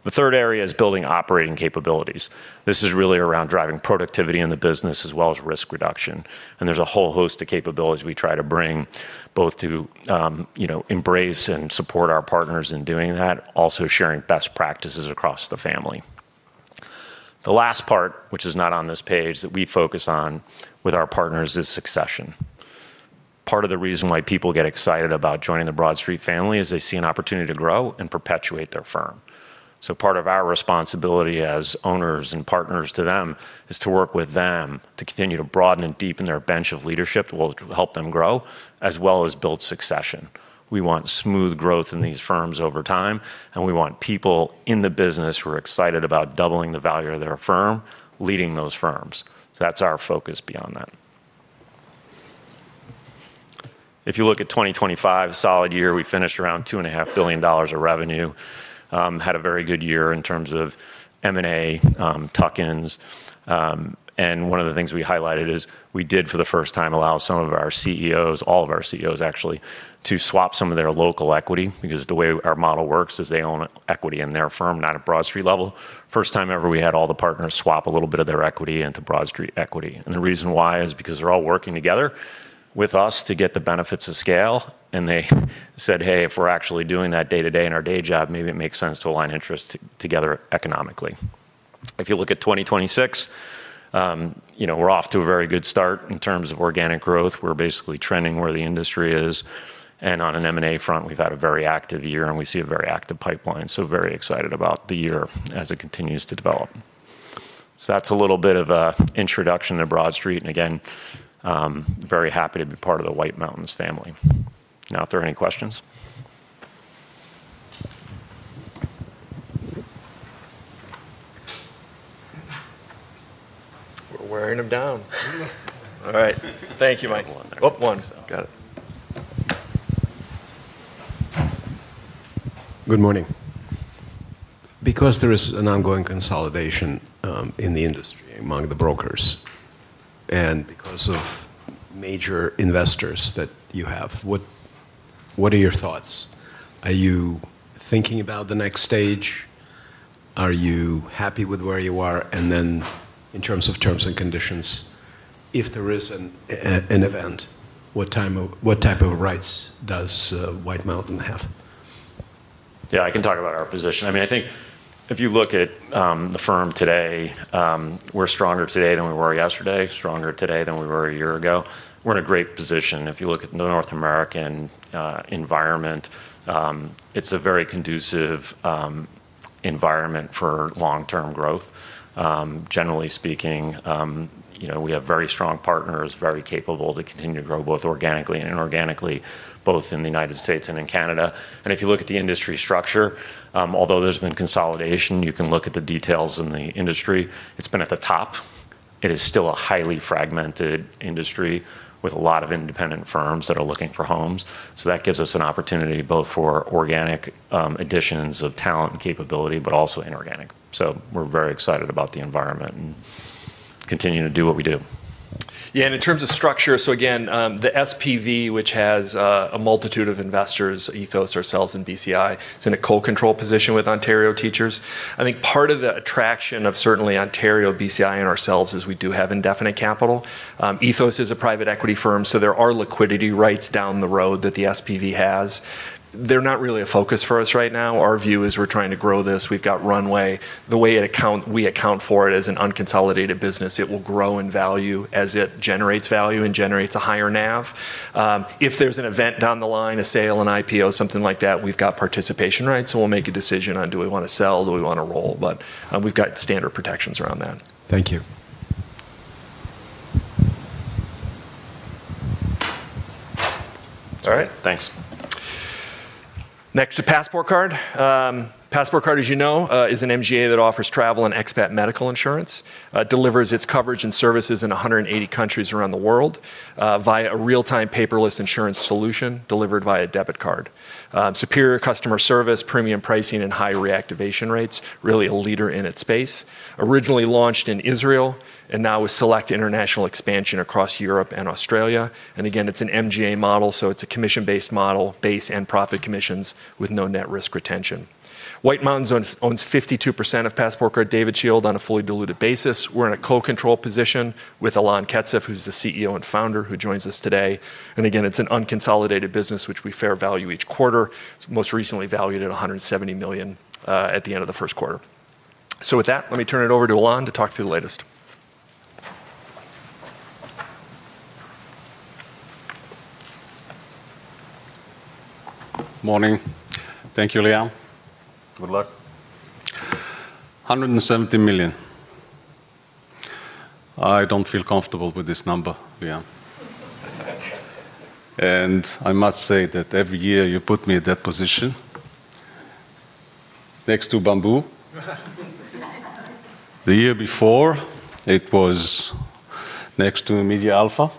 The third area is building operating capabilities. This is really around driving productivity in the business as well as risk reduction. There's a whole host of capabilities we try to bring both to embrace and support our partners in doing that, also sharing best practices across the family. The last part, which is not on this page, that we focus on with our partners is succession. Part of the reason why people get excited about joining the BroadStreet family is they see an opportunity to grow and perpetuate their firm. Part of our responsibility as owners and partners to them is to work with them to continue to broaden and deepen their bench of leadership that will help them grow, as well as build succession. We want smooth growth in these firms over time, and we want people in the business who are excited about doubling the value of their firm leading those firms. That's our focus beyond that. If you look at 2025, a solid year, we finished around $2.5 billion of revenue. Had a very good year in terms of M&A tuck-ins. One of the things we highlighted is we did for the first time allow some of our CEOs, all of our CEOs actually, to swap some of their local equity because the way our model works is they own equity in their firm, not at BroadStreet level. First time ever, we had all the partners swap a little bit of their equity into BroadStreet equity. The reason why is because they're all working together with us to get the benefits of scale. They said, Hey, if we're actually doing that day-to-day in our day job, maybe it makes sense to align interests together economically. If you look at 2026, we're off to a very good start in terms of organic growth. We're basically trending where the industry is. On an M&A front, we've had a very active year, and we see a very active pipeline, very excited about the year as it continues to develop. That's a little bit of a introduction to BroadStreet, and again, very happy to be part of the White Mountains family. If there are any questions? We're wearing him down. All right. Thank you, Mike. One. Oh, one. Got it. Good morning. Because there is an ongoing consolidation in the industry among the brokers and because of major investors that you have, what are your thoughts? Are you thinking about the next stage? Are you happy with where you are? Then in terms of terms and conditions, if there is an event, what type of rights does White Mountains have? Yeah, I can talk about our position. I think if you look at the firm today, we're stronger today than we were yesterday, stronger today than we were a year ago. We're in a great position. If you look at the North American environment, it's a very conducive environment for long-term growth. Generally speaking, we have very strong partners, very capable to continue to grow both organically and inorganically, both in the U.S. and in Canada. If you look at the industry structure, although there's been consolidation, you can look at the details in the industry. It's been at the top. It is still a highly fragmented industry with a lot of independent firms that are looking for homes. That gives us an opportunity both for organic additions of talent and capability, but also inorganic. We're very excited about the environment and continue to do what we do. In terms of structure, again, the SPV, which has a multitude of investors, Ethos, ourselves, and BCI, it's in a co-control position with Ontario Teachers. I think part of the attraction of certainly Ontario, BCI, and ourselves is we do have indefinite capital. Ethos is a private equity firm, so there are liquidity rights down the road that the SPV has. They're not really a focus for us right now. Our view is we're trying to grow this. We've got runway. The way we account for it as an unconsolidated business, it will grow in value as it generates value and generates a higher NAV. If there's an event down the line, a sale, an IPO, something like that, we've got participation rights, so we'll make a decision on do we want to sell, do we want to roll, but we've got standard protections around that. Thank you. All right. Thanks. Next to PassportCard. PassportCard, as you know, is an MGA that offers travel and expat medical insurance. Delivers its coverage and services in 180 countries around the world via a real-time paperless insurance solution delivered via debit card. Superior customer service, premium pricing, and high reactivation rates, really a leader in its space. Originally launched in Israel and now with select international expansion across Europe and Australia. Again, it's an MGA model, so it's a commission-based model, base and profit commissions with no net risk retention. White Mountains owns 52% of PassportCard, DavidShield, on a fully diluted basis. We're in a co-control position with Alon Ketzef, who's the CEO and founder who joins us today. Again, it's an unconsolidated business, which we fair value each quarter. It's most recently valued at $170 million at the end of the first quarter. With that, let me turn it over to Alon to talk through the latest. Morning. Thank you, Liam. Good luck. $170 million. I don't feel comfortable with this number, Liam. I must say that every year you put me at that position next to Bamboo. The year before it was next to MediaAlpha.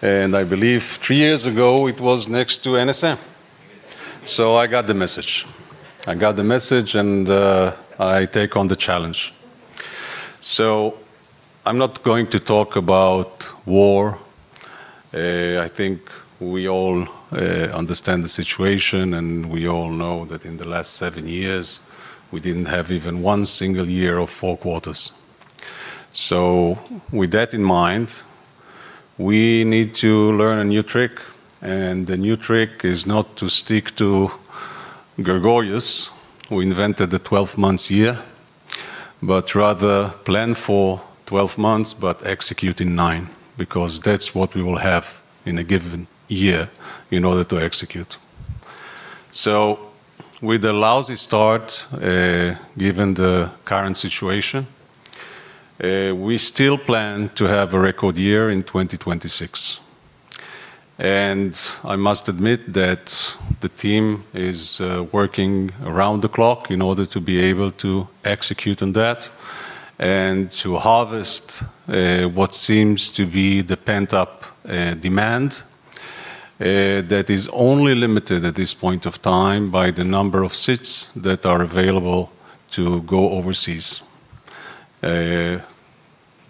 I believe three years ago it was next to NSM. I got the message. I got the message, and I take on the challenge. I'm not going to talk about war. I think we all understand the situation, and we all know that in the last seven years, we didn't have even one single year of four quarters. With that in mind, we need to learn a new trick, and the new trick is not to stick to Gregorius, who invented the 12 months year, but rather plan for 12 months but execute in nine, because that's what we will have in a given year in order to execute. With a lousy start, given the current situation, we still plan to have a record year in 2026. I must admit that the team is working around the clock in order to be able to execute on that and to harvest what seems to be the pent-up demand that is only limited at this point of time by the number of seats that are available to go overseas.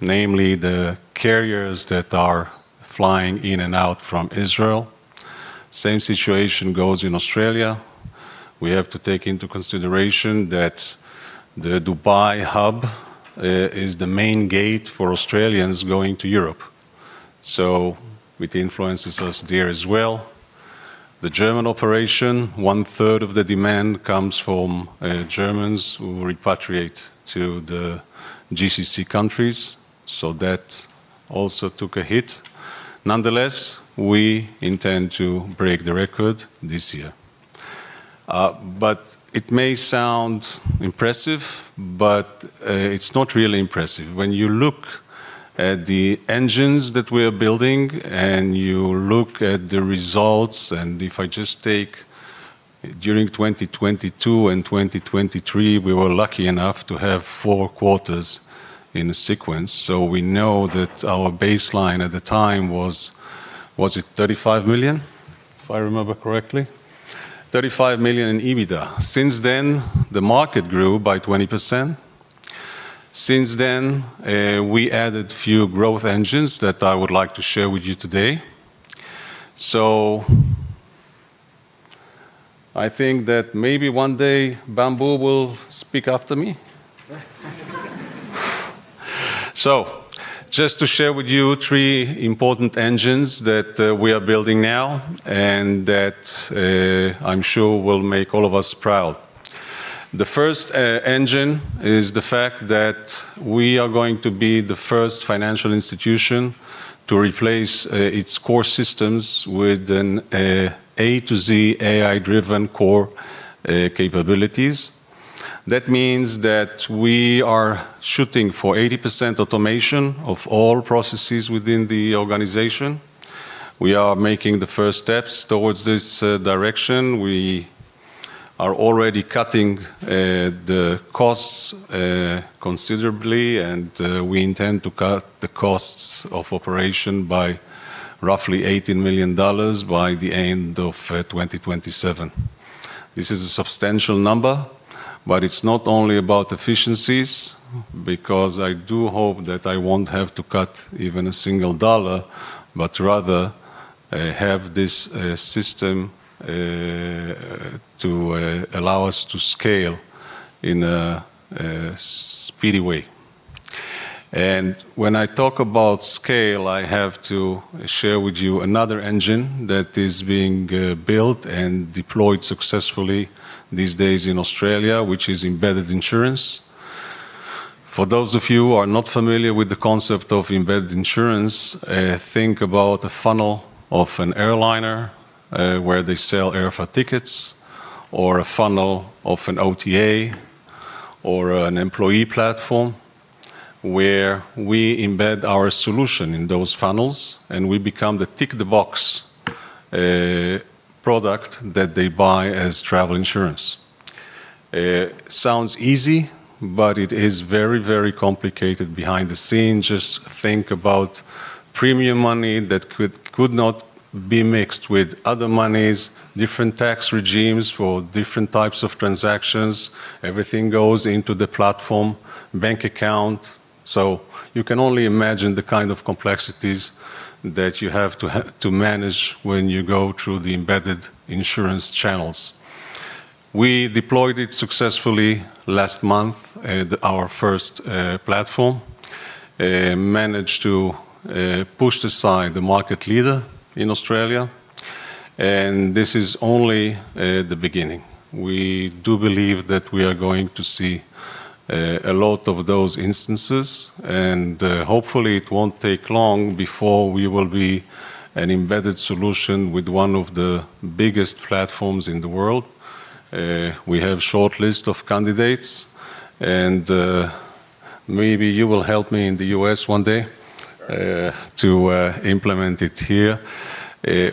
Namely the carriers that are flying in and out from Israel. Same situation goes in Australia. We have to take into consideration that the Dubai hub is the main gate for Australians going to Europe, so it influences us there as well. The German operation, one-third of the demand comes from Germans who repatriate to the GCC countries, so that also took a hit. Nonetheless, we intend to break the record this year. It may sound impressive, but it's not really impressive. When you look at the engines that we're building and you look at the results, and if I just take during 2022 and 2023, we were lucky enough to have four quarters in a sequence, so we know that our baseline at the time was it $35 million, if I remember correctly? $35 million in EBITDA. Since then, the market grew by 20%. Since then, we added a few growth engines that I would like to share with you today. I think that maybe one day Bamboo will speak after me. Just to share with you three important engines that we are building now and that I'm sure will make all of us proud. The first engine is the fact that we are going to be the first financial institution to replace its core systems with an A-to-Z AI-driven core capabilities. That means that we are shooting for 80% automation of all processes within the organization. We are making the first steps towards this direction. We are already cutting the costs considerably, and we intend to cut the costs of operation by roughly $18 million by the end of 2027. This is a substantial number, but it's not only about efficiencies, because I do hope that I won't have to cut even a single dollar, but rather have this system to allow us to scale in a speedy way. When I talk about scale, I have to share with you another engine that is being built and deployed successfully these days in Australia, which is embedded insurance. For those of you who are not familiar with the concept of embedded insurance, think about a funnel of an airliner, where they sell airfare tickets, or a funnel of an OTA, or an employee platform, where we embed our solution in those funnels, and we become the tick-the-box product that they buy as travel insurance. Sounds easy, but it is very complicated behind the scenes. Just think about premium money that could not be mixed with other monies, different tax regimes for different types of transactions. Everything goes into the platform bank account. You can only imagine the kind of complexities that you have to manage when you go through the embedded insurance channels. We deployed it successfully last month at our first platform. Managed to push aside the market leader in Australia, and this is only the beginning. We do believe that we are going to see a lot of those instances. Hopefully, it won't take long before we will be an embedded solution with one of the biggest platforms in the world. We have a short list of candidates. Maybe you will help me in the U.S. one day to implement it here.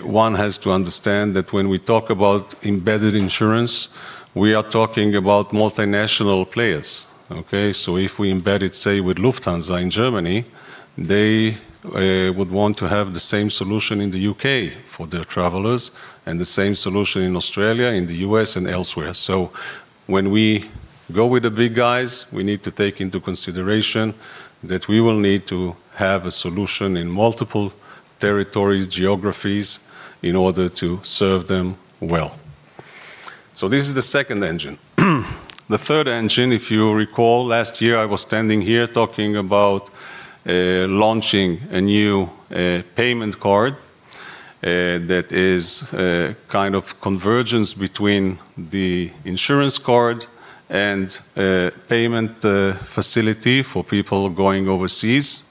One has to understand that when we talk about embedded insurance, we are talking about multinational players. Okay. If we embed it, say, with Lufthansa in Germany, they would want to have the same solution in the U.K. for their travelers and the same solution in Australia, in the U.S., and elsewhere. When we go with the big guys, we need to take into consideration that we will need to have a solution in multiple territories, geographies, in order to serve them well. This is the second engine. The third engine, if you recall, last year, I was standing here talking about launching a new payment card that is a kind of convergence between the insurance card and payment facility for people going overseas.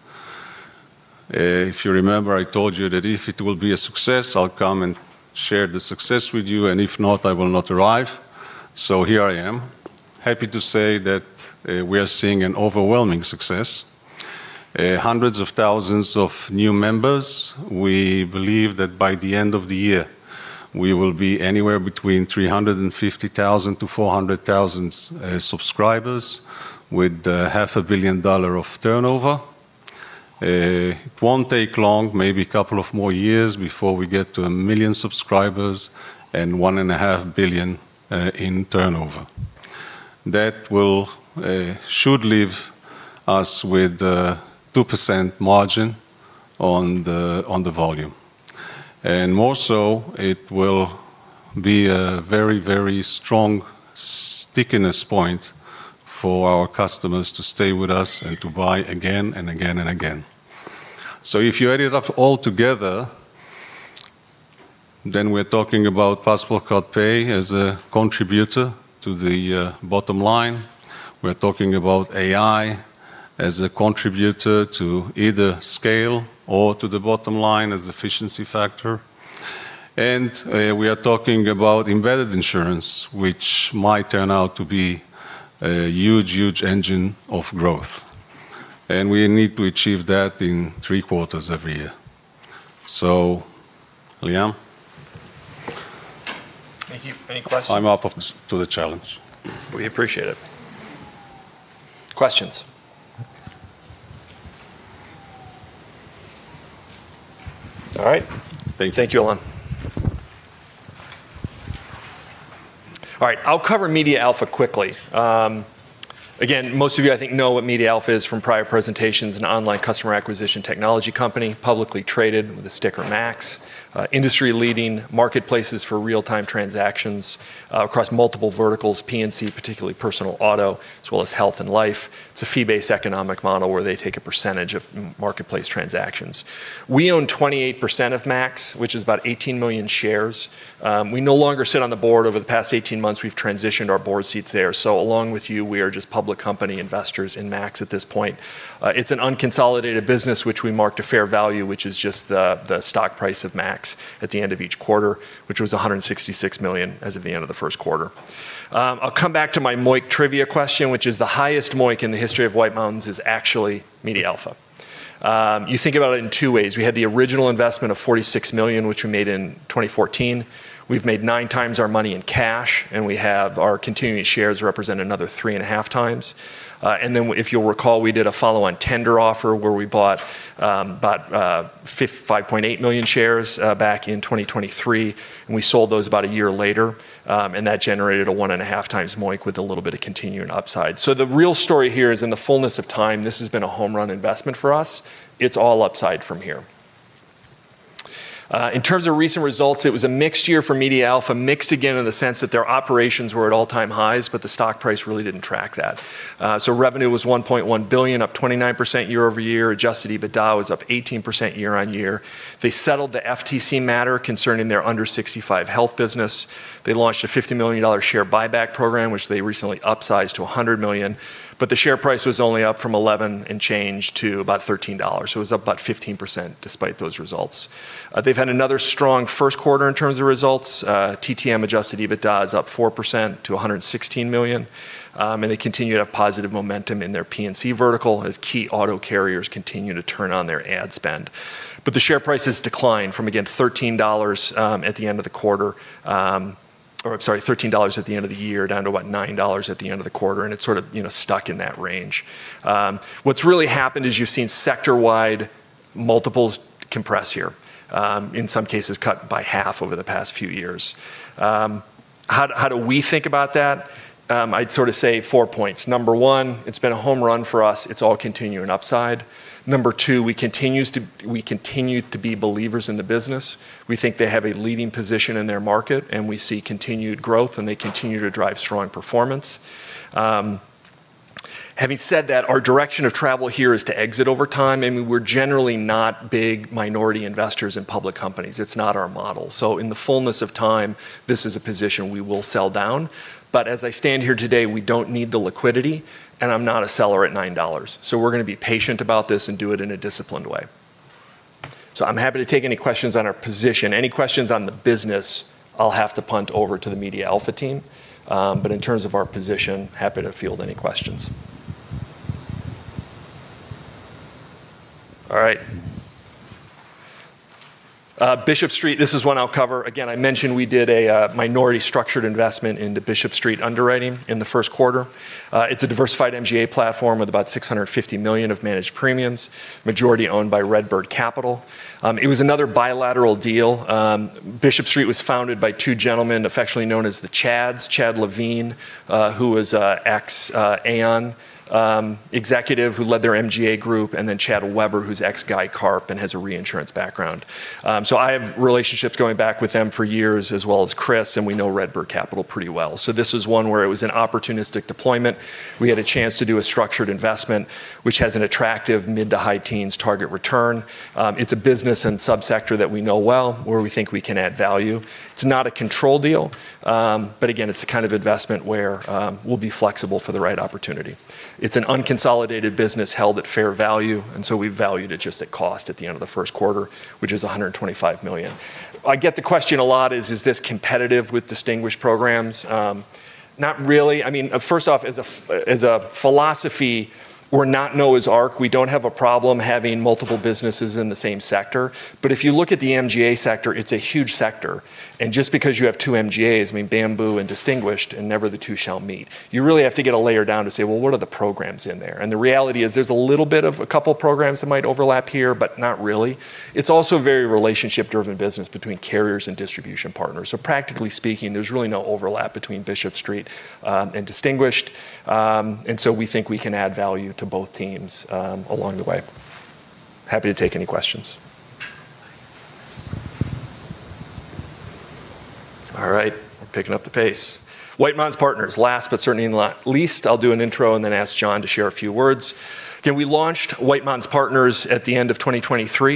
If you remember, I told you that if it will be a success, I'll come and share the success with you. If not, I will not arrive. Here I am. Happy to say that we are seeing an overwhelming success. Hundreds of thousands of new members. We believe that by the end of the year, we will be anywhere between 350,000-400,000 subscribers with half a billion dollars of turnover. It won't take long, maybe a couple of more years before we get to a million subscribers and one and a half billion in turnover. That should leave us with a 2% margin on the volume. More so, it will be a very strong stickiness point for our customers to stay with us and to buy again and again and again. If you add it up all together, then we're talking about PassportCard Pay as a contributor to the bottom line. We're talking about AI as a contributor to either scale or to the bottom line as efficiency factor. We are talking about embedded insurance, which might turn out to be a huge engine of growth. We need to achieve that in three quarters of a year. Liam? Thank you. Any questions? I'm up to the challenge. We appreciate it. Questions? All right. Thank you, Alon. All right, I'll cover MediaAlpha quickly. Again, most of you, I think, know what MediaAlpha is from prior presentations, an online customer acquisition technology company, publicly traded with a ticker Max. Industry-leading marketplaces for real-time transactions across multiple verticals, P&C, particularly personal auto, as well as health and life. It's a fee-based economic model where they take a percentage of marketplace transactions. We own 28% of Max, which is about 18 million shares. We no longer sit on the board. Over the past 18 months, we've transitioned our board seats there. Along with you, we are just public company investors in Max at this point. It's an unconsolidated business, which we marked a fair value, which is just the stock price of Max at the end of each quarter, which was $166 million as of the end of the first quarter. I'll come back to my MOIC trivia question, which is the highest MOIC in the history of White Mountains is actually MediaAlpha. You think about it in two ways. We had the original investment of $46 million, which we made in 2014. We've made nine times our money in cash, and we have our continuing shares represent another three and a half times. If you'll recall, we did a follow-on tender offer where we bought about 5.8 million shares back in 2023, and we sold those about a year later. That generated a one and a half times MOIC with a little bit of continuing upside. The real story here is in the fullness of time, this has been a home run investment for us. It's all upside from here. In terms of recent results, it was a mixed year for MediaAlpha, mixed again in the sense that their operations were at all-time highs, but the stock price really didn't track that. Revenue was $1.1 billion, up 29% year-over-year. Adjusted EBITDA was up 18% year-on-year. They settled the FTC matter concerning their under 65 health business. They launched a $50 million share buyback program, which they recently upsized to $100 million. The share price was only up from 11 and change to about $13. It was up about 15% despite those results. They've had another strong first quarter in terms of results. TTM adjusted EBITDA is up 4% to $116 million. They continue to have positive momentum in their P&C vertical as key auto carriers continue to turn on their ad spend. The share prices decline from, again, $13 at the end of the quarter, or I'm sorry, $13 at the end of the year down to about $9 at the end of the quarter, and it's sort of stuck in that range. What's really happened is you've seen sector-wide multiples compress here, in some cases, cut by half over the past few years. How do we think about that? I'd say four points. Number one, it's been a home run for us. It's all continuing upside. Number two, we continue to be believers in the business. We think they have a leading position in their market, and we see continued growth, and they continue to drive strong performance. Having said that, our direction of travel here is to exit over time. We're generally not big minority investors in public companies. It's not our model. In the fullness of time, this is a position we will sell down. As I stand here today, we don't need the liquidity. I'm not a seller at $9. We're going to be patient about this and do it in a disciplined way. I'm happy to take any questions on our position. Any questions on the business, I'll have to punt over to the MediaAlpha team. In terms of our position, happy to field any questions. All right. Bishop Street, this is one I'll cover. Again, I mentioned we did a minority structured investment into Bishop Street underwriting in the first quarter. It's a diversified MGA platform with about $650 million of managed premiums, majority owned by RedBird Capital. It was another bilateral deal. Bishop Street was founded by two gentlemen affectionately known as the Chads, Chad Levine who was ex Aon executive who led their MGA group, and then Chad Weber, who's ex Guy Carp and has a reinsurance background. I have relationships going back with them for years as well as Chris, and we know RedBird Capital pretty well. This was one where it was an opportunistic deployment. We had a chance to do a structured investment, which has an attractive mid-to-high teens target return. It's a business and sub-sector that we know well, where we think we can add value. It's not a control deal. Again, it's the kind of investment where we'll be flexible for the right opportunity. It's an unconsolidated business held at fair value, and so we valued it just at cost at the end of the first quarter, which is $125 million. I get the question a lot is this competitive with Distinguished Programs? Not really. I mean, first off, as a philosophy, we're not Noah's Ark. We don't have a problem having multiple businesses in the same sector. If you look at the MGA sector, it's a huge sector, and just because you have two MGAs, I mean, Bamboo and Distinguished, and never the two shall meet. You really have to get a layer down to say, Well, what are the programs in there? The reality is there's a little bit of a couple programs that might overlap here, but not really. It's also a very relationship-driven business between carriers and distribution partners. Practically speaking, there's really no overlap between Bishop Street and Distinguished. We think we can add value to both teams along the way. Happy to take any questions. All right, we're picking up the pace. White Mountains Partners, last but certainly not least. I'll do an intro and then ask John to share a few words. Again, we launched White Mountains Partners at the end of 2023,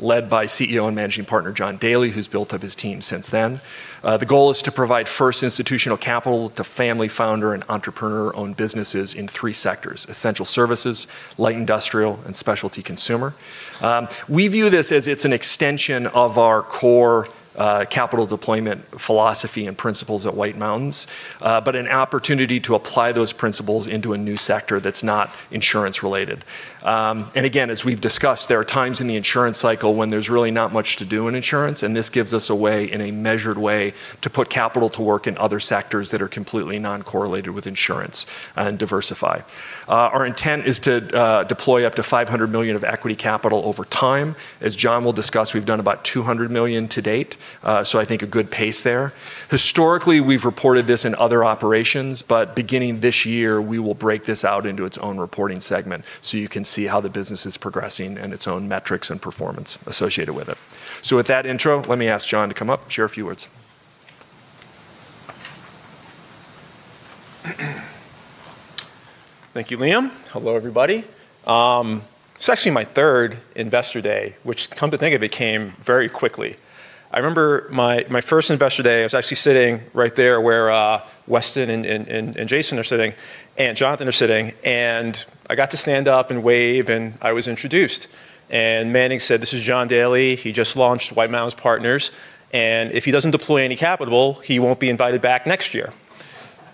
led by CEO and Managing Partner John Daly, who's built up his team since then. The goal is to provide first institutional capital to family founder and entrepreneur-owned businesses in three sectors, essential services, light industrial, and specialty consumer. We view this as it's an extension of our core capital deployment philosophy and principles at White Mountains. An opportunity to apply those principles into a new sector that's not insurance related. Again, as we've discussed, there are times in the insurance cycle when there's really not much to do in insurance, and this gives us a way, in a measured way, to put capital to work in other sectors that are completely non-correlated with insurance and diversify. Our intent is to deploy up to $500 million of equity capital over time. As John will discuss, we've done about $200 million to date. I think a good pace there. Historically, we've reported this in other operations, beginning this year, we will break this out into its own reporting segment so you can see how the business is progressing and its own metrics and performance associated with it. With that intro, let me ask John to come up, share a few words. Thank you, Liam. Hello, everybody. This is actually my third investor day, which come to think of it, came very quickly. I remember my first investor day, I was actually sitting right there where Weston and Jason are sitting, and Jonathan are sitting, and I got to stand up and wave, and I was introduced. Manning said, This is John Daly. He just launched White Mountains Partners, and if he doesn't deploy any capital, he won't be invited back next year.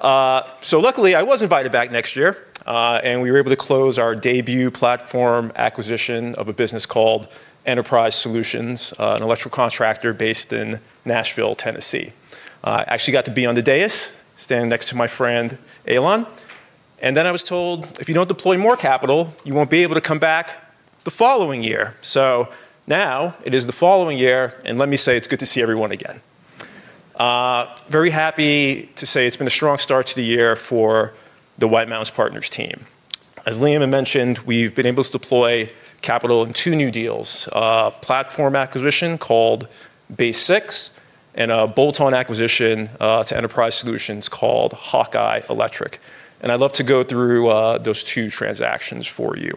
Luckily, I was invited back next year, and we were able to close our debut platform acquisition of a business called Enterprise Solutions, an electrical contractor based in Nashville, Tennessee. I actually got to be on the dais standing next to my friend Alon. I was told, If you don't deploy more capital, you won't be able to come back the following year. Now it is the following year. Let me say, it's good to see everyone again. Very happy to say it's been a strong start to the year for the White Mountains Partners team. As Liam had mentioned, we've been able to deploy capital in two new deals, a platform acquisition called BaseSix, and a bolt-on acquisition to Enterprise Solutions called Hawkeye Electric. I'd love to go through those two transactions for you.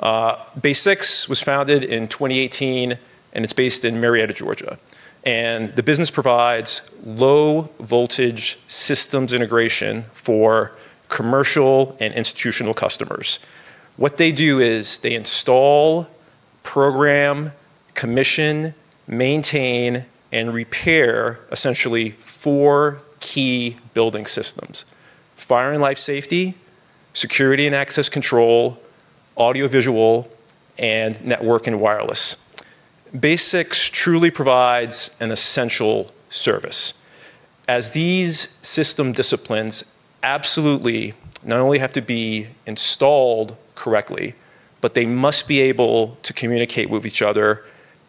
BaseSix was founded in 2018. It's based in Marietta, Georgia. The business provides low-voltage systems integration for commercial and institutional customers. What they do is they install, program, commission, maintain, and repair essentially four key building systems. Fire and life safety, security and access control, audiovisual, and network and wireless. Base6 truly provides an essential service, as these system disciplines absolutely not only have to be installed correctly, but they must be able to communicate with each other,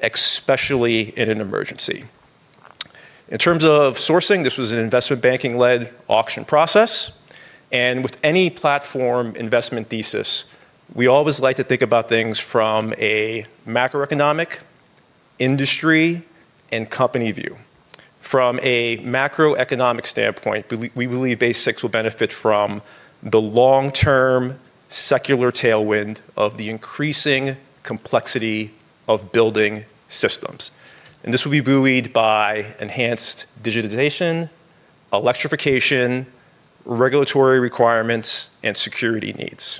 especially in an emergency. In terms of sourcing, this was an investment banking-led auction process, and with any platform investment thesis, we always like to think about things from a macroeconomic, industry, and company view. From a macroeconomic standpoint, we believe Base6 will benefit from the long-term secular tailwind of the increasing complexity of building systems. This will be buoyed by enhanced digitization, electrification, regulatory requirements, and security needs.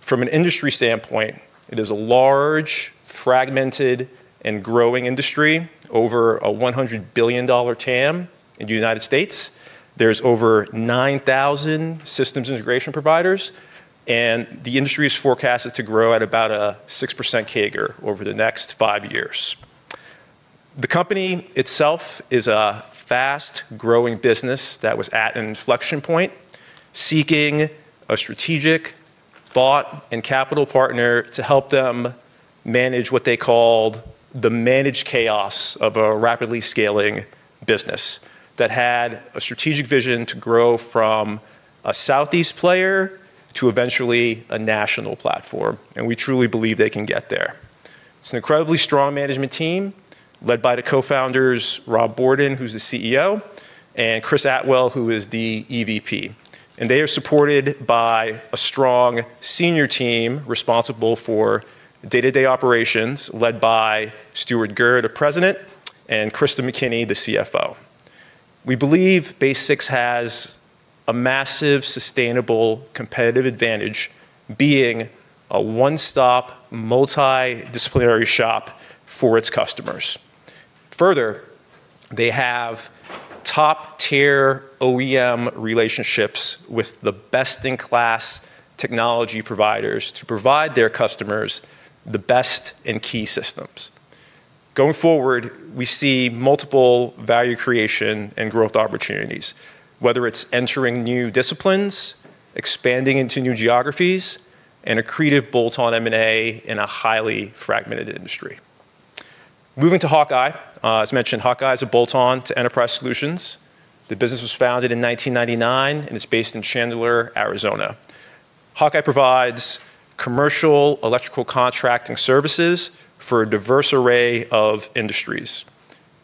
From an industry standpoint, it is a large fragmented and growing industry, over a $100 billion TAM in the U.S. There's over 9,000 systems integration providers. The industry is forecasted to grow at about a 6% CAGR over the next five years. The company itself is a fast-growing business that was at an inflection point, seeking a strategic thought and capital partner to help them manage what they called the managed chaos of a rapidly scaling business that had a strategic vision to grow from a southeast player to eventually a national platform. We truly believe they can get there. It's an incredibly strong management team led by the co-founders, Rob Jakacki, who's the CEO, and Chris Atwell, who is the EVP. They are supported by a strong senior team responsible for day-to-day operations, led by Stuart Gehr, the President, and Gavin McLeod, the CFO. We believe BaseSix has a massive sustainable competitive advantage being a one-stop, multidisciplinary shop for its customers. They have top-tier OEM relationships with the best-in-class technology providers to provide their customers the best in key systems. Going forward, we see multiple value creation and growth opportunities, whether it's entering new disciplines, expanding into new geographies, and accretive bolt-on M&A in a highly fragmented industry. Moving to Hawkeye. As mentioned, Hawkeye is a bolt-on to Enterprise Solutions. The business was founded in 1999, and it's based in Chandler, Arizona. Hawkeye provides commercial electrical contracting services for a diverse array of industries.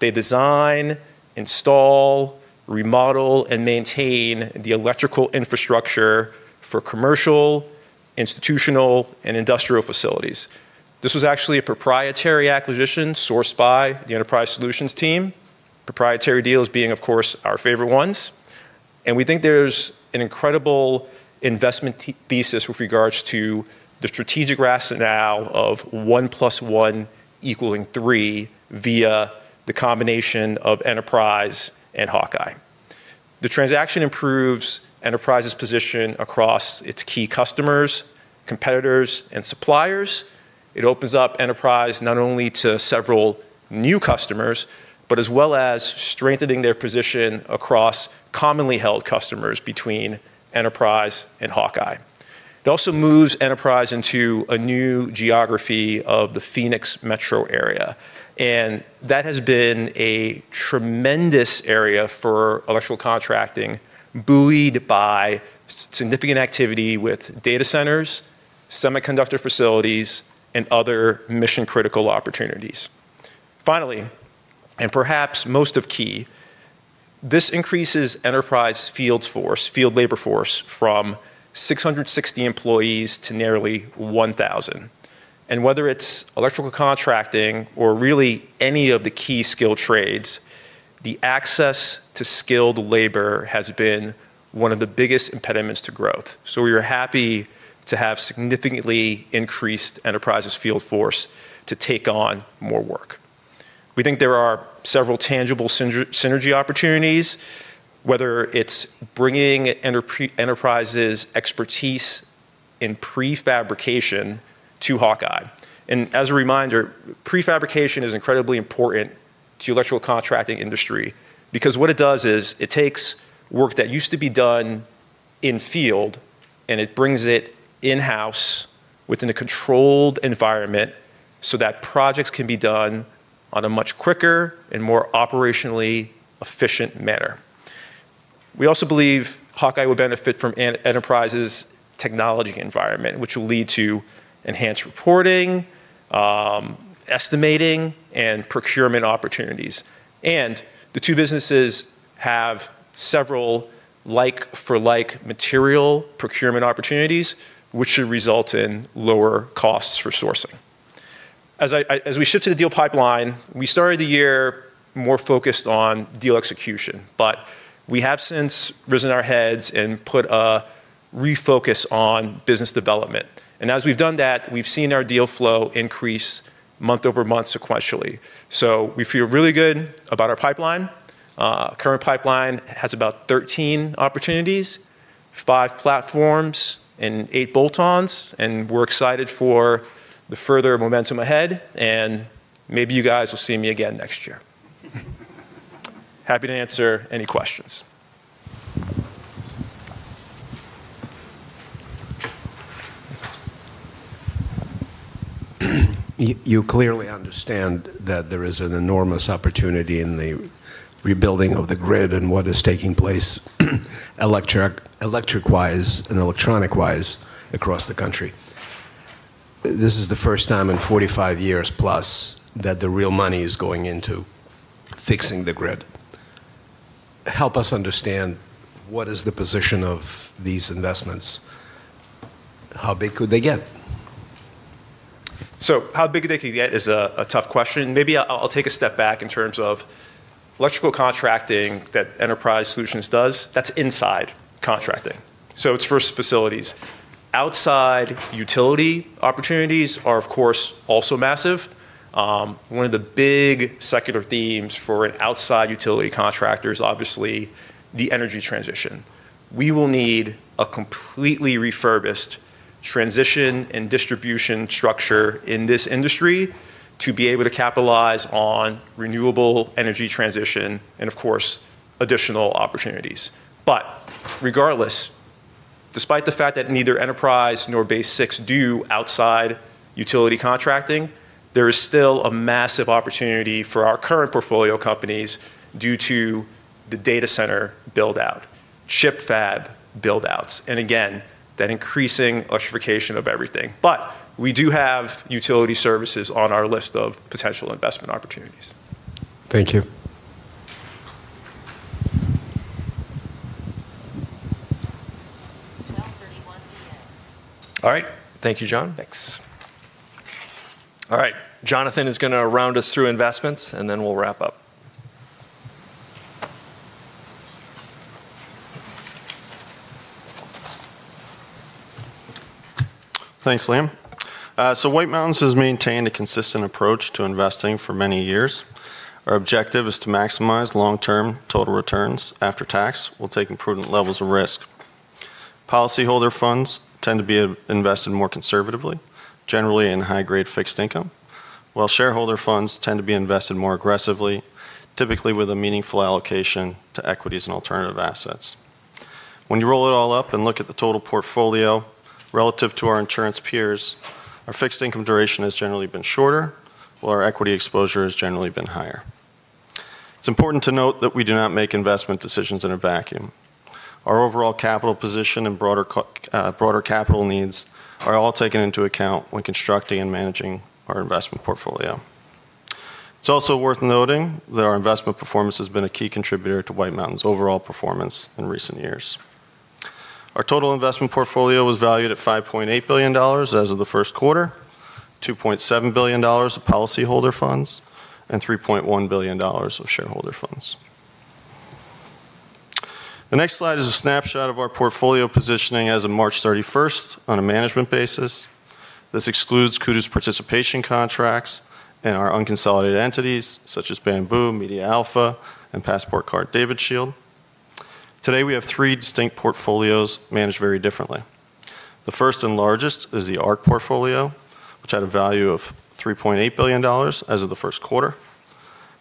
They design, install, remodel, and maintain the electrical infrastructure for commercial, institutional, and industrial facilities. This was actually a proprietary acquisition sourced by the Enterprise Solutions team, proprietary deals being, of course, our favorite ones. We think there's an incredible investment thesis with regards to the strategic rationale of one plus one equaling three via the combination of Enterprise and Hawkeye. The transaction improves Enterprise's position across its key customers, competitors, and suppliers. It opens up Enterprise not only to several new customers, but as well as strengthening their position across commonly held customers between Enterprise and Hawkeye. That has been a tremendous area for electrical contracting, buoyed by significant activity with data centers, semiconductor facilities, and other mission-critical opportunities. Finally, perhaps most of key, this increases Enterprise field labor force from 660 employees to nearly 1,000. Whether it's electrical contracting or really any of the key skill trades, the access to skilled labor has been one of the biggest impediments to growth. We are happy to have significantly increased Enterprise's field force to take on more work. We think there are several tangible synergy opportunities, whether it's bringing Enterprise's expertise in prefabrication to Hawkeye. As a reminder, prefabrication is incredibly important to the electrical contracting industry because what it does is it takes work that used to be done in field, and it brings it in-house within a controlled environment so that projects can be done on a much quicker and more operationally efficient manner. We also believe Hawkeye will benefit from Enterprise's technology environment, which will lead to enhanced reporting, estimating, and procurement opportunities. The two businesses have several like-for-like material procurement opportunities, which should result in lower costs for sourcing. As we shift to the deal pipeline, we started the year more focused on deal execution, but we have since risen our heads and put a refocus on business development. As we've done that, we've seen our deal flow increase month-over-month sequentially. We feel really good about our pipeline. Current pipeline has about 13 opportunities, five platforms, and eight bolt-ons. We're excited for the further momentum ahead. Maybe you guys will see me again next year. Happy to answer any questions. You clearly understand that there is an enormous opportunity in the rebuilding of the grid and what is taking place electric-wise and electronic-wise across the country. This is the first time in 45 years+ that the real money is going into fixing the grid. Help us understand what is the position of these investments? How big could they get? How big they could get is a tough question. Maybe I'll take a step back in terms of electrical contracting that Enterprise Solutions does, that's inside contracting. It's for facilities. Outside utility opportunities are, of course, also massive. One of the big secular themes for an outside utility contractor is obviously the energy transition. We will need a completely refurbished transition and distribution structure in this industry to be able to capitalize on renewable energy transition and, of course, additional opportunities. Regardless, despite the fact that neither Enterprise nor BaseSix do outside utility contracting, there is still a massive opportunity for our current portfolio companies due to the data center build-out, chip fab build-outs, and again, that increasing electrification of everything. We do have utility services on our list of potential investment opportunities. Thank you. 12:31 P.M. All right. Thank you, John. Thanks. All right. Jonathan is going to round us through investments, and then we'll wrap up. Thanks, Liam. White Mountains has maintained a consistent approach to investing for many years. Our objective is to maximize long-term total returns after tax while taking prudent levels of risk. Policyholder funds tend to be invested more conservatively, generally in high-grade fixed income, while shareholder funds tend to be invested more aggressively, typically with a meaningful allocation to equities and alternative assets. When you roll it all up and look at the total portfolio relative to our insurance peers, our fixed income duration has generally been shorter, while our equity exposure has generally been higher. It's important to note that we do not make investment decisions in a vacuum. Our overall capital position and broader capital needs are all taken into account when constructing and managing our investment portfolio. It's also worth noting that our investment performance has been a key contributor to White Mountains' overall performance in recent years. Our total investment portfolio was valued at $5.8 billion as of the first quarter, $2.7 billion of policyholder funds, and $3.1 billion of shareholder funds. The next slide is a snapshot of our portfolio positioning as of March 31st on a management basis. This excludes Kudu's participation contracts and our unconsolidated entities such as Bamboo, MediaAlpha, and PassportCard/DavidShield. Today, we have three distinct portfolios managed very differently. The first and largest is the Ark portfolio, which had a value of $3.8 billion as of the first quarter.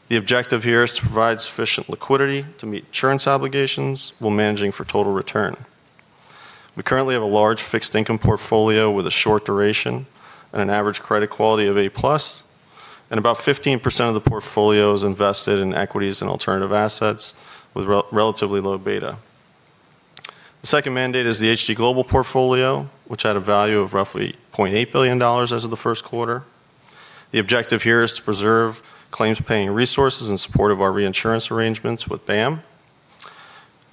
The objective here is to provide sufficient liquidity to meet insurance obligations while managing for total return. We currently have a large fixed income portfolio with a short duration and an average credit quality of A+, and about 15% of the portfolio is invested in equities and alternative assets with relatively low beta. The second mandate is the HG Global portfolio, which had a value of roughly $0.8 billion as of the first quarter. The objective here is to preserve claims-paying resources in support of our reinsurance arrangements with BAM.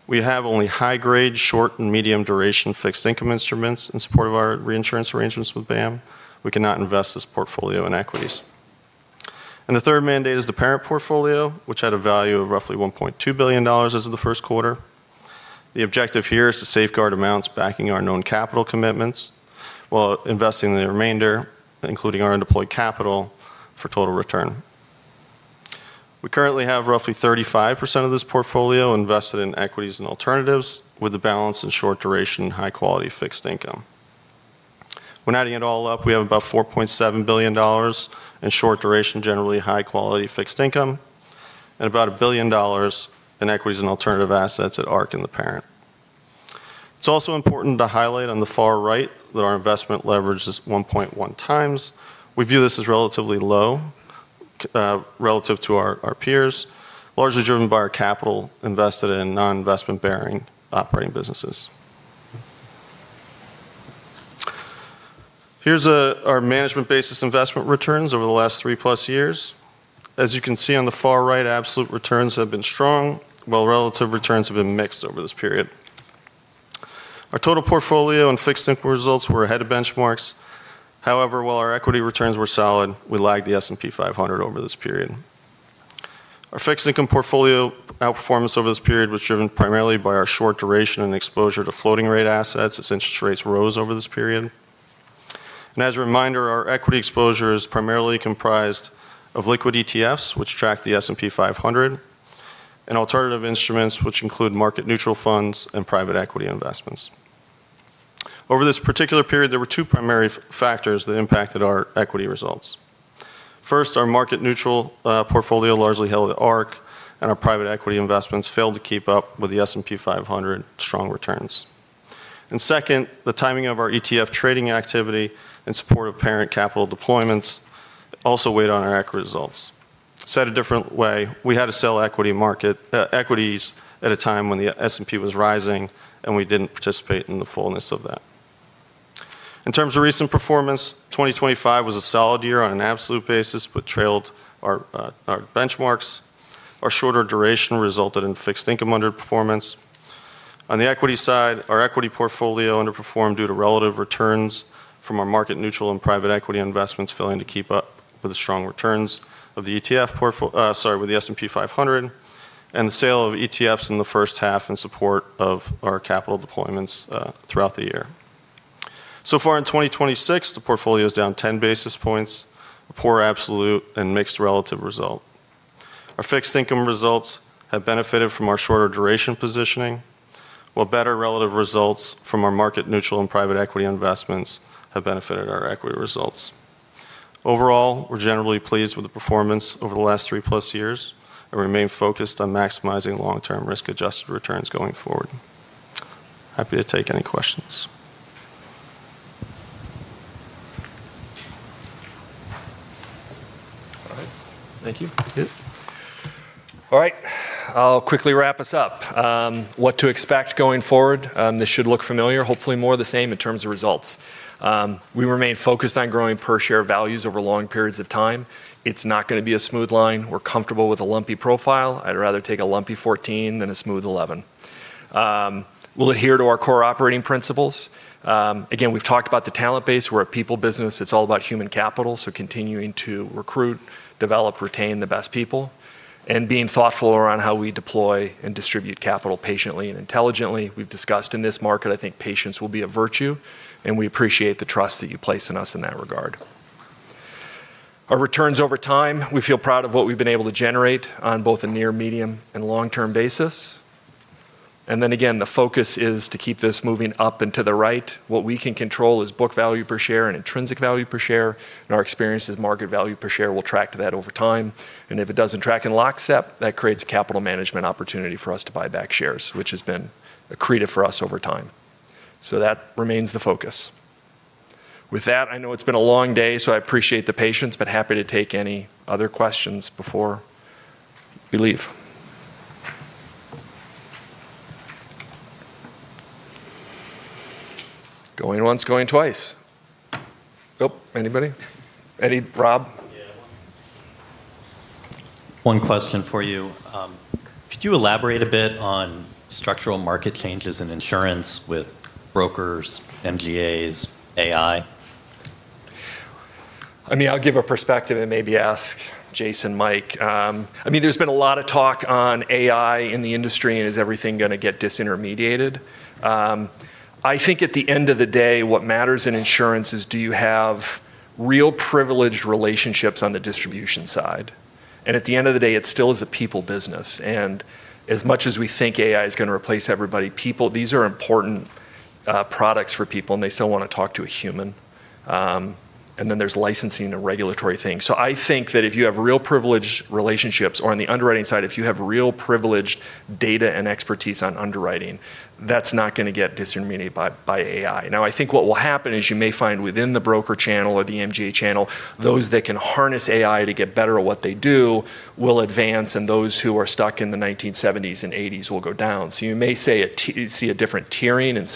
We have only high-grade, short and medium duration fixed income instruments in support of our reinsurance arrangements with BAM. We cannot invest this portfolio in equities. The third mandate is the parent portfolio, which had a value of roughly $1.2 billion as of the first quarter. The objective here is to safeguard amounts backing our known capital commitments while investing the remainder, including our undeployed capital, for total return. We currently have roughly 35% of this portfolio invested in equities and alternatives with a balance in short duration and high-quality fixed income. When adding it all up, we have about $4.7 billion in short duration, generally high-quality fixed income, and about $1 billion in equities and alternative assets at Ark and the parent. It's also important to highlight on the far right that our investment leverage is 1.1x. We view this as relatively low relative to our peers, largely driven by our capital invested in non-investment-bearing operating businesses. Here's our management basis investment returns over the last three-plus years. As you can see on the far right, absolute returns have been strong, while relative returns have been mixed over this period. Our total portfolio and fixed income results were ahead of benchmarks. While our equity returns were solid, we lagged the S&P 500 over this period. Our fixed income portfolio outperformance over this period was driven primarily by our short duration and exposure to floating rate assets as interest rates rose over this period. As a reminder, our equity exposure is primarily comprised of liquid ETFs, which track the S&P 500, and alternative instruments which include market neutral funds and private equity investments. Over this particular period, there were two primary factors that impacted our equity results. First, our market neutral portfolio, largely held at Ark, and our private equity investments failed to keep up with the S&P 500 strong returns. Second, the timing of our ETF trading activity in support of parent capital deployments also weighed on our equity results. Said a different way, we had to sell equities at a time when the S&P was rising, and we didn't participate in the fullness of that. In terms of recent performance, 2025 was a solid year on an absolute basis, but trailed our benchmarks. Our shorter duration resulted in fixed income underperformance. On the equity side, our equity portfolio underperformed due to relative returns from our market neutral and private equity investments failing to keep up with the strong returns of the S&P 500, and the sale of ETFs in the first half in support of our capital deployments throughout the year. Far in 2026, the portfolio is down 10 basis points, a poor absolute and mixed relative result. Our fixed income results have benefited from our shorter duration positioning, while better relative results from our market neutral and private equity investments have benefited our equity results. Overall, we're generally pleased with the performance over the last three-plus years and remain focused on maximizing long-term risk-adjusted returns going forward. Happy to take any questions. All right. Thank you. Good. All right, I'll quickly wrap us up. What to expect going forward. This should look familiar. Hopefully more of the same in terms of results. We remain focused on growing per share values over long periods of time. It's not going to be a smooth line. We're comfortable with a lumpy profile. I'd rather take a lumpy 14 than a smooth 11. We'll adhere to our core operating principles. Again, we've talked about the talent base. We're a people business. It's all about human capital, so continuing to recruit, develop, retain the best people and being thoughtful around how we deploy and distribute capital patiently and intelligently. We've discussed in this market, I think patience will be a virtue, and we appreciate the trust that you place in us in that regard. Our returns over time, we feel proud of what we've been able to generate on both a near, medium, and long-term basis. Again, the focus is to keep this moving up and to the right. What we can control is book value per share and intrinsic value per share, and our experience is market value per share will track to that over time. If it doesn't track in lockstep, that creates a capital management opportunity for us to buy back shares, which has been accretive for us over time. That remains the focus. With that, I know it's been a long day, so I appreciate the patience, but happy to take any other questions before we leave. Going once, going twice. Nope. Anybody? Eddie? Rob? Yeah. One question for you. Could you elaborate a bit on structural market changes in insurance with brokers, MGAs, AI? I'll give a perspective and maybe ask Jason, Mike. Is everything going to get disintermediated? I think at the end of the day, what matters in insurance is do you have real privileged relationships on the distribution side? At the end of the day, it still is a people business. As much as we think AI is going to replace everybody, these are important products for people. They still want to talk to a human. Then there's licensing, a regulatory thing. I think that if you have real privileged relationships or on the underwriting side, if you have real privileged data and expertise on underwriting, that's not going to get disintermediated by AI. Now, I think what will happen is you may find within the broker channel or the MGA channel, those that can harness AI to get better at what they do will advance, and those who are stuck in the 1970s and '80s will go down. You may see a different tiering and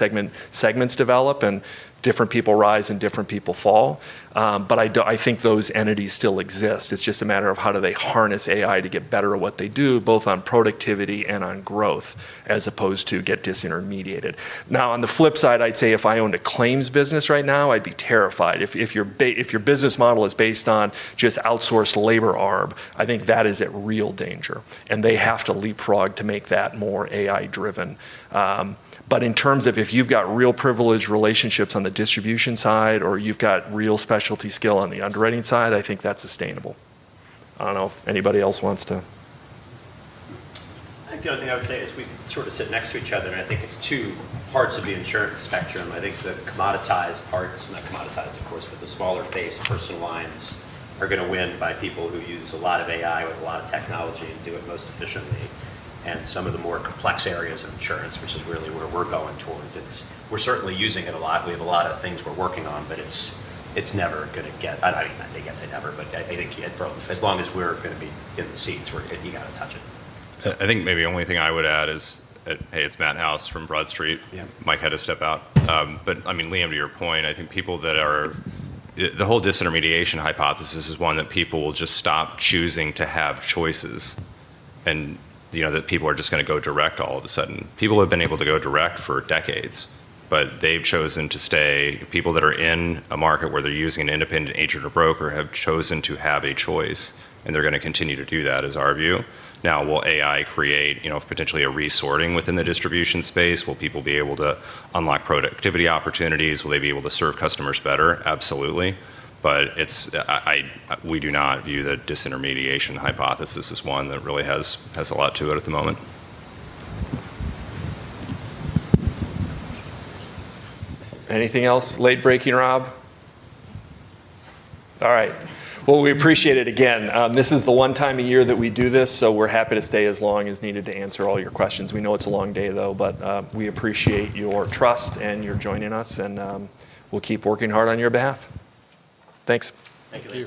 segments develop and different people rise and different people fall. I think those entities still exist. It's just a matter of how do they harness AI to get better at what they do, both on productivity and on growth, as opposed to get disintermediated. On the flip side, I'd say if I owned a claims business right now, I'd be terrified. If your business model is based on just outsourced labor arb, I think that is at real danger, and they have to leapfrog to make that more AI-driven. In terms of if you've got real privileged relationships on the distribution side, or you've got real specialty skill on the underwriting side, I think that's sustainable. I don't know if anybody else wants to I think the only thing I would say is we sort of sit next to each other, and I think it's two parts of the insurance spectrum. I think the commoditized parts, not commoditized, of course, but the smaller case personal lines are going to win by people who use a lot of AI with a lot of technology and do it most efficiently. Some of the more complex areas of insurance, which is really where we're going towards, it's, we're certainly using it a lot. We have a lot of things we're working on, but I hate to say never, I think as long as we're going to be in the seats, you got to touch it. I think maybe only thing I would add is, Hey, it's Matt House from BroadStreet. Yeah. Mike had to step out. I mean, Liam, to your point, The whole disintermediation hypothesis is one that people will just stop choosing to have choices, and that people are just going to go direct all of a sudden. People have been able to go direct for decades, but they've chosen to stay. People that are in a market where they're using an independent agent or broker have chosen to have a choice, and they're going to continue to do that is our view. Will AI create potentially a resorting within the distribution space? Will people be able to unlock productivity opportunities? Will they be able to serve customers better? Absolutely. We do not view the disintermediation hypothesis as one that really has a lot to it at the moment. Anything else late breaking, Rob? All right. Well, we appreciate it. Again, this is the one time a year that we do this, so we're happy to stay as long as needed to answer all your questions. We know it's a long day, though, but we appreciate your trust and your joining us, and we'll keep working hard on your behalf. Thanks. Thank you.